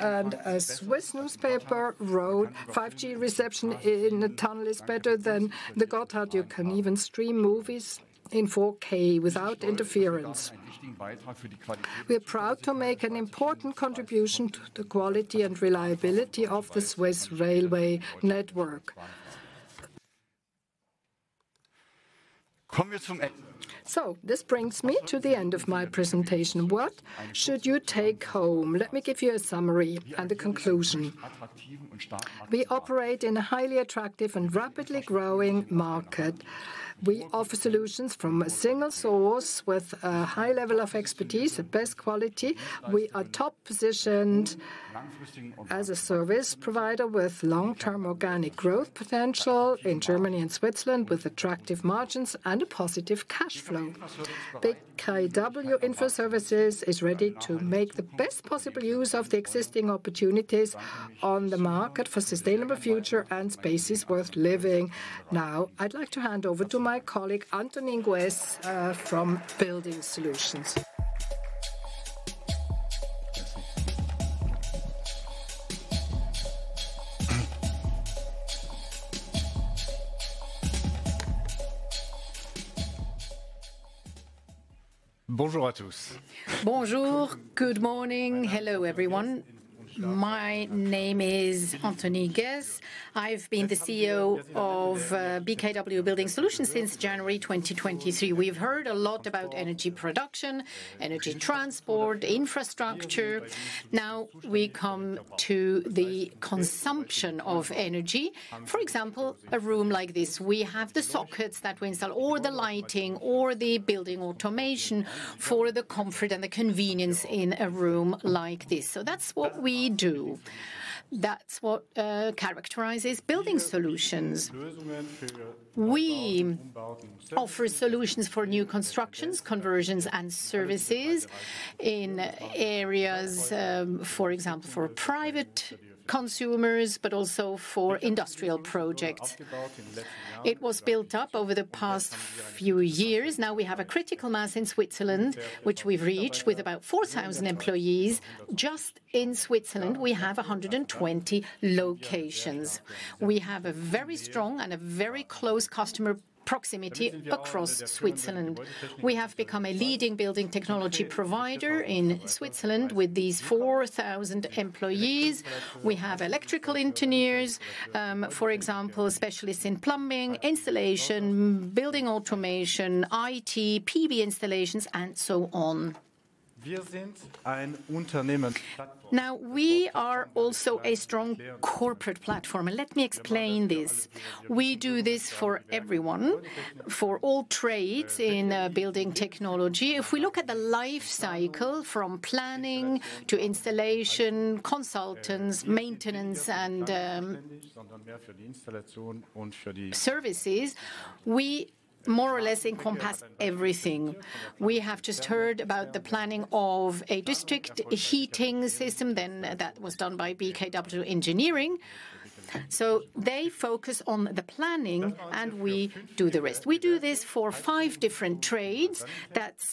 and a Swiss newspaper. 5G reception in a tunnel is better than the Gotthard. You can even stream movies in 4K without interference. We are proud to make an important contribution to the quality and reliability of the Swiss railway network. This brings me to the end of my presentation. What should you take home? Let me give you a summary and the conclusion. We operate in a highly attractive and rapidly growing market. We offer solutions from a single source with a high level of expertise. At best quality. We are top positioned as a service provider with long term organic growth potential in Germany and Switzerland. With attractive margins and positive cash flow, BKW Infra Services is ready to make the best possible use of the existing opportunities on the market for sustainable future and spaces worth living. Now I'd like to hand over to my colleague Antonin Guez from Building Solutions. Bonjour tous. Bonjour. Good morning. Hello everyone. My name is Antonin Guez. I've been the CEO of BKW Building Solutions since January 2023. We've heard a lot about Energy Production, energy transport, infrastructure. Now we come to the consumption of energy for example, a room like this, we have the sockets that we install, or the lighting or the building automation for the comfort and the convenience in a room like this, so that's what we do. That's what characterizes Building Solutions. We offer solutions for new constructions, conversions and services in areas, for example, for private consumers, but also for industrial projects. It was built up over the past few years. Now we have a critical mass in Switzerland, which we've reached with about 4,000 employees. Just in Switzerland, we have 120 locations. We have a very strong and a very close customer proximity. Across Switzerland, we have become a leading building technology provider. In Switzerland, with these 4,000 employees, we have electrical engineers, for example, specialists in plumbing installation, building automation, IT, PV installations, and so on. Now we are also a strong corporate platform. Let me explain this. We do this for everyone, for all trades in building technology. If we look at the life cycle from planning to installation, consultants, maintenance and services, we more or less encompass everything. We have just heard about the planning of a district heating system. That was done by BKW Engineering. They focus on the planning and we do the rest. We do this for five different trades. That's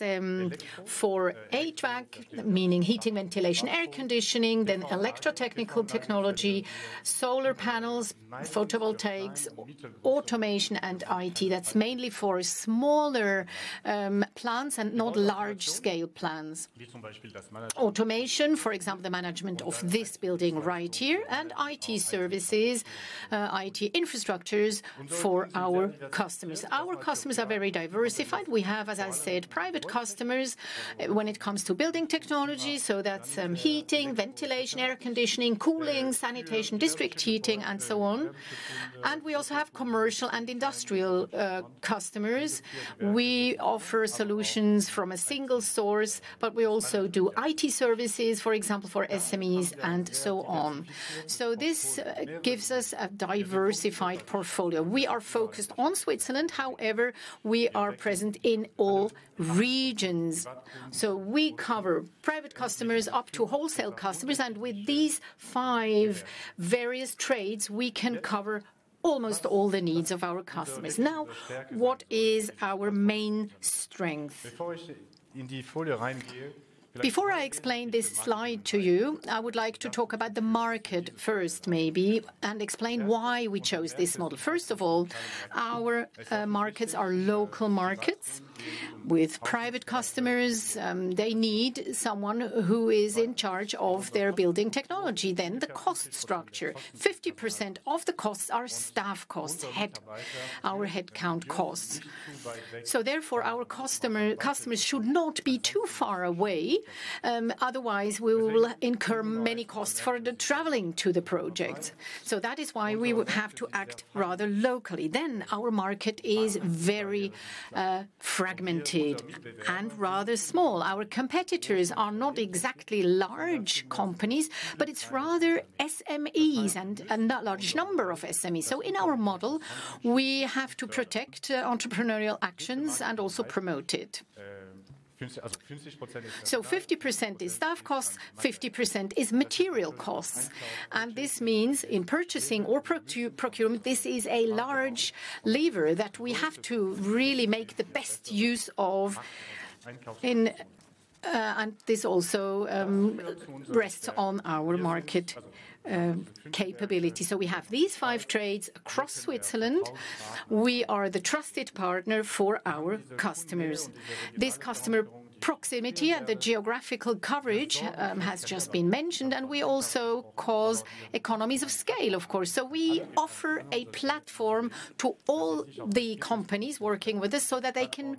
for HVAC, meaning heating, ventilation, air conditioning, then electrotechnical technology, solar panels, photovoltaics, automation and IT. That's mainly for smaller plants and not large scale plants. Automation, for example, the management of this building right here. And IT services, IT infrastructures for our customers. Our customers are very diversified. We have, as I said, private customers when it comes to building technology. So that's heating, ventilation, air conditioning, cooling, sanitation, district heating and so on. And we also have commercial and industrial customers. We offer solutions from a single source, but we also do IT services, for example, for SMEs and so on. So this gives us a diversified portfolio. We are focused on Switzerland. However, we are present in all regions. So we cover private customers up to wholesale customers. And with these five various trades, we can cover almost all the needs of our customers. Now, what is our main strength? Before I explain this slide to you, I would like to talk about the market first, maybe, and explain why we chose this model. First of all, our markets are local markets with private customers. They need someone who is in charge of their building technology. Then the cost structure. 50% of the costs are staff costs, our headcount costs. So therefore our customers should not be too far away. Otherwise we will incur many costs for traveling to the project. So that is why we would have to act rather locally. Our market is very fragmented and rather small. Our competitors are not exactly large companies, but it's rather SMEs and that large number of SMEs. So in our model we have to protect entrepreneurial actions and also promote it. So 50% is staff costs, 50% is material costs. And this means in purchasing or procurement. This is a large lever that we have to really make the best use of in, and this also rests on our market capability, so we have these five trades across Switzerland. We are the trusted partner for our customers. This customer proximity and the geographical coverage has just been mentioned, and we also cause economies of scale, of course, so we offer a platform to all the companies working with us so that. They can.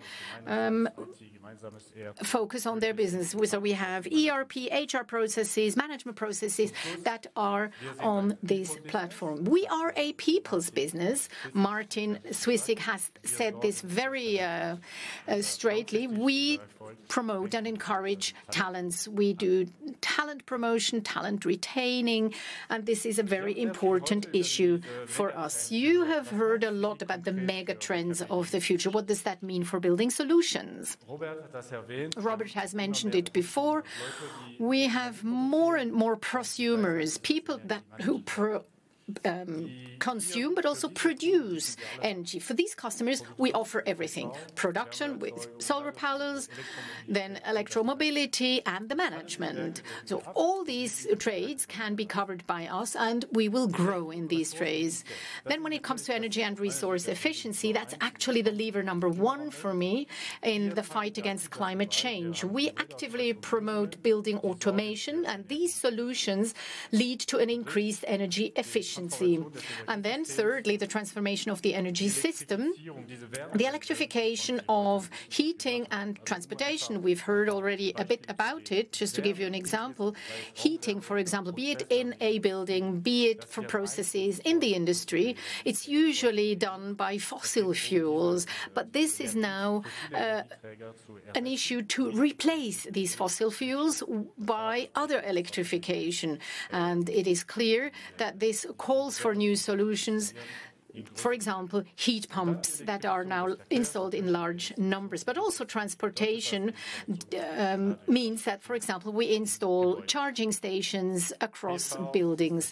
Focus on their business. We have ERP, HR processes, management processes that are on this platform. We are a people's business. Martin Zwyssig has said this very straightly. We promote and encourage talents. We do talent promotion, talent retaining. This is a very important issue for us. You have heard a lot about the megatrends of the future. What does that mean for Building Solutions? Robert has mentioned it before. We have more and more prosumers, people who consume but also produce energy for these customers. We offer everything production with solar panels, then electromobility and the management. All these trades can be covered by us and we will grow in these trades. When it comes to energy and resource efficiency, that's actually the lever number one for me in the fight against climate change. We actively promote building automation and these solutions lead to an increased energy efficiency. And then thirdly, the transformation of the energy system. The electrification of heating and transportation. Heard already a bit about it. Just to give you an example. Heating for example, be it in a building, be it for processes in the industry, it's usually done by fossil fuels. But this is now an issue to replace these fossil fuels by other electrification. And it is clear that this calls for new solutions. For example, heat pumps that are now installed in large numbers. But also transportation means that, for example, we install charging stations across buildings.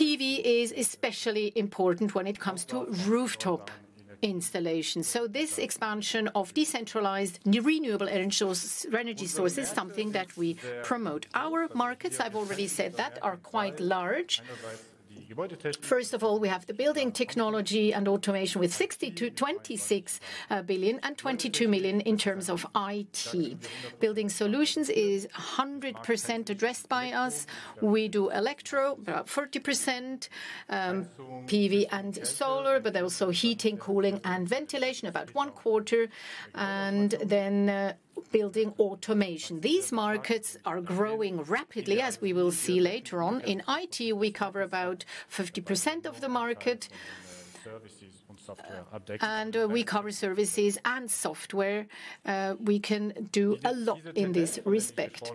PV is especially important when it comes to rooftop installations. So this expansion of decentralized renewable energy sources, something that we promote our markets, I've already said that are quite large. First of all, we have the building technology and automation with 6-26 billion and 22 million. In terms of IT building solutions, it is 100% addressed by us. We do electro, 40% PV and solar, but also heating, cooling and ventilation about one quarter. And then building automation. These markets are growing rapidly as we will see later on in it. We cover about 50% of the market and we cover services and software. We can do a lot in this respect.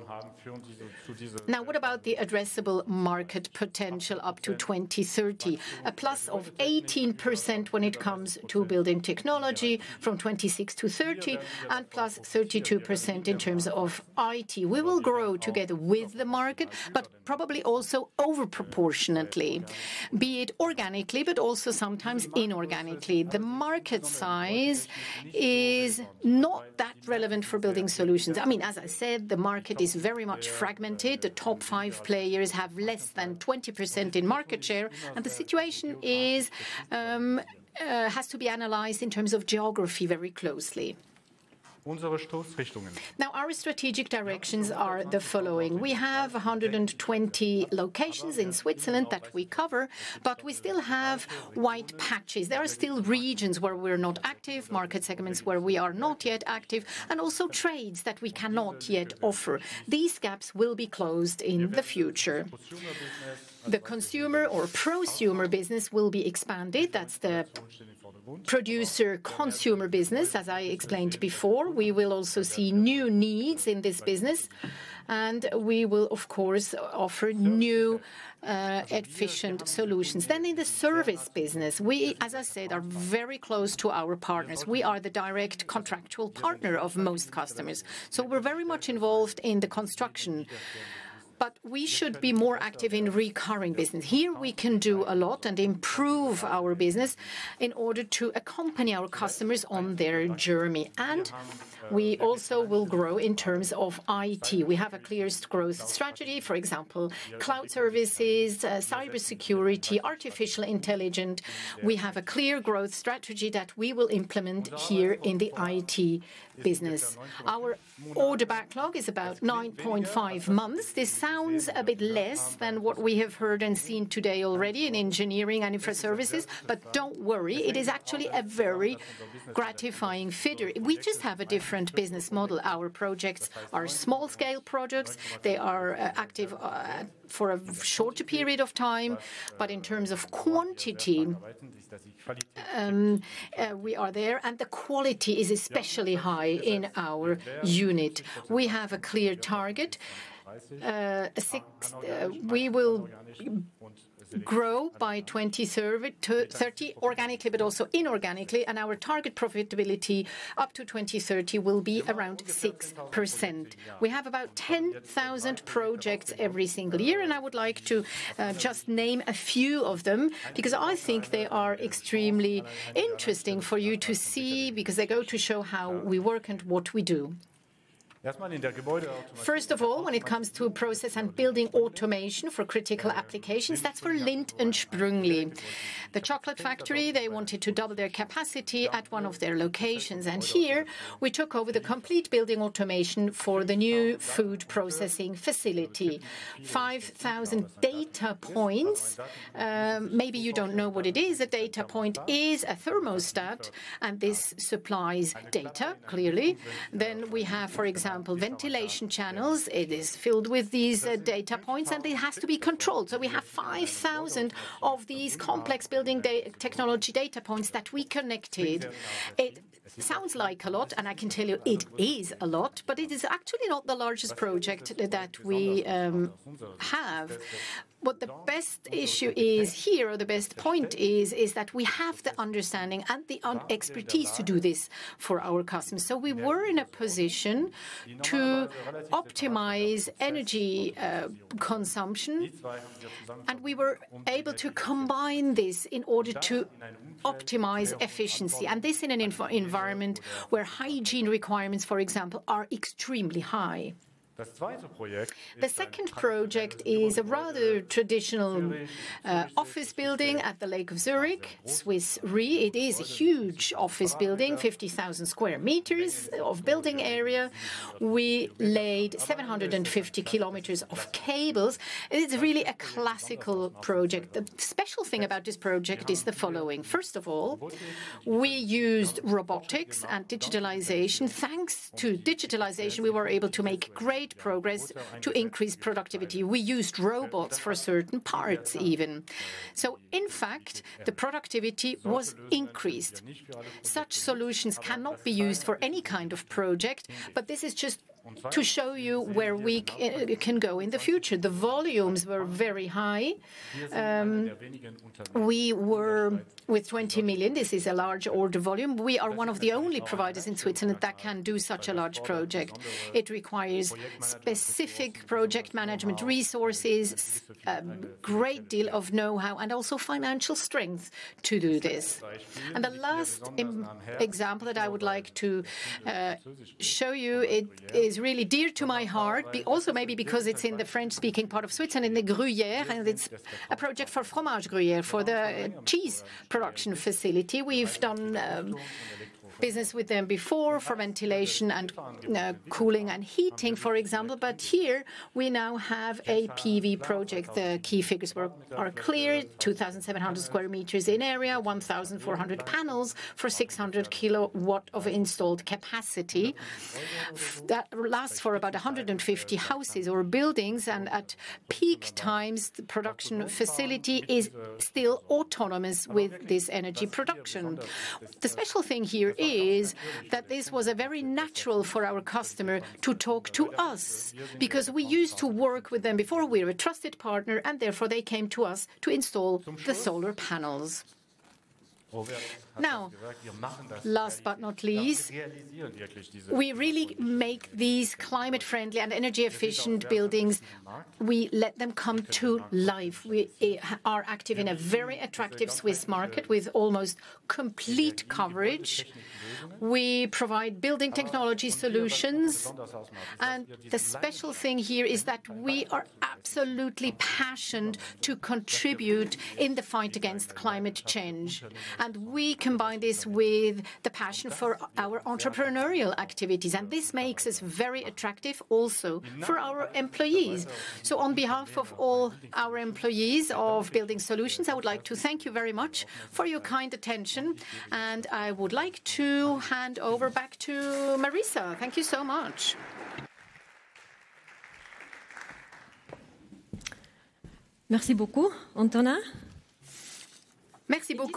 Now, what about the addressable market potential up to 2030? A plus of 18% when it comes to building technology from 20-30 and +32% in terms of it. We will grow together with the market, but probably also over proportionately. Be it organically, but also sometimes inorganically. The market size is not that relevant for building solutions. I mean, as I said, the market is very much fragmented. The top five players have less than 20% in market share. And the situation has to be analyzed in terms of geography very closely. Now our strategic directions are the. We have 120 locations in Switzerland that we cover, but we still have white patches. There are still regions where we're not active market segments where we are not yet active, and also trades that we cannot yet offer. These gaps will be closed in the future. The consumer or prosumer business will be expanded. That's the prosumer business. As I explained before, we will also see new needs in this business and we will of course offer new efficient solutions. Then in the service business, we, as I said, are very close to our partners. We are the direct contractual partner of most customers. We're very much involved in the construction. But we should be more active in recurring business. Here we can do a lot and improve our business in order to accompany our customers on their journey. And we also will grow in terms of it. We have a clear growth strategy. For example, cloud services, cyber security, artificial intelligence. We have a clear growth strategy that we will implement here in the IT business. Our order backlog is about 9.5 months. This sounds a bit less than what we have heard and seen today already in engineering and Infra Services. But don't worry, it is actually a very gratifying figure. We just have a different business model. Our projects are small-scale projects. They are active for a shorter period of time. But in terms of quantity we are there and the quality is especially high in our unit. We have a clear target. We will grow by 2030 organically, but also inorganically. Our target profitability up to 2030 will be around 6%. We have about 10,000 projects every single year. I would like to just name a few of them because I think they are extremely interesting for you to see because they go to show how we work and what we do. First of all, when it comes to a process and building automation for critical applications, that's for Lindt & Sprüngli, the chocolate factory. They wanted to double their capacity at one of their locations. Here we took over the complete building automation for the new food processing facility. 5,000 data points. Maybe you don't know what it is. A data point is a thermostat and this supplies data. Clearly. We have, for example, ventilation channels. It is filled with these data points and it has to be controlled. So we have 5,000 of these complex building data technology data points that we connected. It sounds like a lot, and I can tell you it is a lot, but it is actually not the largest project that we have. What the best issue is here, or the best point is, is that we have the understanding and the expertise to do this for our customers. So we were in a position to optimize energy consumption and we were able to combine this in order to optimize efficiency. And this in an environment where hygiene requirements, for example, are extremely high. The second project is a rather traditional office building at Lake Zurich, Swiss Re. It is a huge office building, 50,000 square meters of building area. We laid 750 km of cables. It's really a classic project. The special thing about this project is the following. First of all, we used robotics and digitalization. Thanks to digitalization, we were able to make great progress to increase productivity. We used robots for certain parts. Even so, in fact, the productivity was increased. Such solutions cannot be used for any kind of project. But this is just to show you where we can go in the future. The volumes were very high. We were with 20 million. This is a large order volume. We are one of the only providers in Switzerland that can do such a large project. It requires specific project management resources, great deal of know-how and also financial strength to do this. And the last example that I would like to show you, it is really dear to my heart also. Maybe because it's in the French speaking part of Switzerland, in the Gruyère. And it's a project for Fromage Gruyère for the cheese production facility. We've done business with them before for ventilation and cooling and heating, for example. But here we now have a PV project. The key figures are clear. 2,700 square meters in area, 1,400 panels for 600 KW of installed capacity. That lasts for about 150 houses or buildings. And at peak times, the production facility is still autonomous with this Energy Production. The special thing here is that this was a very natural our customer to talk to us, because we used to work with them before. We were a trusted partner and therefore they came to us to install the solar panels. Now, last, but not least, we really make these climate friendly and energy efficient buildings. We let them come to life. We are active in a very attractive Swiss market with almost complete coverage. We provide building technology solutions and the special thing here is that we are absolutely passionate to contribute in the fight against climate change and we combine this with the passion for our entrepreneurial activities and this makes us very attractive also for our employees. So on behalf of all our employees of Building Solutions I'd like to thank you very much for your kind attention and I would like to hand over back to Marisa. Thank you so much. Merci beaucoup Antonin. In this part of this Capital Markets Day we have heard a lot about the engineering business and how it's expanding its general planning solutions for future oriented infrastructure, livable urban districts and energy efficient buildings. As part of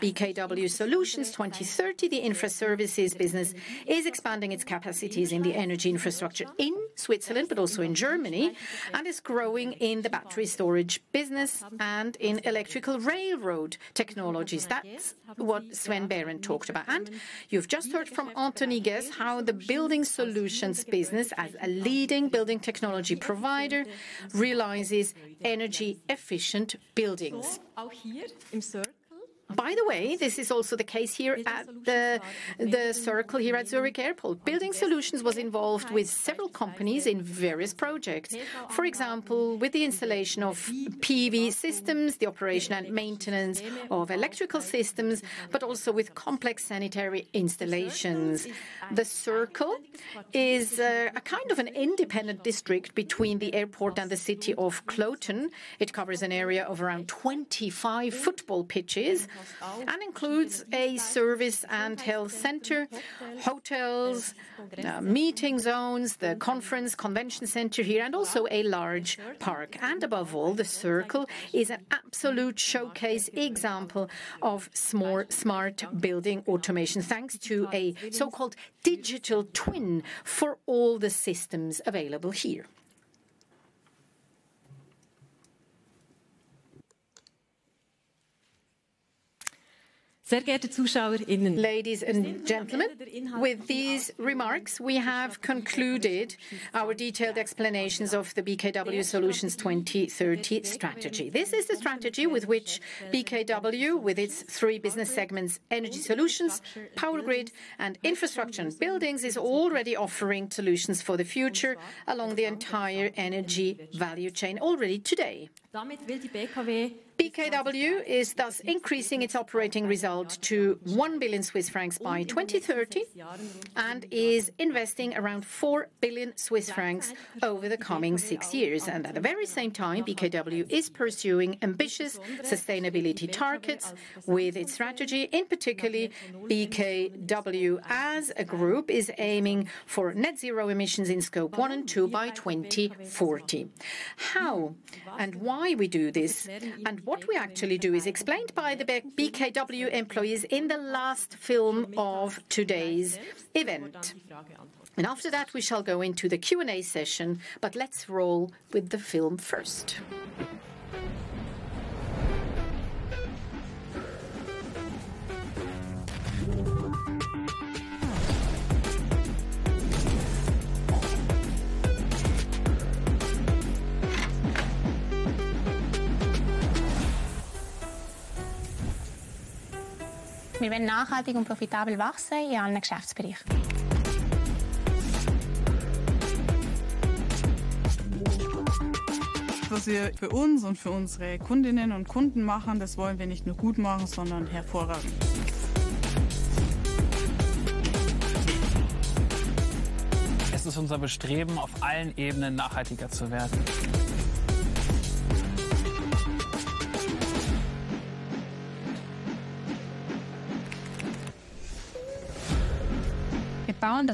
BKW Solutions 2030, the Infra Services business is expanding its capacities in the energy infrastructure in Switzerland but also in Germany and is growing in the battery storage business and in electrical railroad technologies. That's what Sven Behrend talked about and you've just heard from Antonin Guez how the building solutions business as a leading building technology provider realizes energy efficient buildings. By the way, this is also the case here at The Circle here at Zurich Airport. Building Solutions was involved with several companies in various projects. For example with the installation of PV systems, the operation and maintenance of electrical systems, but also with complex sanitary installations. The Circle is a kind of an independent district between the Airport and the city of Kloten. It covers an area of around 25 football pitches and includes a service and health centre, hotels, meeting zones, the conference consultants convention center here and also a large park. And above all the Circle is an absolute showcase example of smart building automation thanks to a so-called digital twin for all the systems available here. Ladies and gentlemen, with these remarks we have concluded our detailed explanations of the BKW Solutions 2030 strategy. This is the strategy with which BKW with its three business segments, Energy Solutions, Power Grid and Infrastructure and Buildings, is already offering solutions for the future along the entire energy value chain. Already today, BKW is thus increasing its operating results to 1 billion Swiss francs by 2030 and is investing around 4 billion Swiss francs over the coming six years. At the very same time, BKW is pursuing ambitious sustainability targets with its strategy. In particular, BKW as a group is aiming for net zero emissions in Scope 1 and 2 by 2040. How and why we do this and what we actually do is explained by the BKW employees in the last film of today's event. After that we shall go into the Q&A session. Let's roll with the film. Portfolio. When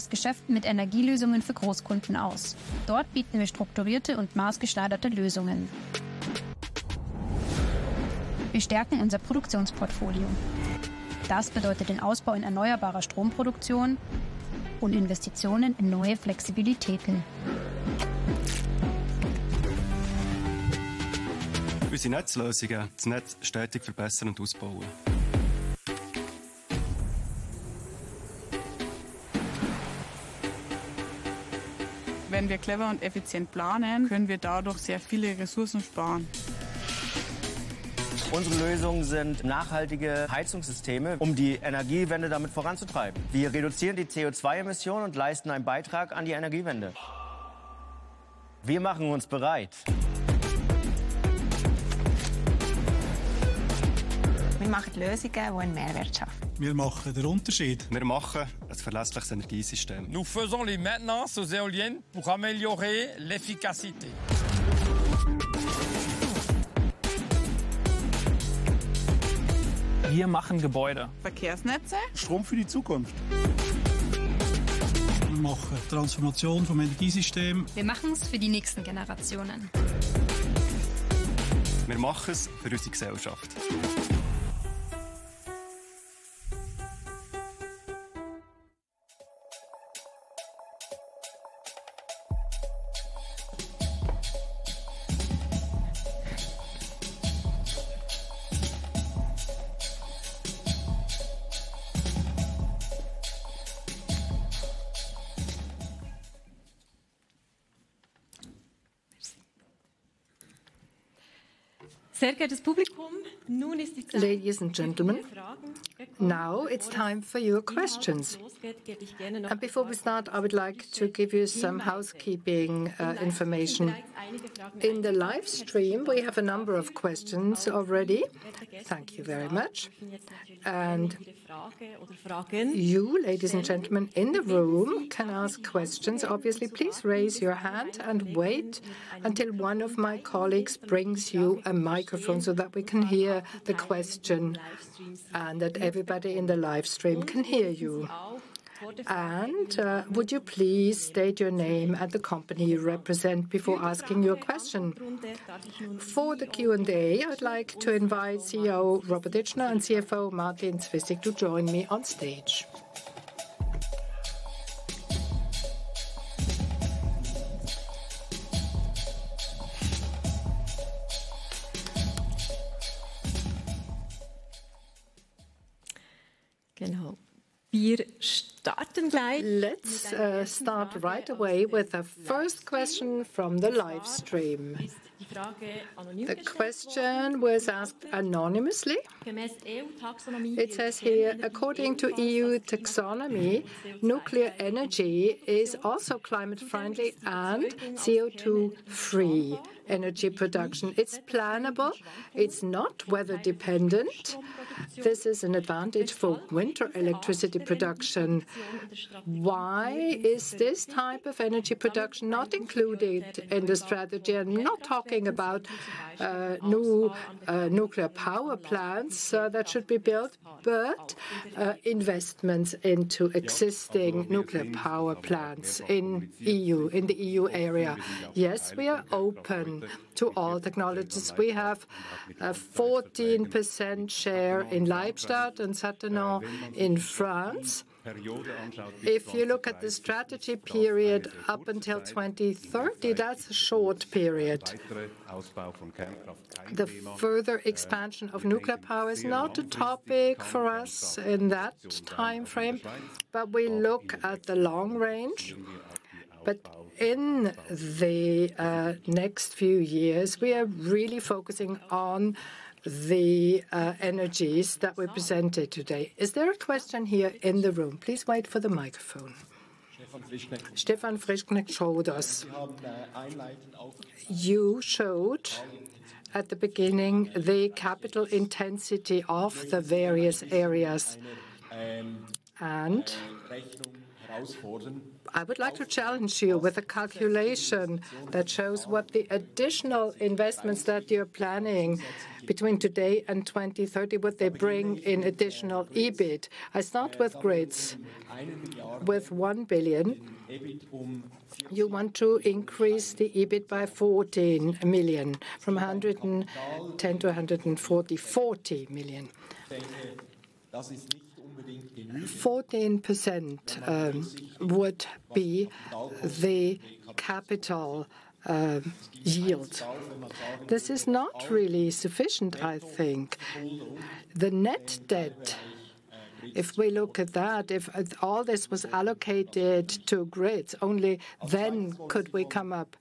we are clever on efficient plan. Ladies and gentlemen, now it's time for your questions. Before we start, I would like to give you some housekeeping information in the livestream. We have a number of questions already. Thank you very much. You ladies and gentlemen in the room can ask questions obviously. Please raise your hand and wait until one of my colleagues brings you a microphone so that we can hear the question and that everybody in the live stream can hear you, and would you please state your name and the company you represent before asking your question for the Q&A. I'd like to invite CEO Robert Itschner and CFO Martin Zwyssig to join me on stage. Let's start right away with the first question from the live stream. The question was asked anonymously. It says here, according to EU taxonomy, nuclear energy is also climate friendly and CO2 free Energy Production. It's plannable, it's not weather dependent. This is an advantage for winter electricity production. Why is this type of Energy Production not included in the strategy? I'm not talking about new nuclear power plants that should be built, but investments into existing nuclear power plants in EU. In the EU area, yes, we are open to all technologies. We have a 14% share in Leibstadt and Cattenom in France. If you look at the strategy period up until 2030, that's a short period. The further expansion of nuclear power is not a topic for us in that time frame, but we look at the long range. But in the next few years we are really focusing on the energies that we presented today. Is there a question here in the room? Please wait for the microphone. Stefan Sewckow showed us. You showed at the beginning the capital intensity of the various areas. And I would like to challenge you with a calculation that shows what the additional investments that you're planning between today and 2030 would they bring in additional EBIT? I start with grids with 1 billion. You want to increase the EBIT by 14 million from 110 million-140 million. 14% would be the capital yield. This is not really sufficient. I think the net debt, if we look at that, if all this was allocated to grids, only then could we come up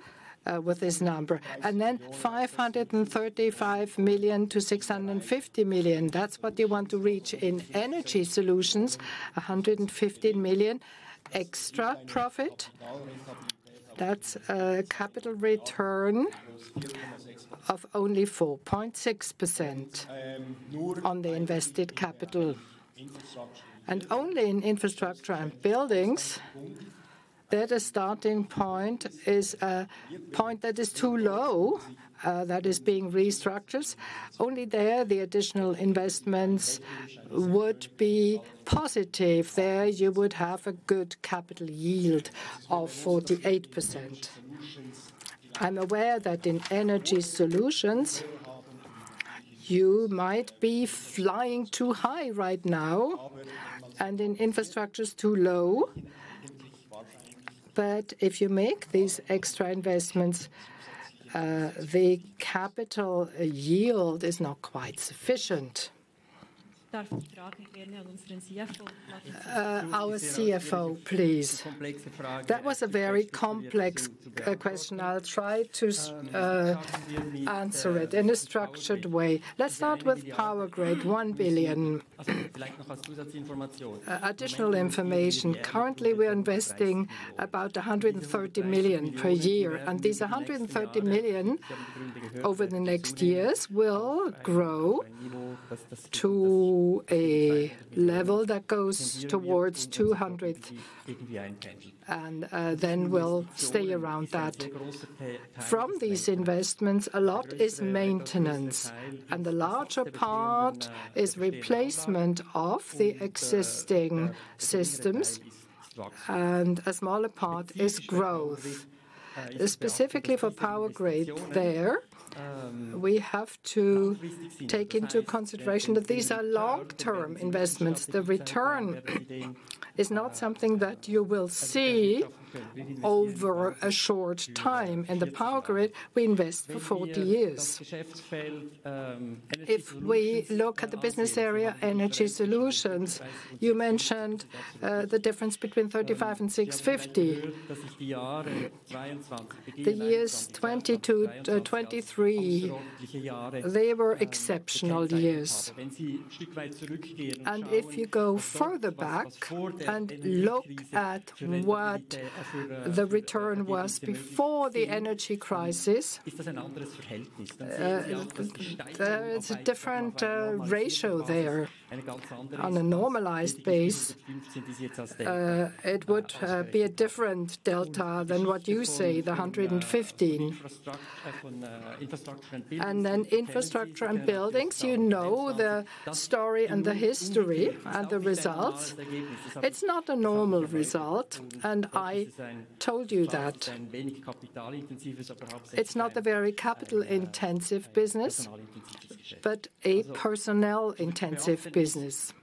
with this number. And then 535 million-650 million. That's what you want to reach in Energy Solutions. 115 million extra profit. That's capital return of only 4.6% on the invested capital and only in Infrastructure and Buildings. That as a starting point is a point that is too low, that is being restructured. Only there the additional investments would be positive. There you would have a good capital yield of 48%. I'm aware that in Energy Solutions you might be flying too high right now and in infrastructures too low. But if you make these extra investments, the capital yield is not quite sufficient. CFO please. That was a very complex question. I'll try to answer it in a structured way. Let's start with Power Grid 1 billion. Additional information. Currently we are investing about 130 million per year. And these 130 million over the next years will grow to a level that goes towards 200 million and then we'll stay around that. From these investments a lot is maintenance and the larger part is replacement of the existing systems and a smaller part is growth. Specifically for Power Grid there we have to take into consideration that these are long-term investments. The return is not something that you will see over a short time. In the Power Grid we invest for 40 years. If we look at the business area, Energy Solutions, you mentioned the difference between 35 and 650, the years 2022, 2023, they were exceptional years. And if you go further back and look at what the return was before the energy crisis, there is a different ratio there. On a normalized base it would be a different delta than what you say the 115 and then Infrastructure and Buildings. You know the story and the history and the results. It's not a normal result and I told you that it's not the very capital-intensive business, but a personnel-intensive business.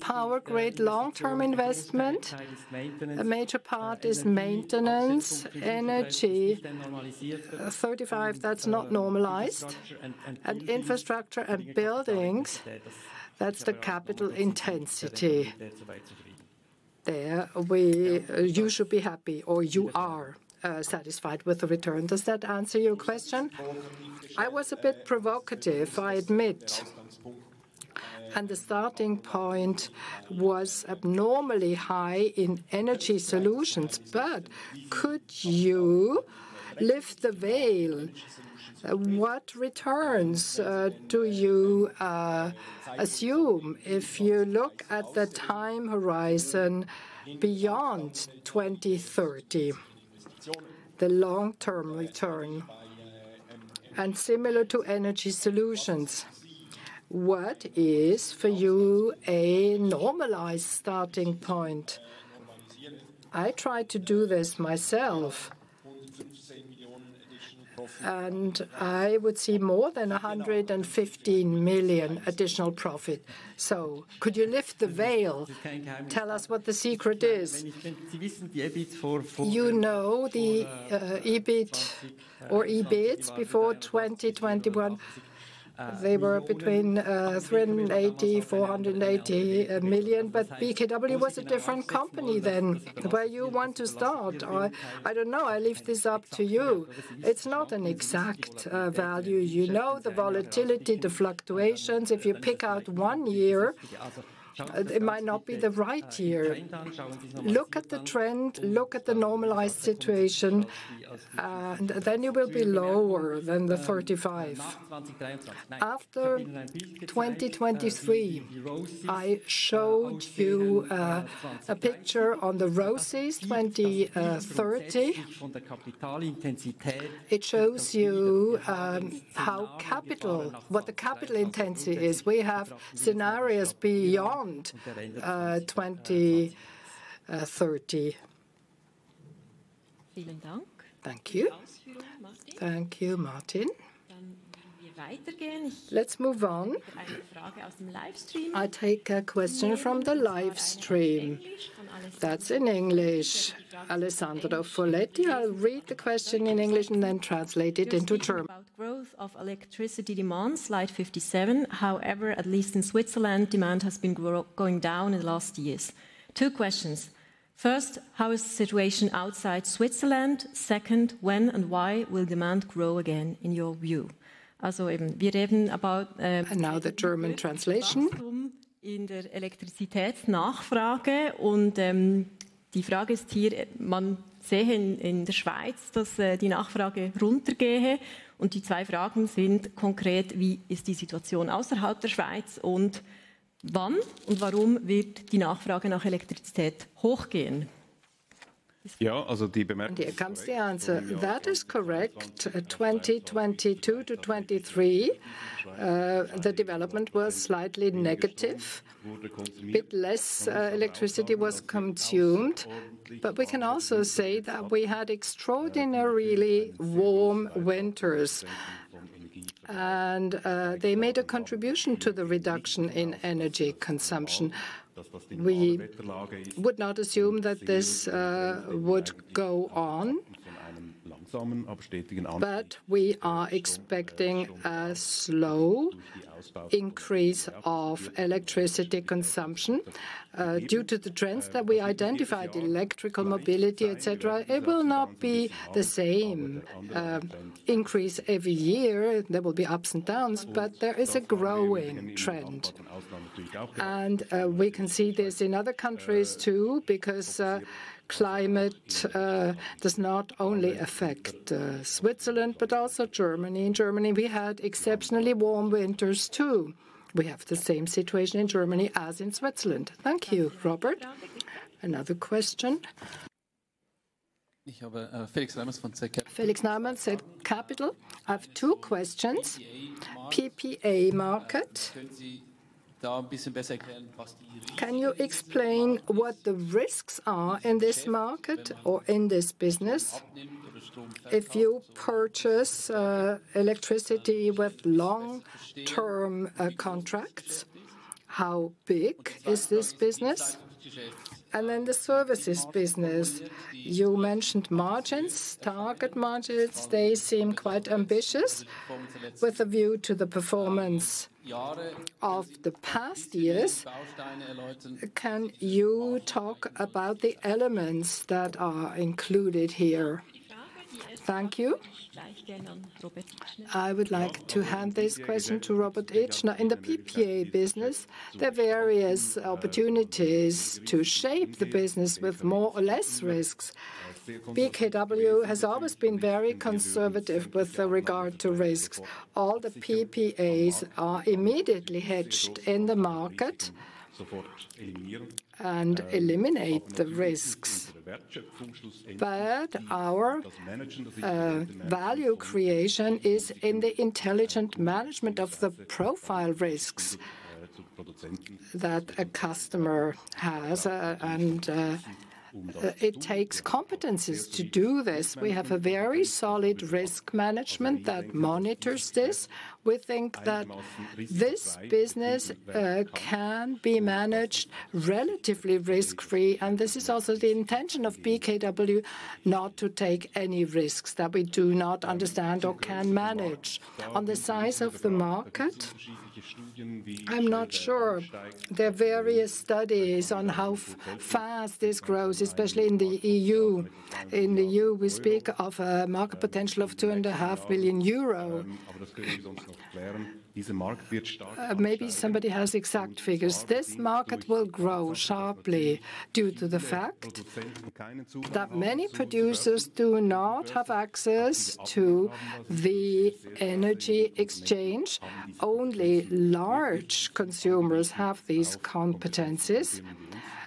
Power Grid long-term investment, a major part is maintenance, energy 35, that's not normalized and Infrastructure and Buildings. That's the capital intensity there. You should be happy or you are satisfied with the return. Does that answer your question? I was a bit provocative, I admit. The starting point was abnormally high in Energy Solutions. Could you lift the veil? What returns do you assume if you look at the time horizon beyond 20, 30, 30, the long-term return and similar to Energy Solutions, what is for you a normalized starting point? I tried to do this myself and I would see more than 115 million additional profit. Could you lift the veil? Tell us what the secret is. You know the EBIT or EBITDA. Before 2021 they were between 380 million and 480 million. BKW was a different company then. Where you want to start? I don't know. I leave this up to you. It's not an exact value. You know the volatility, the fluctuations. If you pick out one year, it might not be the right year. Look at the trend, look at the normalized situation. Then you will be lower than the 35 after 2023. I showed you a picture on the ROCEs. 2030 on the capital intensity. It shows you how capital, what the capital intensity is. We have scenarios beyond 2030. Thank you. Thank you, Martin. Let's move on. I take a question from the live stream that's in English. Alessandro Foletti. I'll read the question in English and then translate it into German. Growth of electricity demand. Slide 57. However, at least in Switzerland, demand has been going down in the last years. Two questions. First, how is the situation outside Switzerland? Second, when and why will demand grow. Again in your view? And now the German translation. Here comes the answer. That is correct. 2022-20. In 1993 the development was slightly negative. Less electricity was consumed. But we can also say that we had extraordinarily warm winters and they made a contribution to the reduction in energy consumption. We would not assume that this would go off. But we are expecting a slow increase of electricity consumption due to the trends that we identified. Electrical mobility, etc. It will not be the same increase every year. There will be ups and downs. But there is a growing trend. And we can see this in other countries too. Because climate does not only affect Switzerland, but also Germany. And Germany we had exceptionally warm winters too. We have the same situation in Germany as in Switzerland. Thank you, Robert. Another question. Felix. I have two questions. PPA market, can you explain what the risks are in this market or in this business? If you purchase electricity with long-term contracts, how big is this business? And then the services business you mentioned, margins, target margins, they say, seem quite ambitious. With a view to the performance of the past years. Can you talk about the elements that are included here? Thank you. I would like to hand this question to Robert Itschner. Now, in the PPA business there are various opportunities to shape the business with more or less risks. BKW has always been very conservative with regard to risks. All the PPAs are immediately hedged in the market and eliminate the risks. But our value creation is in the intelligent management of the profile risks that a customer has. And it takes competencies to do this. We have a very solid risk management that monitors this. We think that this business can be managed relatively risk free. And this is also the intention of BKW not to take any risks that we do not understand or can manage on the size of the market. I'm not sure. There are various studies on how fast this grows, especially in the EU. In the EU we speak of a market potential of 2.5 billion euro. Maybe somebody has exact figures. This market will grow sharply due to the fact that many producers do not have access to the energy exchange. Only large consumers have these competencies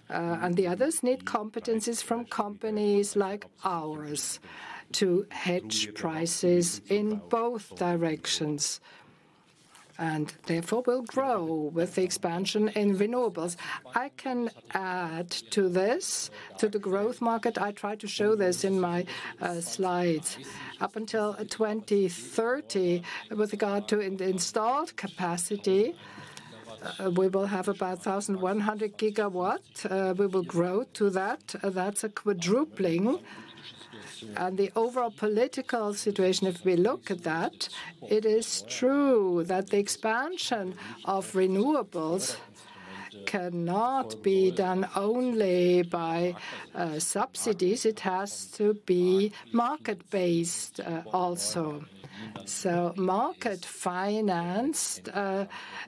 and the others need competencies from companies like ours to hedge prices in both directions and therefore will grow with the expansion in renewables. I can add to this to the growth market. I can try to show this in my slides. Up until 2030 with regard to installed capacity, we will have about 1,100 GW. We will grow to that. That's a quadrupling, and the overall political situation, if we look at that, it is true that the expansion of renewables cannot be done only by subsidies. It has to be market based also, so market financed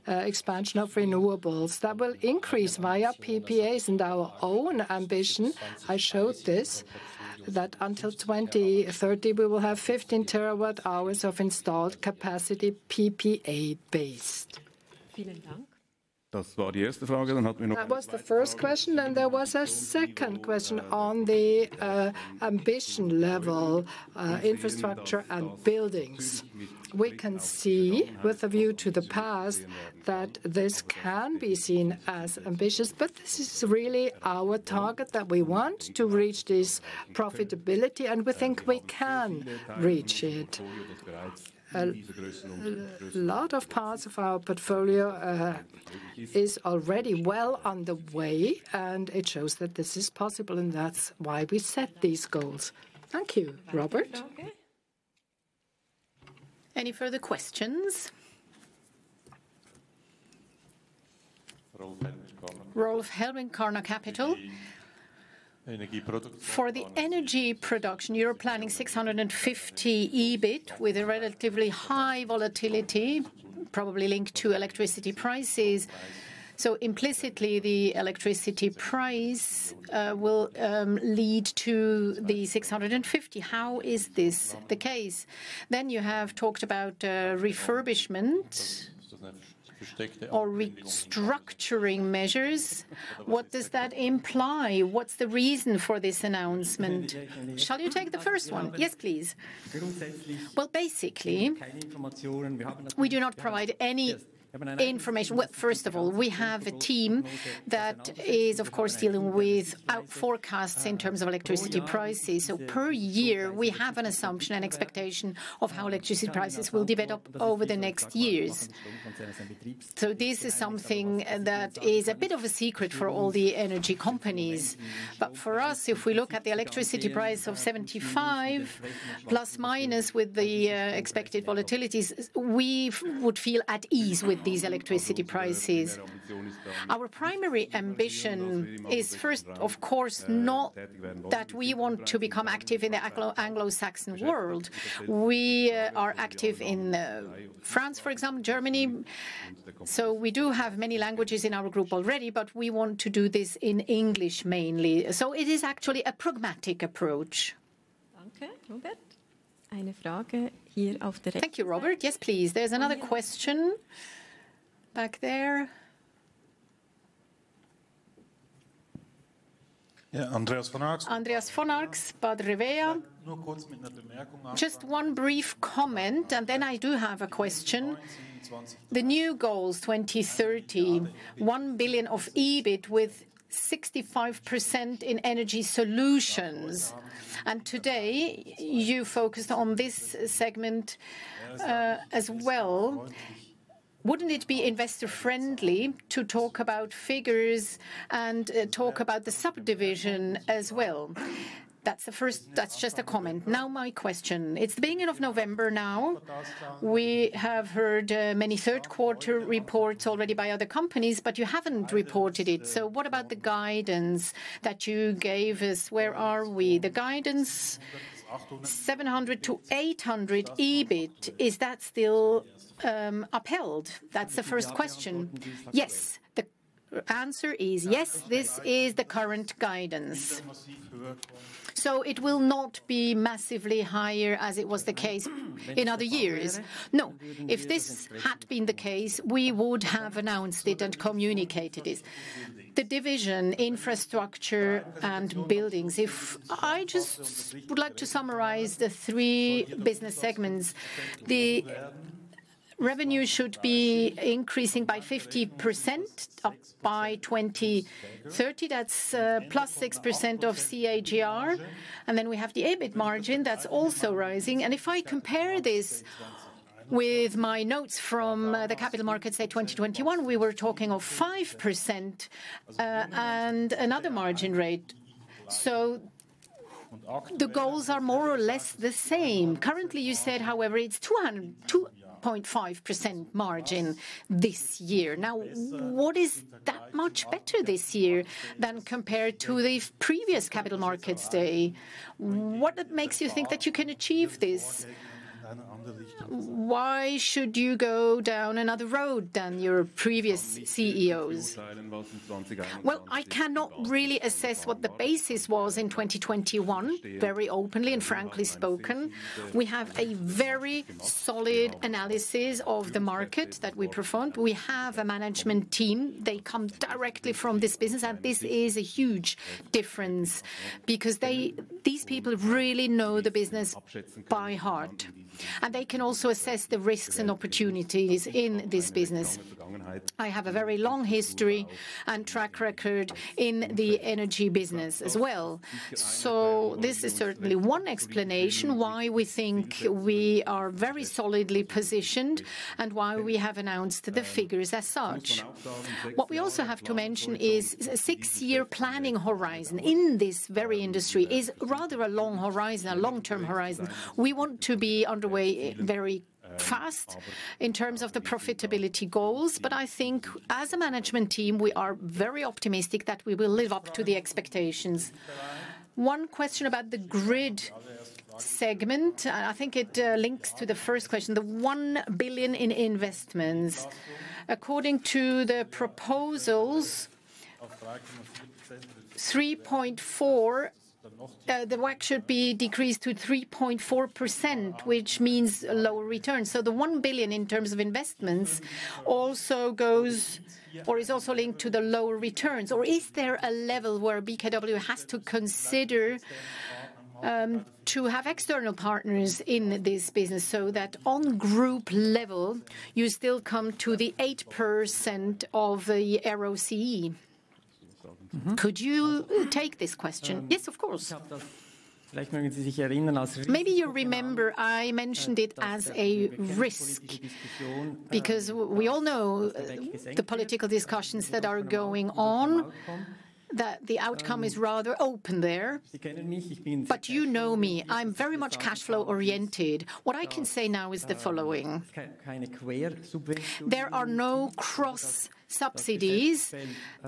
expansion of renewables that will increase via PPAs and our own ambition. I showed this that until 2030 we will have 15 TWh of installed capacity, PPA based. That was the first question and there was a second question on the ambition level, Infrastructure and Buildings. We can see with a view to the past that this can be seen as ambitious, but this is really our target that we want to reach this profitability and we think we can reach it. A lot of parts of our portfolio is already well underway and it shows that this is possible and that's why we set these goals. Thank you, Robert. Any further questions? Ralph, Helikon Investments, for the Energy Production you're planning 650 EBIT with a relatively high volatility, probably linked to electricity prices. So implicitly the electricity price will lead to the 650. How is this the case then? You have talked about refurbishment, restructuring measures. What does that imply? What's the reason for this announcement? Shall you take the first one? Yes, please. Well, basically we do not provide any information. First of all, we have a team that is of course dealing with our forecasts in terms of electricity prices. So per year we have an assumption and expectation of how electricity prices will develop over the next years. So this is something that is a bit of a secret for all the energy companies. But for us, if we look at the electricity price of 75± with the expected volatilities, we would feel at ease with these electricity prices. Our primary ambition is first of course, not that we want to become active in the Anglo Saxon world. We are active in France. For example Germany. So we do have many languages in our group already. But we want to do this in English mainly. So it is actually a pragmatic approach. Thank you, Robert. Yes, please. There's another question back there. Andreas von Arx, Baader Helvea. Just one brief comment and then I do have a question. The new goals 2.031 billion of EBIT with 65% in Energy Solutions. And today you focused on this segment as well. Wouldn't it be investor friendly to talk about figures and talk about the subdivision as well? That's the first. That's just a comment. Now my question: it's the beginning of November. Now we have heard many third quarter reports already by other companies, but you haven't reported it. So what about the guidance that you gave us? Where are we? The guidance 700-800 EBIT, is that still upheld? That's the first question. Yes. The answer is yes, this is the current guidance. So it will not be massively higher as it was the case in other years. No, if this had been the case, we would have announced it and communicated it. The division, Infrastructure and buildings. If I just would like to summarize the three business segments. The revenue should be increasing by 50% by 2030. That's +6% of CAGR. And then we have the EBIT margin that's also rising. If I compare this with my notes from the Capital Markets Day, say 2021, we were talking of 5% and another margin rate. The goals are more or less the same currently you said. However, it's 2.5% margin this year. Now what is that much better this year than compared to the previous Capital Markets Day. What makes you think that you can achieve this? Why should you go down another road than your previous CEOs? I cannot really assess what the basis was in 2021. Very openly and frankly spoken. We have a very solid analysis of the market that we performed. We have a management team. They come directly from this business and this is a huge difference because these people really know the business by heart and they can also assess the risks and opportunities in this business. I have a very long history and track record in the energy business as well. So this is certainly one explanation why we think we are very solidly positioned and why we have announced the figures as such. What we also have to mention is a six-year planning horizon in this very industry is rather a long horizon, a long-term horizon. We want to be underway very fast in terms of the profitability goals. But I think as a management team, we are very optimistic that we will live up to the expectations. One question about the grid segment, I think it links to the first question. The 1 billion in investments, according to the proposals 3.4, the WACC should be decreased to 3.4% which means lower return. So the 1 billion in terms of investments also goes or is also linked to the lower returns. Or is there a level where BKW has to consider to have external partners in this business so that on group level you still come to the 8% of the ROCE? Could you take this question? Yes, of course. Maybe you remember I mentioned it as a risk because we all know the political discussions that are going on, that the outcome is rather open there. But you know me, I'm very much cash flow oriented. What I can say now is the following. There are no cross subsidies.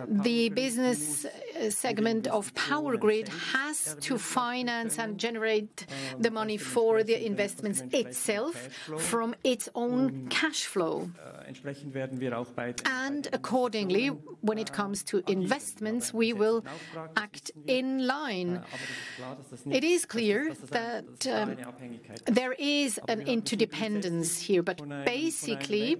The business segment of Power Grid has to finance and generate the money for the investments itself from its own cash flow. And accordingly, when it comes to investments, we will act in line. It is clear that there is an interdependence here. But basically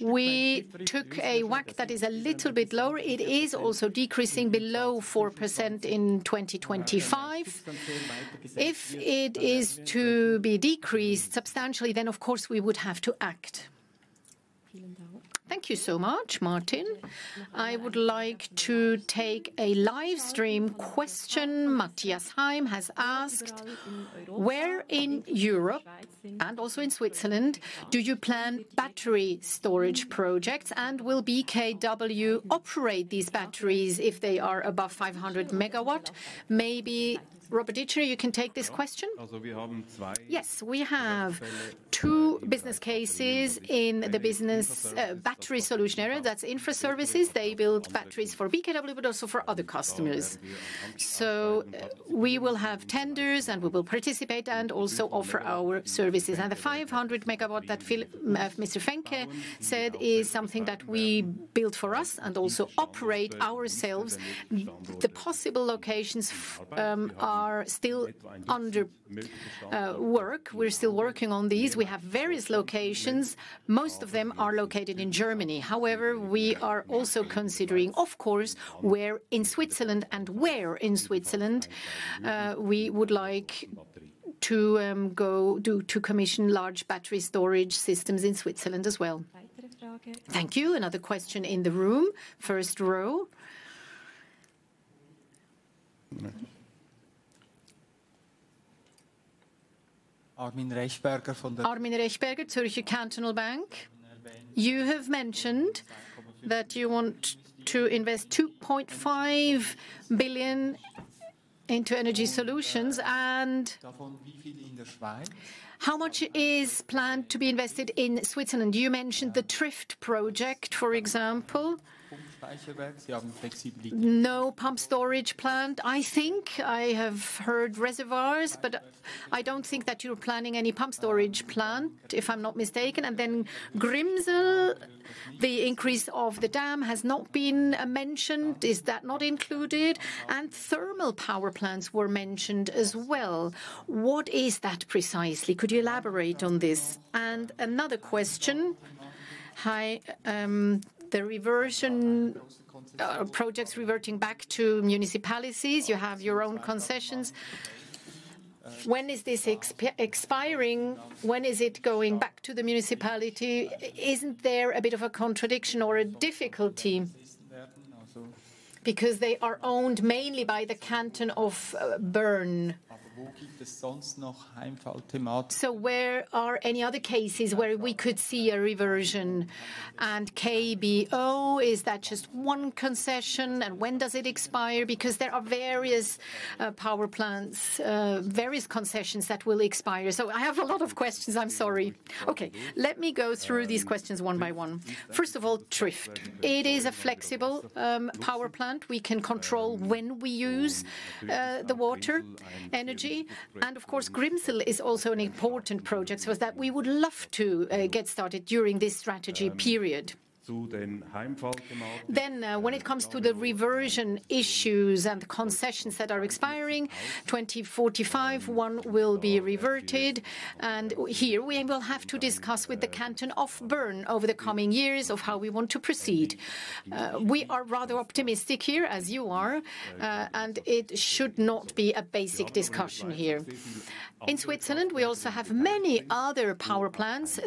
we took a WACC that is a little bit lower. It is also decreasing below 4% in 2025. If it is to be decreased substantially, then of course we would have to act. Thank you so much, Martin. I would like to take a live stream question. Matthias Heim has asked where in Europe and also in Switzerland do you plan battery storage projects and will BKW operate these batteries if they are above 500 MW, maybe. Robert Itschner, you can take this question. Yes, we have two business cases in the business battery solutions, that's Infra Services. They build batteries for BKW but also for other customers. So we will have tenders and we will participate and also offer our services. And the 500 MW that Mr. Fecke said is something that we built for us and also operate ourselves. The possible locations are still under work. We're still working on these. We have various locations. Most of them are located in Germany. However, we are also considering of course where in Switzerland and where in Switzerland? We would like to commission large battery storage systems in Switzerland as well. Thank you. Another question in the room, first row, Armin Rechberger, Zürcher Kantonalbank. You have mentioned that you want to invest 2.5 billion into Energy Solutions. And how much is planned to be invested in Switzerland? You mentioned the Trift project, for example. No project pumped storage plant. I think I have heard reservoirs, but I don't think that you're planning any pumped storage plant. If I'm not mistaken. And then Grimsel, the increase of the dam has not been mentioned. Is that not included? And thermal power plants were mentioned as well. What is that precisely? Could you elaborate on this? And another question. Hi. The reversion projects reverting back to municipalities. You have your own concessions. When is this expiring? When is it going back to the municipality? Isn't there a bit of a contradiction or a difficulty? Because they are owned mainly by the Canton of Bern. So where are any other cases where we could see a reversion? And KWO is that just one concession? And when does it expire? Because there are various power plants, various concessions that will expire. So I have a lot of questions. I'm sorry. Okay, let me go through these questions one by one. First of all, Trift, it is a flexible power plant. We can control when we use the water energy. And of course Grimsel is also an important project that we would love to get started during this strategy period. Then, when it comes to the reversion issues and concessions that are expiring 2045, one will be reverted. Here we will have to discuss with the Canton of Bern over the coming years of how we want to proceed. We are rather optimistic here, as you are, and it should not be a basic discussion. Here in Switzerland we also have many other power plants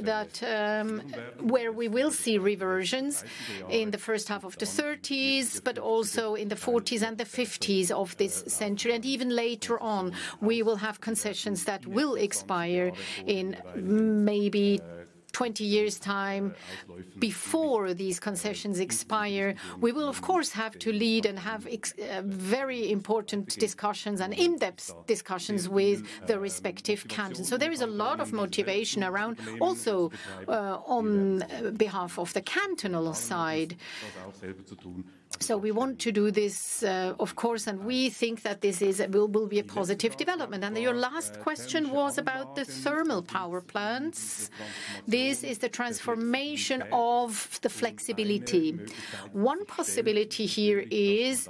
where we will see reversions in the first half of the 30s, but also in the 40s and the 50s of this century. Even later on we will have concessions that will expire in maybe 20 years time. Before these concessions expire, we will of course have to lead and have very important discussions and in depth discussions with the respective cantons. There is a lot of motivation around also on behalf of the cantonal side. We want to do this, of course, and we think that this will be a positive development. And your last question was about the thermal power plants. This is the transformation of the flexibility. One possibility here is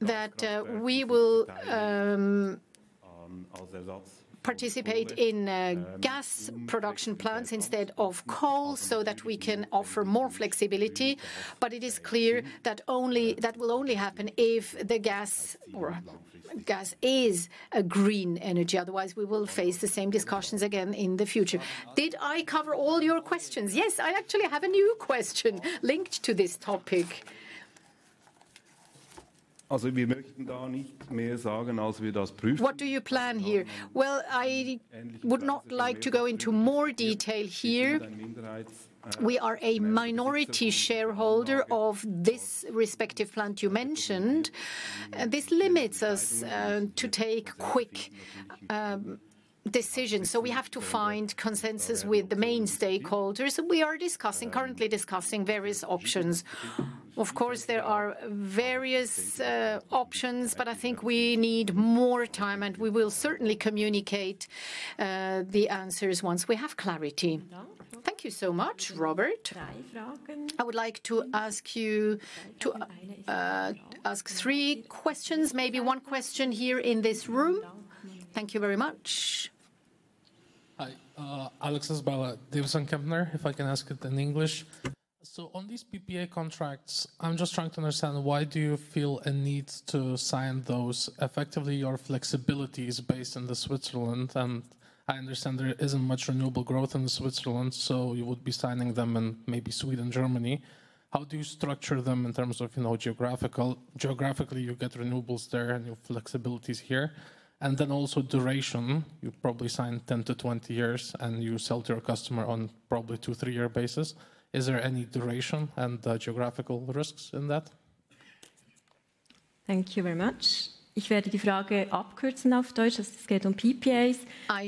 that we will participate in gas production plants instead of coal, so that we can offer more flexibility. But it is clear that only that will only happen if the gas is a green energy. Otherwise we will face the same discussions again in the future. Did I cover all your questions? Yes, I actually have a new question linked to this topic. What do you plan here? Well, I would not like to go into more detail here. We are a minority shareholder of this respective plant you mentioned. This limits us to take quick decisions. So we have to find consensus with the main stakeholders. We are currently discussing various options. Of course, there are various options. But I think we need more time and we will certainly communicate the answers once we have clarity. Thank you so much. Robert, I would like to ask you to ask three questions, maybe one question here in this room. Thank you very much. Hi Alex. Isabella Davidson-Kempner. If I can ask it in English. So on these PPA contracts I'm just trying to understand why do you feel a need to sign those? Effectively your flexibility is based in Switzerland and I understand there isn't much renewable growth in Switzerland so you would be signing them in maybe Sweden, Germany. How do you structure them in terms of geographically you get renewables there and your flexibilities here. And then also duration, you probably sign 10-20 years and you sell to your customer on probably two, three year basis. Is there any duration and geographical risks in that? Thank you very much. I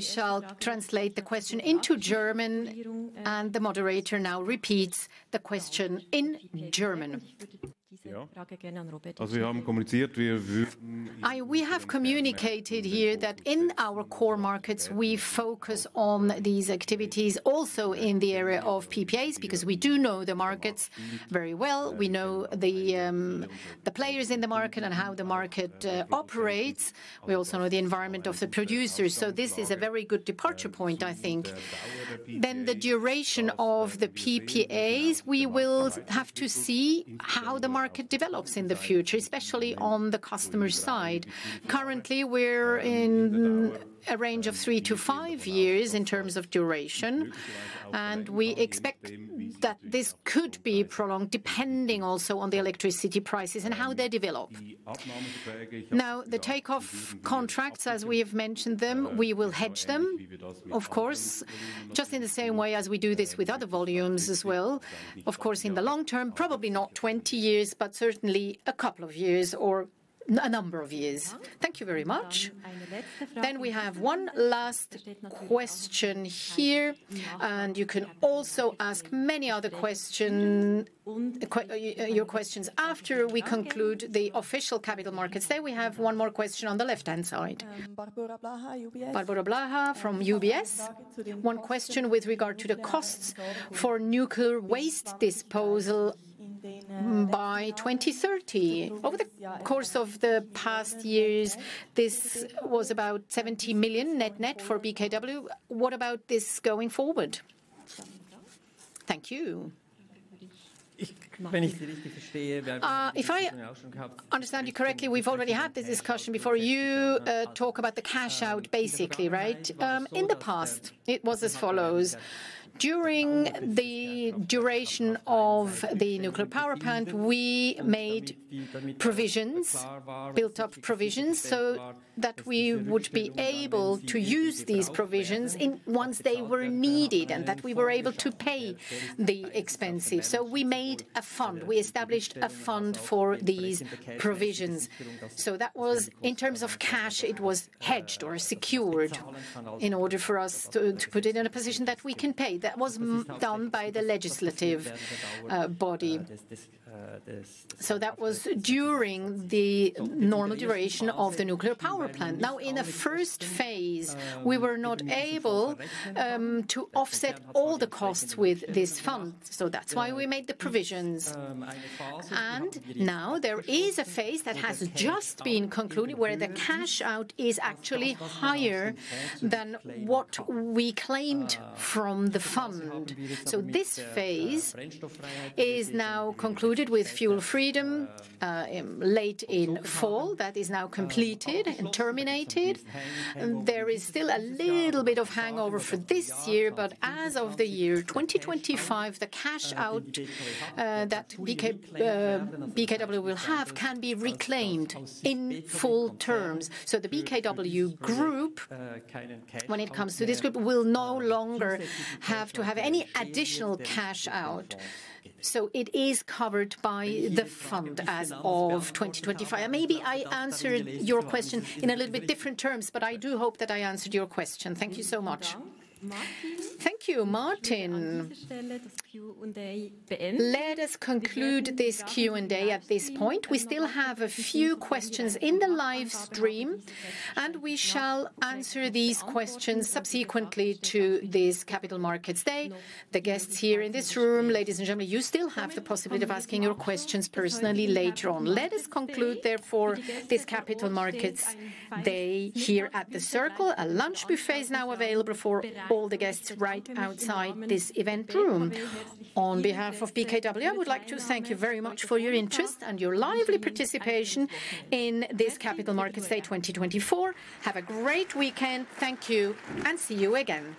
shall translate the question into German and the moderator now repeats the question in German. We have communicated here that in our core markets we focus on these activities also in the area of PPAs because we do know the markets very well. We know the players in the market and how the market operates. We also know the environment of the producers. So this is a very good departure point. I think then the duration of the PPAs we will have to see how the market develops in the future, especially on the customer side. Currently we're in a range of three to five years in terms of duration and we expect that this could be prolonged depending also on the electricity prices and how they develop. Now the offtake contracts as we have mentioned them, we will hedge them of course, just in the same way as we do this with other volumes as well. Of course in the long term, probably not 20 years, but certainly a couple of years or a number of years. Thank you very much. Then we have one last question here and you can also ask many other questions after we conclude the official Capital Markets Day. We have one more question on the left hand side. Barbora Blaha from UBS. One question with regard to the costs for nuclear waste disposal by 2030 over the course of the past years this was about 70 million net net for BKW. What about this going forward? Thank you. If I understand you correctly, we've already had this discussion before. You talk about the cash out basically, right? In the past it was as follows. During the duration of the nuclear power plant we made provisions, built up provisions so that we would be able to use these provisions once they were needed and that we were able to pay the expenses, so we made a fund, we established a fund for these provisions, so that was in terms of cash, it was hedged or secured in order for us to put it in a position that we can pay. That was done by the legislative body, so that was during the normal duration of the nuclear power plant. Now in the first phase we were not able to offset all the costs with this fund, so that's why we made the provisions, and now there is a phase that has just been concluded where the cash out is actually higher than what we claimed from the fund. So this phase is now concluded with fuel-free status late in fall that is now completed and terminated. There is still a little bit of hangover for this year, but as of the year 2025 the cash out that we as BKW will have can be reclaimed in full terms. So the BKW Group, when it comes to this group, will no longer have to have any additional cash out. So it is covered by the fund as of 2025. Maybe I answered your question in a little bit different terms, but I do hope that I answered your question. Thank you so much. Thank you Martin. Let us conclude this Q&A. At this point we still have a few questions in the livestream and we shall answer these questions subsequently to this Capital Markets Day. The guests here in this room, ladies and gentlemen, you still have the possibility of asking your questions personally later on. Let us conclude therefore this Capital Markets Day here at The Circle. A lunch break is now available for all the guests right outside this event room. On behalf of BKW, I would like to thank you very much for your interest and your lively participation in this Capital Markets Day 2024. Have a great weekend. Thank you and see you again.